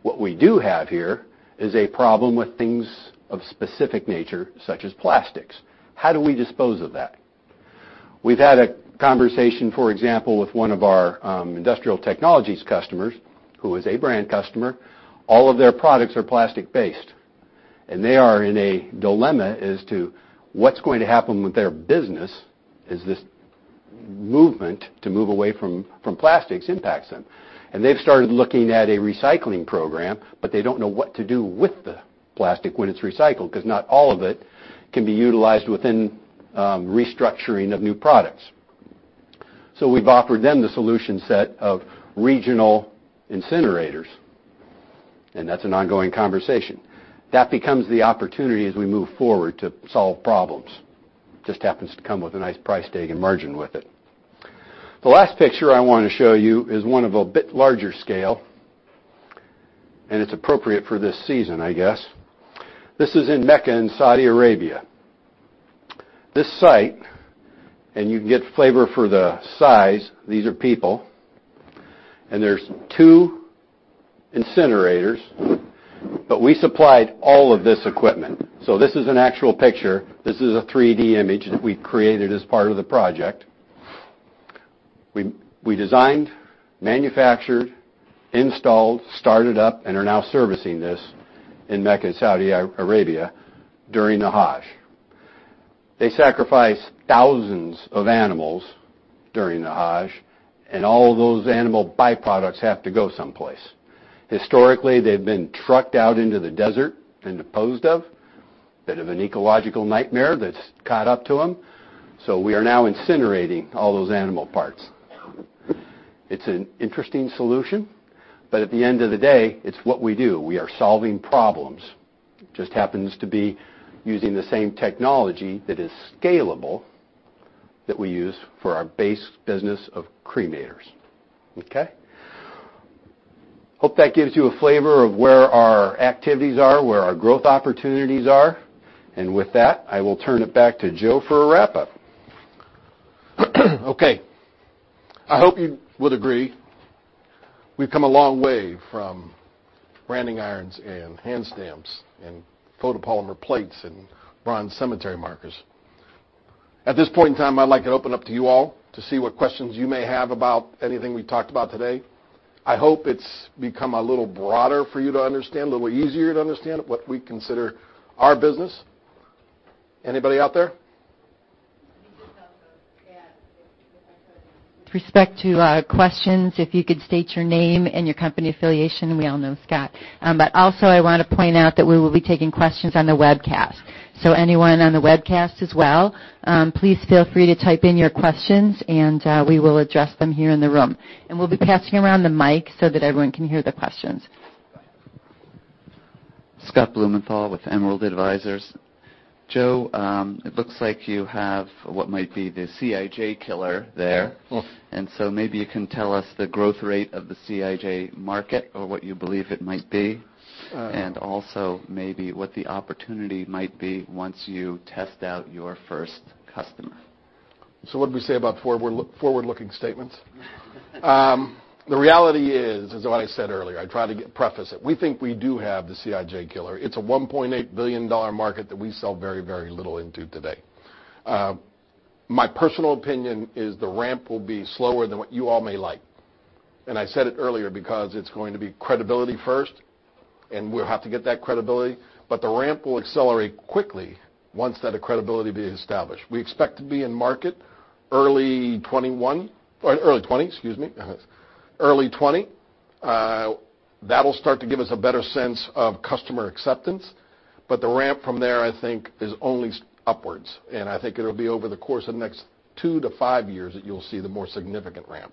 What we do have here is a problem with things of specific nature, such as plastics. How do we dispose of that? We've had a conversation, for example, with one of our Industrial Technologies customers, who is a brand customer. All of their products are plastic-based, and they are in a dilemma as to what's going to happen with their business as this movement to move away from plastics impacts them. They've started looking at a recycling program, but they don't know what to do with the plastic when it's recycled, because not all of it can be utilized within restructuring of new products. We've offered them the solution set of regional incinerators, and that's an ongoing conversation. That becomes the opportunity as we move forward to solve problems. It just happens to come with a nice price tag and margin with it. The last picture I want to show you is one of a bit larger scale, and it's appropriate for this season, I guess. This is in Mecca in Saudi Arabia. This site, and you can get flavor for the size, these are people, and there's two incinerators. We supplied all of this equipment. This is an actual picture. This is a 3D image that we created as part of the project. We designed, manufactured, installed, started up, and are now servicing this in Mecca, Saudi Arabia during the Hajj. They sacrifice thousands of animals during the Hajj, and all those animal by-products have to go someplace. Historically, they've been trucked out into the desert and disposed of. A bit of an ecological nightmare that's caught up to them. We are now incinerating all those animal parts. It's an interesting solution, but at the end of the day, it's what we do. We are solving problems. It just happens to be using the same technology that is scalable that we use for our base business of cremators. Okay? hope that gives you a flavor of where our activities are, where our growth opportunities are. With that, I will turn it back to Joe for a wrap-up. Okay. I hope you would agree, we've come a long way from branding irons and hand stamps and photopolymer plates and bronze cemetery markers. At this point in time, I'd like to open up to you all to see what questions you may have about anything we've talked about today. I hope it's become a little broader for you to understand, a little easier to understand what we consider our business. Anybody out there? Let me just also add, with respect to questions, if you could state your name and your company affiliation. We all know Scott. I want to point out that we will be taking questions on the webcast. Anyone on the webcast as well, please feel free to type in your questions, and we will address them here in the room. We'll be passing around the mic so that everyone can hear the questions. Scott Blumenthal with Emerald Advisors. Joe, it looks like you have what might be the CIJ killer there. Maybe you can tell us the growth rate of the CIJ market or what you believe it might be. Oh. Maybe what the opportunity might be once you test out your first customer. What did we say about forward-looking statements? The reality is, as I said earlier, I try to preface it, we think we do have the CIJ killer. It's a $1.8 billion market that we sell very, very little into today. My personal opinion is the ramp will be slower than what you all may like, and I said it earlier because it's going to be credibility first, and we'll have to get that credibility, but the ramp will accelerate quickly once that credibility is established. We expect to be in market early 2021. Early 2020, excuse me. Early 2020. That'll start to give us a better sense of customer acceptance. The ramp from there, I think, is only upwards, and I think it'll be over the course of the next 2-5 years that you'll see the more significant ramp.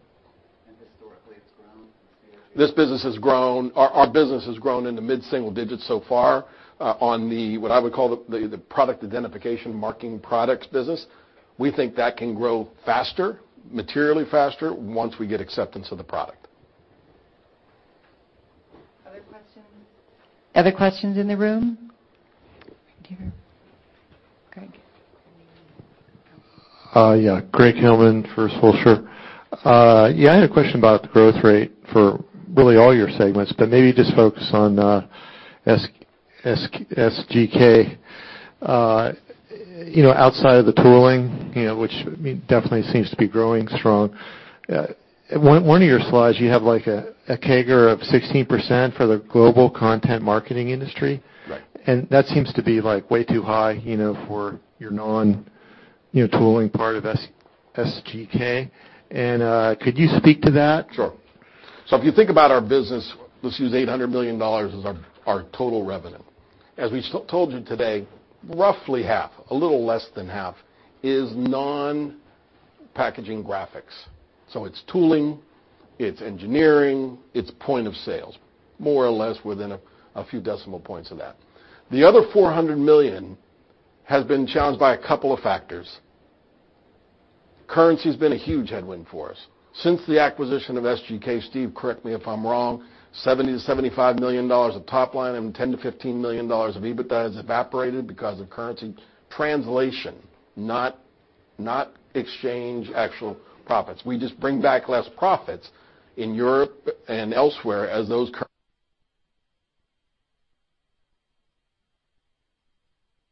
Historically it's grown steadily? This business has grown. Our business has grown in the mid-single digits so far, on the, what I would call, the product identification Marking Products business. We think that can grow faster, materially faster, once we get acceptance of the product. Other questions? Other questions in the room? Right here. Greg. Greg Hillman for Swellshire. I had a question about the growth rate for really all your segments, but maybe just focus on SGK. Outside of the tooling, which definitely seems to be growing strong, one of your slides, you have a CAGR of 16% for the global content marketing industry. Right. That seems to be way too high for your non-tooling part of SGK. Could you speak to that? Sure. If you think about our business, let's use $800 million as our total revenue. As we told you today, roughly half, a little less than half, is non-packaging graphics. It's tooling, it's engineering, it's point of sales, more or less within a few decimal points of that. The other $400 million has been challenged by a couple of factors. Currency's been a huge headwind for us. Since the acquisition of SGK, Steve, correct me if I'm wrong, $70 million-$75 million of top line and $10 million-$15 million of EBITDA has evaporated because of currency translation, not exchange actual profits. We just bring back less profits in Europe and elsewhere as those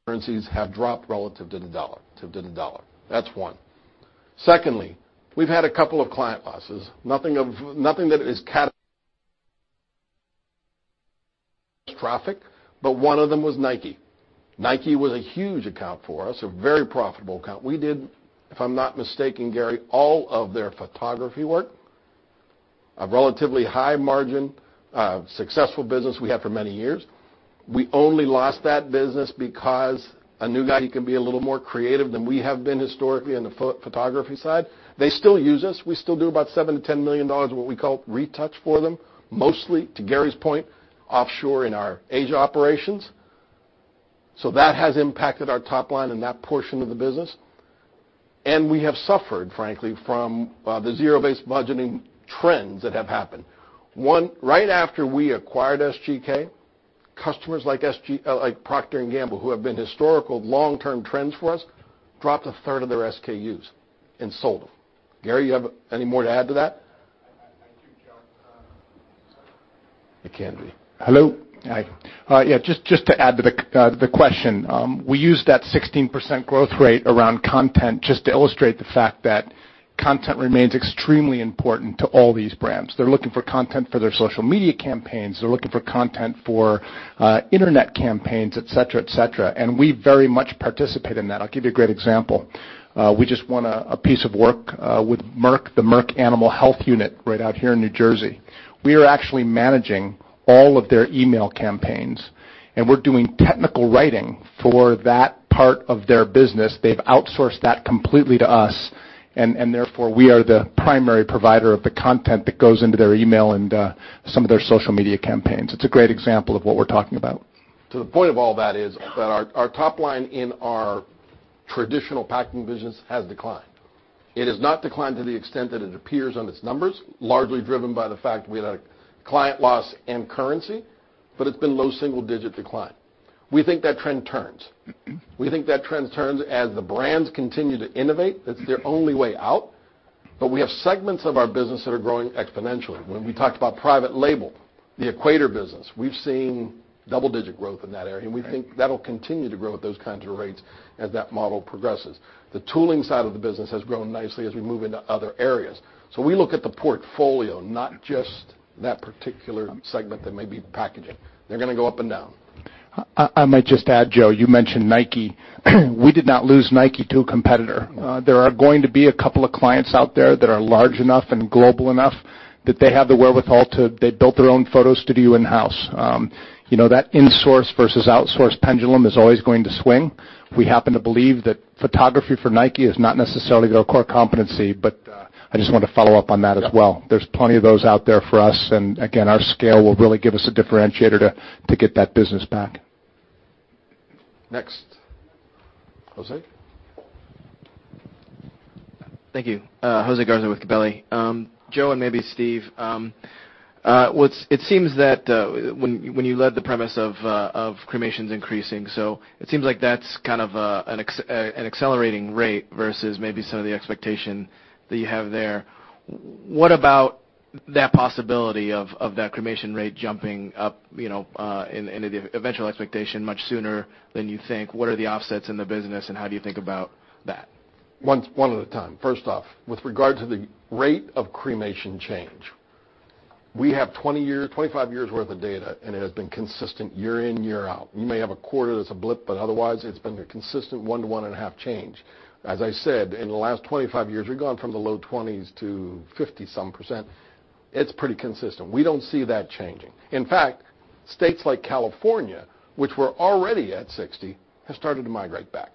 currencies have dropped relative to the dollar. That's one. Secondly, we've had a couple of client losses. Nothing that is catastrophic, but one of them was Nike. Nike was a huge account for us, a very profitable account. We did, if I'm not mistaken, Gary, all of their photography work, a relatively high margin, successful business we had for many years. We only lost that business because a new guy who can be a little more creative than we have been historically in the photography side. They still use us. We still do about $7 million-$10 million, what we call retouch for them. Mostly, to Gary's point, offshore in our Asia operations. That has impacted our top line in that portion of the business, and we have suffered, frankly, from the zero-based budgeting trends that have happened. One, right after we acquired SGK, customers like Procter & Gamble, who have been historical long-term trends for us, dropped a third of their SKUs and sold them. Gary, you have any more to add to that? I do, Joe. It can be. Hello. Hi. Yeah, just to add to the question. We use that 16% growth rate around content just to illustrate the fact that content remains extremely important to all these brands. They're looking for content for their social media campaigns. They're looking for content for internet campaigns, et cetera. We very much participate in that. I'll give you a great example. We just won a piece of work with Merck, the Merck Animal Health unit right out here in New Jersey. We are actually managing all of their email campaigns, and we're doing technical writing for that part of their business. They've outsourced that completely to us, and therefore, we are the primary provider of the content that goes into their email and some of their social media campaigns. It's a great example of what we're talking about. To the point of all that is that our top line in our traditional packaging business has declined. It has not declined to the extent that it appears on its numbers, largely driven by the fact we had a client loss and currency, but it's been low single-digit decline. We think that trend turns. We think that trend turns as the brands continue to innovate. That's their only way out. We have segments of our business that are growing exponentially. When we talked about private label, the Equator business, we've seen double-digit growth in that area, and we think that'll continue to grow at those kinds of rates as that model progresses. The tooling side of the business has grown nicely as we move into other areas. We look at the portfolio, not just that particular segment that may be packaging. They're going to go up and down. I might just add, Joe, you mentioned Nike. We did not lose Nike to a competitor. There are going to be a couple of clients out there that are large enough and global enough that they have the wherewithal to build their own photo studio in-house. That insource versus outsource pendulum is always going to swing. We happen to believe that photography for Nike is not necessarily their core competency. I just wanted to follow up on that as well. Yeah. There's plenty of those out there for us. Again, our scale will really give us a differentiator to get that business back. Next. Jose? Thank you. Jose Garza with Gabelli. Joe, and maybe Steve. It seems that when you led the premise of cremations increasing, it seems like that's kind of an accelerating rate versus maybe some of the expectation that you have there. What about that possibility of that cremation rate jumping up in the eventual expectation much sooner than you think? What are the offsets in the business, how do you think about that? One at a time. First off, with regard to the rate of cremation change, we have 25 years worth of data. It has been consistent year in, year out. You may have a quarter that's a blip, otherwise it's been a consistent one to one-and-a-half change. As I said, in the last 25 years, we've gone from the low 20s to 50-some%. It's pretty consistent. We don't see that changing. In fact, states like California, which were already at 60, have started to migrate back.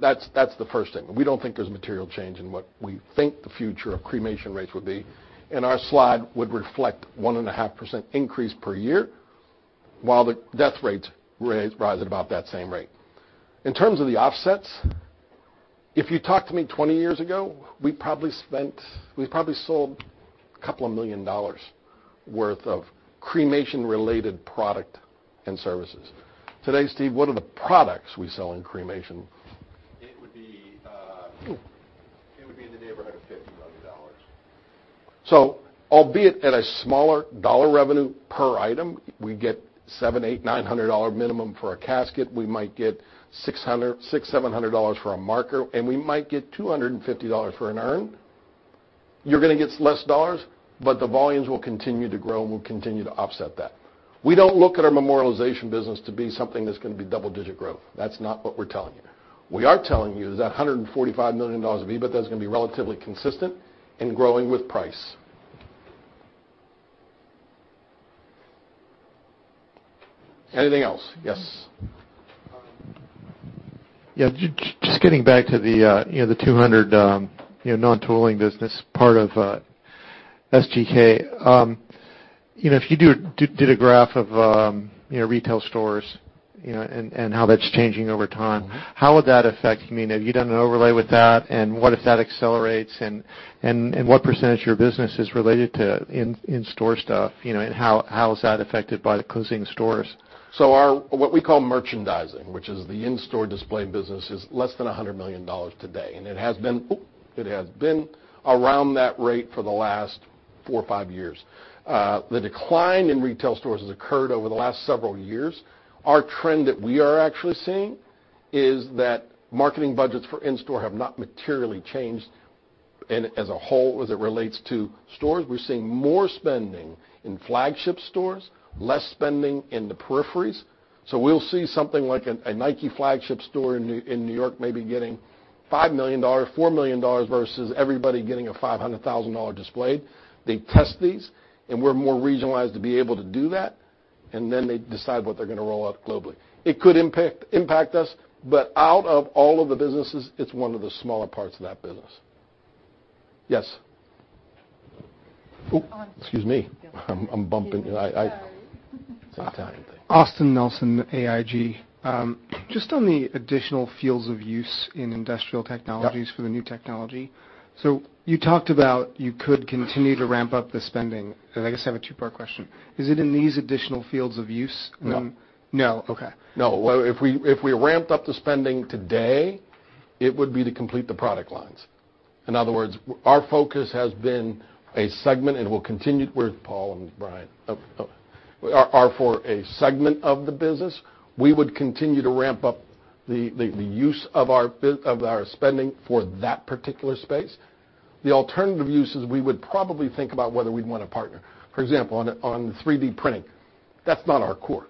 That's the first thing. We don't think there's material change in what we think the future of cremation rates would be. Our slide would reflect 1.5% increase per year while the death rates rise at about that same rate. In terms of the offsets, if you talked to me 20 years ago, we probably sold $2 million worth of cremation-related product and services. Today, Steve, what are the products we sell in cremation? It would be in the neighborhood of $50 million. Albeit at a smaller dollar revenue per item, we get $700, $800, $900 minimum for a casket, we might get $600, $700 for a marker, and we might get $250 for an urn. You're going to get less dollars, but the volumes will continue to grow, and we'll continue to offset that. We don't look at our memorialization business to be something that's going to be double-digit growth. That's not what we're telling you. We are telling you that $145 million of EBITDA is going to be relatively consistent and growing with price. Anything else? Yes. Yeah. Just getting back to the 200 non-tooling business part of SGK. If you did a graph of retail stores and how that's changing over time, have you done an overlay with that? What if that accelerates, and what % of your business is related to in-store stuff, and how is that affected by the closing stores? Our, what we call merchandising, which is the in-store display business, is less than $100 million today, and it has been around that rate for the last four or five years. The decline in retail stores has occurred over the last several years. Our trend that we are actually seeing is that marketing budgets for in-store have not materially changed as a whole as it relates to stores. We're seeing more spending in flagship stores, less spending in the peripheries. We'll see something like a Nike flagship store in New York maybe getting $5 million, $4 million versus everybody getting a $500,000 display. They test these, and we're more regionalized to be able to do that, and then they decide what they're going to roll out globally. It could impact us, but out of all of the businesses, it's one of the smaller parts of that business. Yes. Excuse me. I'm bumping. Austin Nelson, AIG. Just on the additional fields of use in Industrial Technologies for the new technology. You talked about you could continue to ramp up the spending, and I guess I have a two-part question. Is it in these additional fields of use? No. No. Okay. No. If we ramped up the spending today, it would be to complete the product lines. In other words, our focus has been a segment. Where's Paul and Brian? For a segment of the business, we would continue to ramp up the use of our spending for that particular space. The alternative uses, we would probably think about whether we'd want to partner. For example, on 3D printing. That's not our core.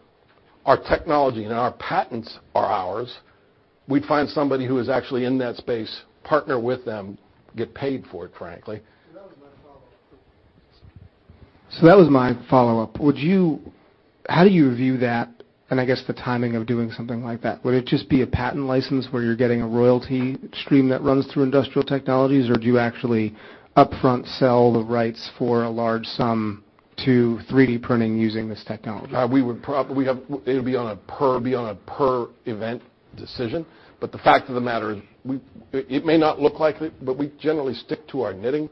Our technology and our patents are ours. We'd find somebody who is actually in that space, partner with them, get paid for it, frankly. That was my follow-up. How do you view that, and I guess the timing of doing something like that? Would it just be a patent license where you're getting a royalty stream that runs through Industrial Technologies, or do you actually upfront sell the rights for a large sum to 3D printing using this technology? It'll be on a per event decision. The fact of the matter, it may not look like it, but we generally stick to our knitting.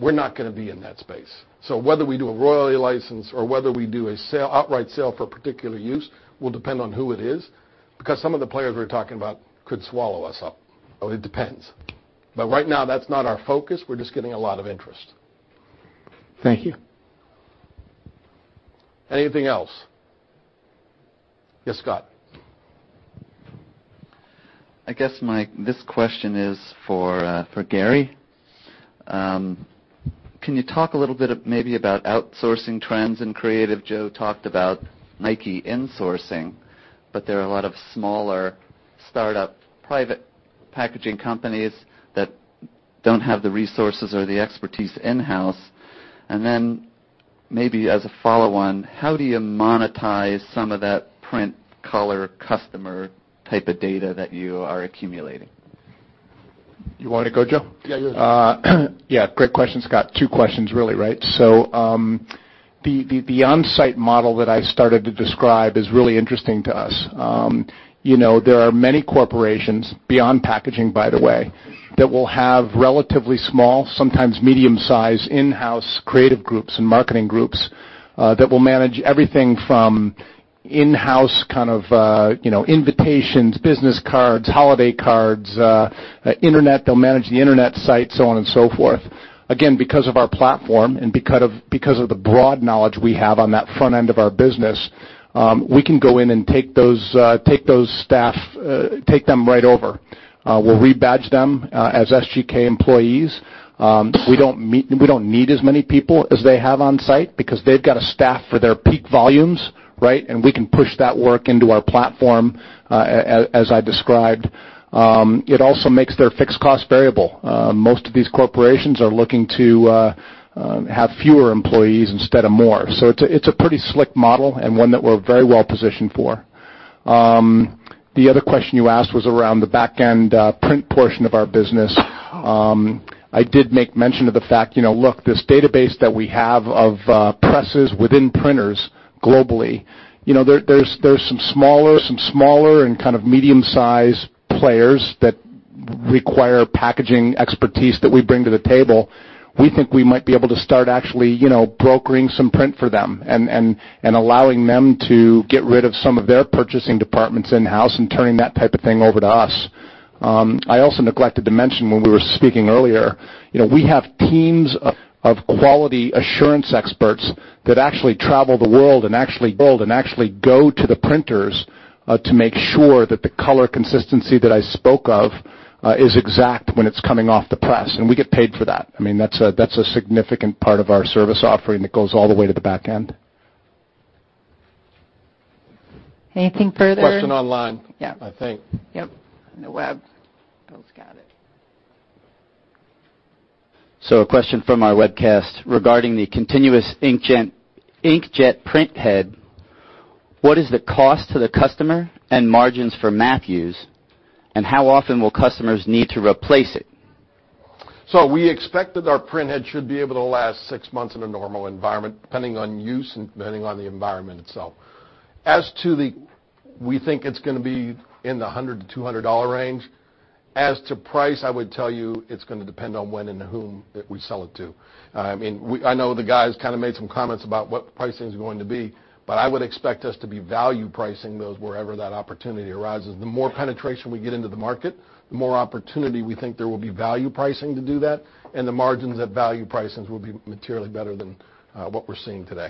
We're not going to be in that space. Whether we do a royalty license or whether we do an outright sale for a particular use will depend on who it is, because some of the players we're talking about could swallow us up. It depends. Right now, that's not our focus. We're just getting a lot of interest. Thank you. Anything else? Yes, Scott. I guess this question is for Gary. Can you talk a little bit maybe about outsourcing trends in Creative? Joe talked about Nike insourcing, but there are a lot of smaller startup private packaging companies that don't have the resources or the expertise in-house. Maybe as a follow-on, how do you monetize some of that print color customer type of data that you are accumulating? You want to go, Joe? Yeah, you're good. Yeah, great question, Scott. Two questions, really, right? The on-site model that I started to describe is really interesting to us. There are many corporations, beyond packaging by the way, that will have relatively small, sometimes medium-size in-house creative groups and marketing groups that will manage everything from in-house kind of invitations, business cards, holiday cards, internet, they'll manage the internet site, so on and so forth. Again, because of our platform and because of the broad knowledge we have on that front end of our business, we can go in and take those staff, take them right over. We'll rebadge them as SGK employees. We don't need as many people as they have on-site because they've got a staff for their peak volumes, right? We can push that work into our platform, as I described. It also makes their fixed cost variable. Most of these corporations are looking to have fewer employees instead of more. It's a pretty slick model and one that we're very well positioned for. The other question you asked was around the back-end print portion of our business. I did make mention of the fact, look, this database that we have of presses within printers globally, there's some smaller and kind of medium-sized players that require packaging expertise that we bring to the table. We think we might be able to start actually brokering some print for them and allowing them to get rid of some of their purchasing departments in-house and turning that type of thing over to us. I also neglected to mention when we were speaking earlier, we have teams of quality assurance experts that actually travel the world and actually go to the printers to make sure that the color consistency that I spoke of is exact when it's coming off the press. We get paid for that. I mean, that's a significant part of our service offering that goes all the way to the back-end. Anything further? Question online. Yeah. I think. Yep. On the web. Bill's got it. A question from our webcast regarding the continuous inkjet printhead. What is the cost to the customer and margins for Matthews, and how often will customers need to replace it? We expect that our printhead should be able to last six months in a normal environment, depending on use and depending on the environment itself. As to the, we think it's going to be in the $100-$200 range. As to price, I would tell you it's going to depend on when and to whom that we sell it to. I know the guys kind of made some comments about what the pricing is going to be, but I would expect us to be value pricing those wherever that opportunity arises. The more penetration we get into the market, the more opportunity we think there will be value pricing to do that, and the margins at value pricings will be materially better than what we're seeing today.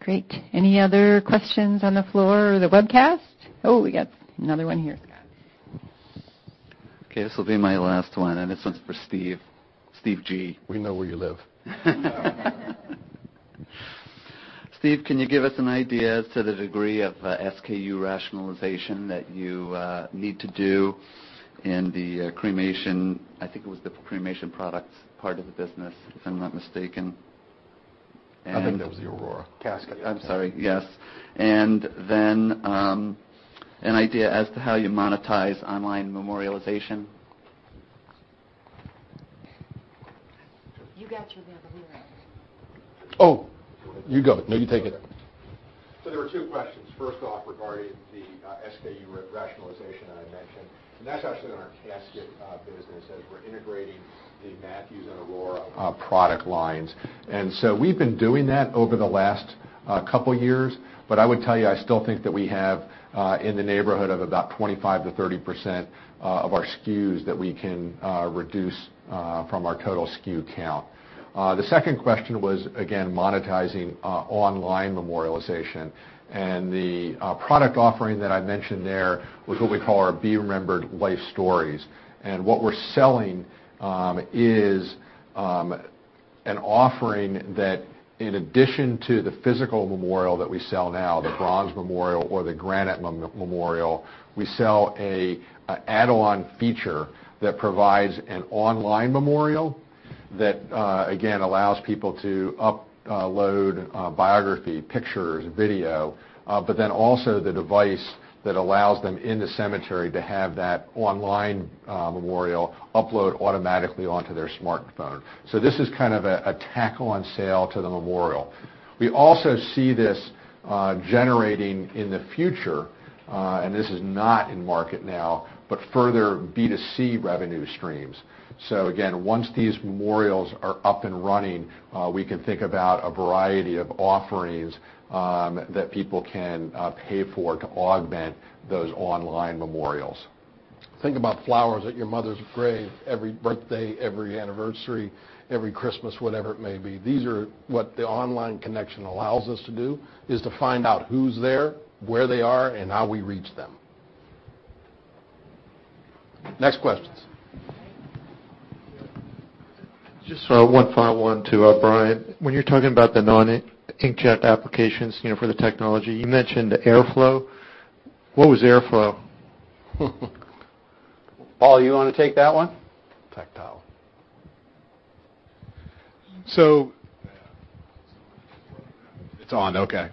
Great. Any other questions on the floor or the webcast? We got another one here. Scott. Okay, this will be my last one. This one's for Steve G. We know where you live. Steve, can you give us an idea as to the degree of SKU rationalization that you need to do in the cremation products part of the business, if I'm not mistaken. I think that was the Aurora Casket. I'm sorry, yes. An idea as to how you monetize online memorialization. You got your bell. He went. Oh, you go. No, you take it. There were two questions. First off, regarding the SKU rationalization that I mentioned, that's actually in our casket business as we're integrating the Matthews and Aurora product lines. We've been doing that over the last 2 years, but I would tell you, I still think that we have in the neighborhood of about 25%-30% of our SKUs that we can reduce from our total SKU count. The second question was, again, monetizing online memorialization. The product offering that I mentioned there was what we call our Be Remembered life stories. What we're selling is an offering that in addition to the physical memorial that we sell now, the bronze memorial or the granite memorial, we sell an add-on feature that provides an online memorial that, again, allows people to upload a biography, pictures, video, also the device that allows them, in the cemetery, to have that online memorial upload automatically onto their smartphone. This is kind of a tackle on sale to the memorial. We also see this generating in the future, this is not in market now, but further B2C revenue streams. Again, once these memorials are up and running, we can think about a variety of offerings that people can pay for to augment those online memorials. Think about flowers at your mother's grave every birthday, every anniversary, every Christmas, whatever it may be. These are what the online connection allows us to do, is to find out who's there, where they are, and how we reach them. Next questions. Just one final one to Brian. When you're talking about the non-inkjet applications for the technology, you mentioned airflow. What was airflow? Paul, you want to take that one? Tactile. It's on. Okay.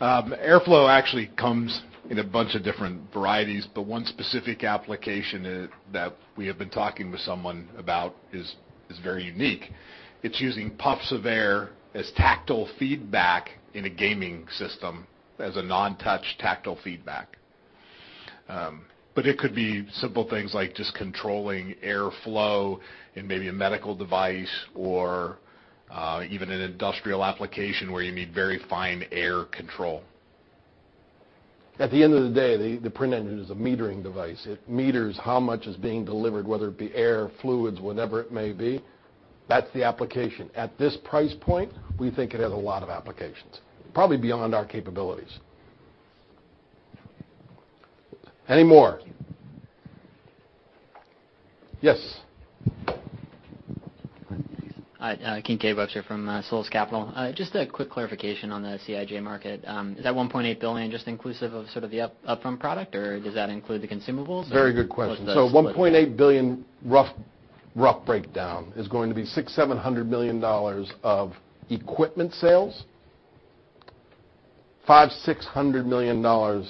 Airflow actually comes in a bunch of different varieties, but one specific application that we have been talking with someone about is very unique. It's using puffs of air as tactile feedback in a gaming system, as a non-touch tactile feedback. It could be simple things like just controlling airflow in maybe a medical device or even an industrial application where you need very fine air control. At the end of the day, the Print Engine is a metering device. It meters how much is being delivered, whether it be air, fluids, whatever it may be. That's the application. At this price point, we think it has a lot of applications, probably beyond our capabilities. Any more? Yes. Hi, Kincade Webster from Solas Capital Just a quick clarification on the CIJ market. Is that $1.8 billion just inclusive of sort of the upfront product, or does that include the consumables? Very good question. Is that split? A $1.8 billion rough breakdown is going to be $600 million-$700 million of equipment sales, $500 million-$600 million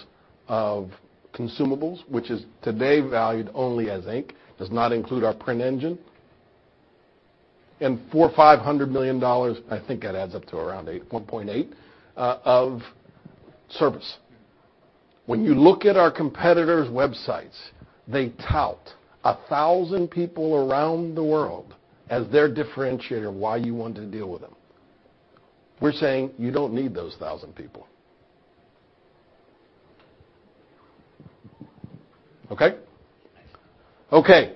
of consumables, which is today valued only as ink, does not include our Print Engine, and $400 million-$500 million, I think that adds up to around $1.8 billion, of service. When you look at our competitors' websites, they tout 1,000 people around the world as their differentiator, why you want to deal with them. We're saying you don't need those 1,000 people. Okay? Thanks. Okay.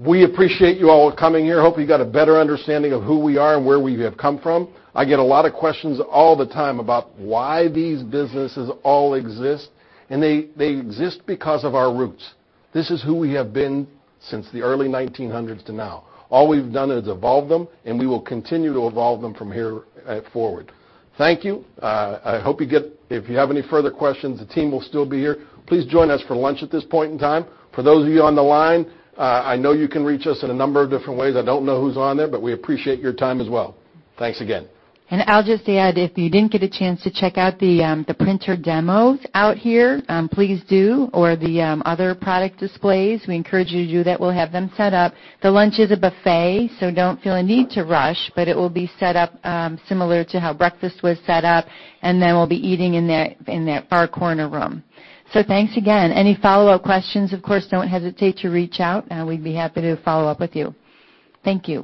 We appreciate you all coming here. Hope you got a better understanding of who we are and where we have come from. I get a lot of questions all the time about why these businesses all exist. They exist because of our roots. This is who we have been since the early 1900s to now. All we've done is evolve them. We will continue to evolve them from here forward. Thank you. If you have any further questions, the team will still be here. Please join us for lunch at this point in time. For those of you on the line, I know you can reach us in a number of different ways. I don't know who's on there, but we appreciate your time as well. Thanks again. I'll just add, if you didn't get a chance to check out the printer demos out here, please do, or the other product displays. We encourage you to do that. We'll have them set up. The lunch is a buffet, don't feel a need to rush, but it will be set up similar to how breakfast was set up, we'll be eating in that far corner room. Thanks again. Any follow-up questions, of course, don't hesitate to reach out. We'd be happy to follow up with you. Thank you.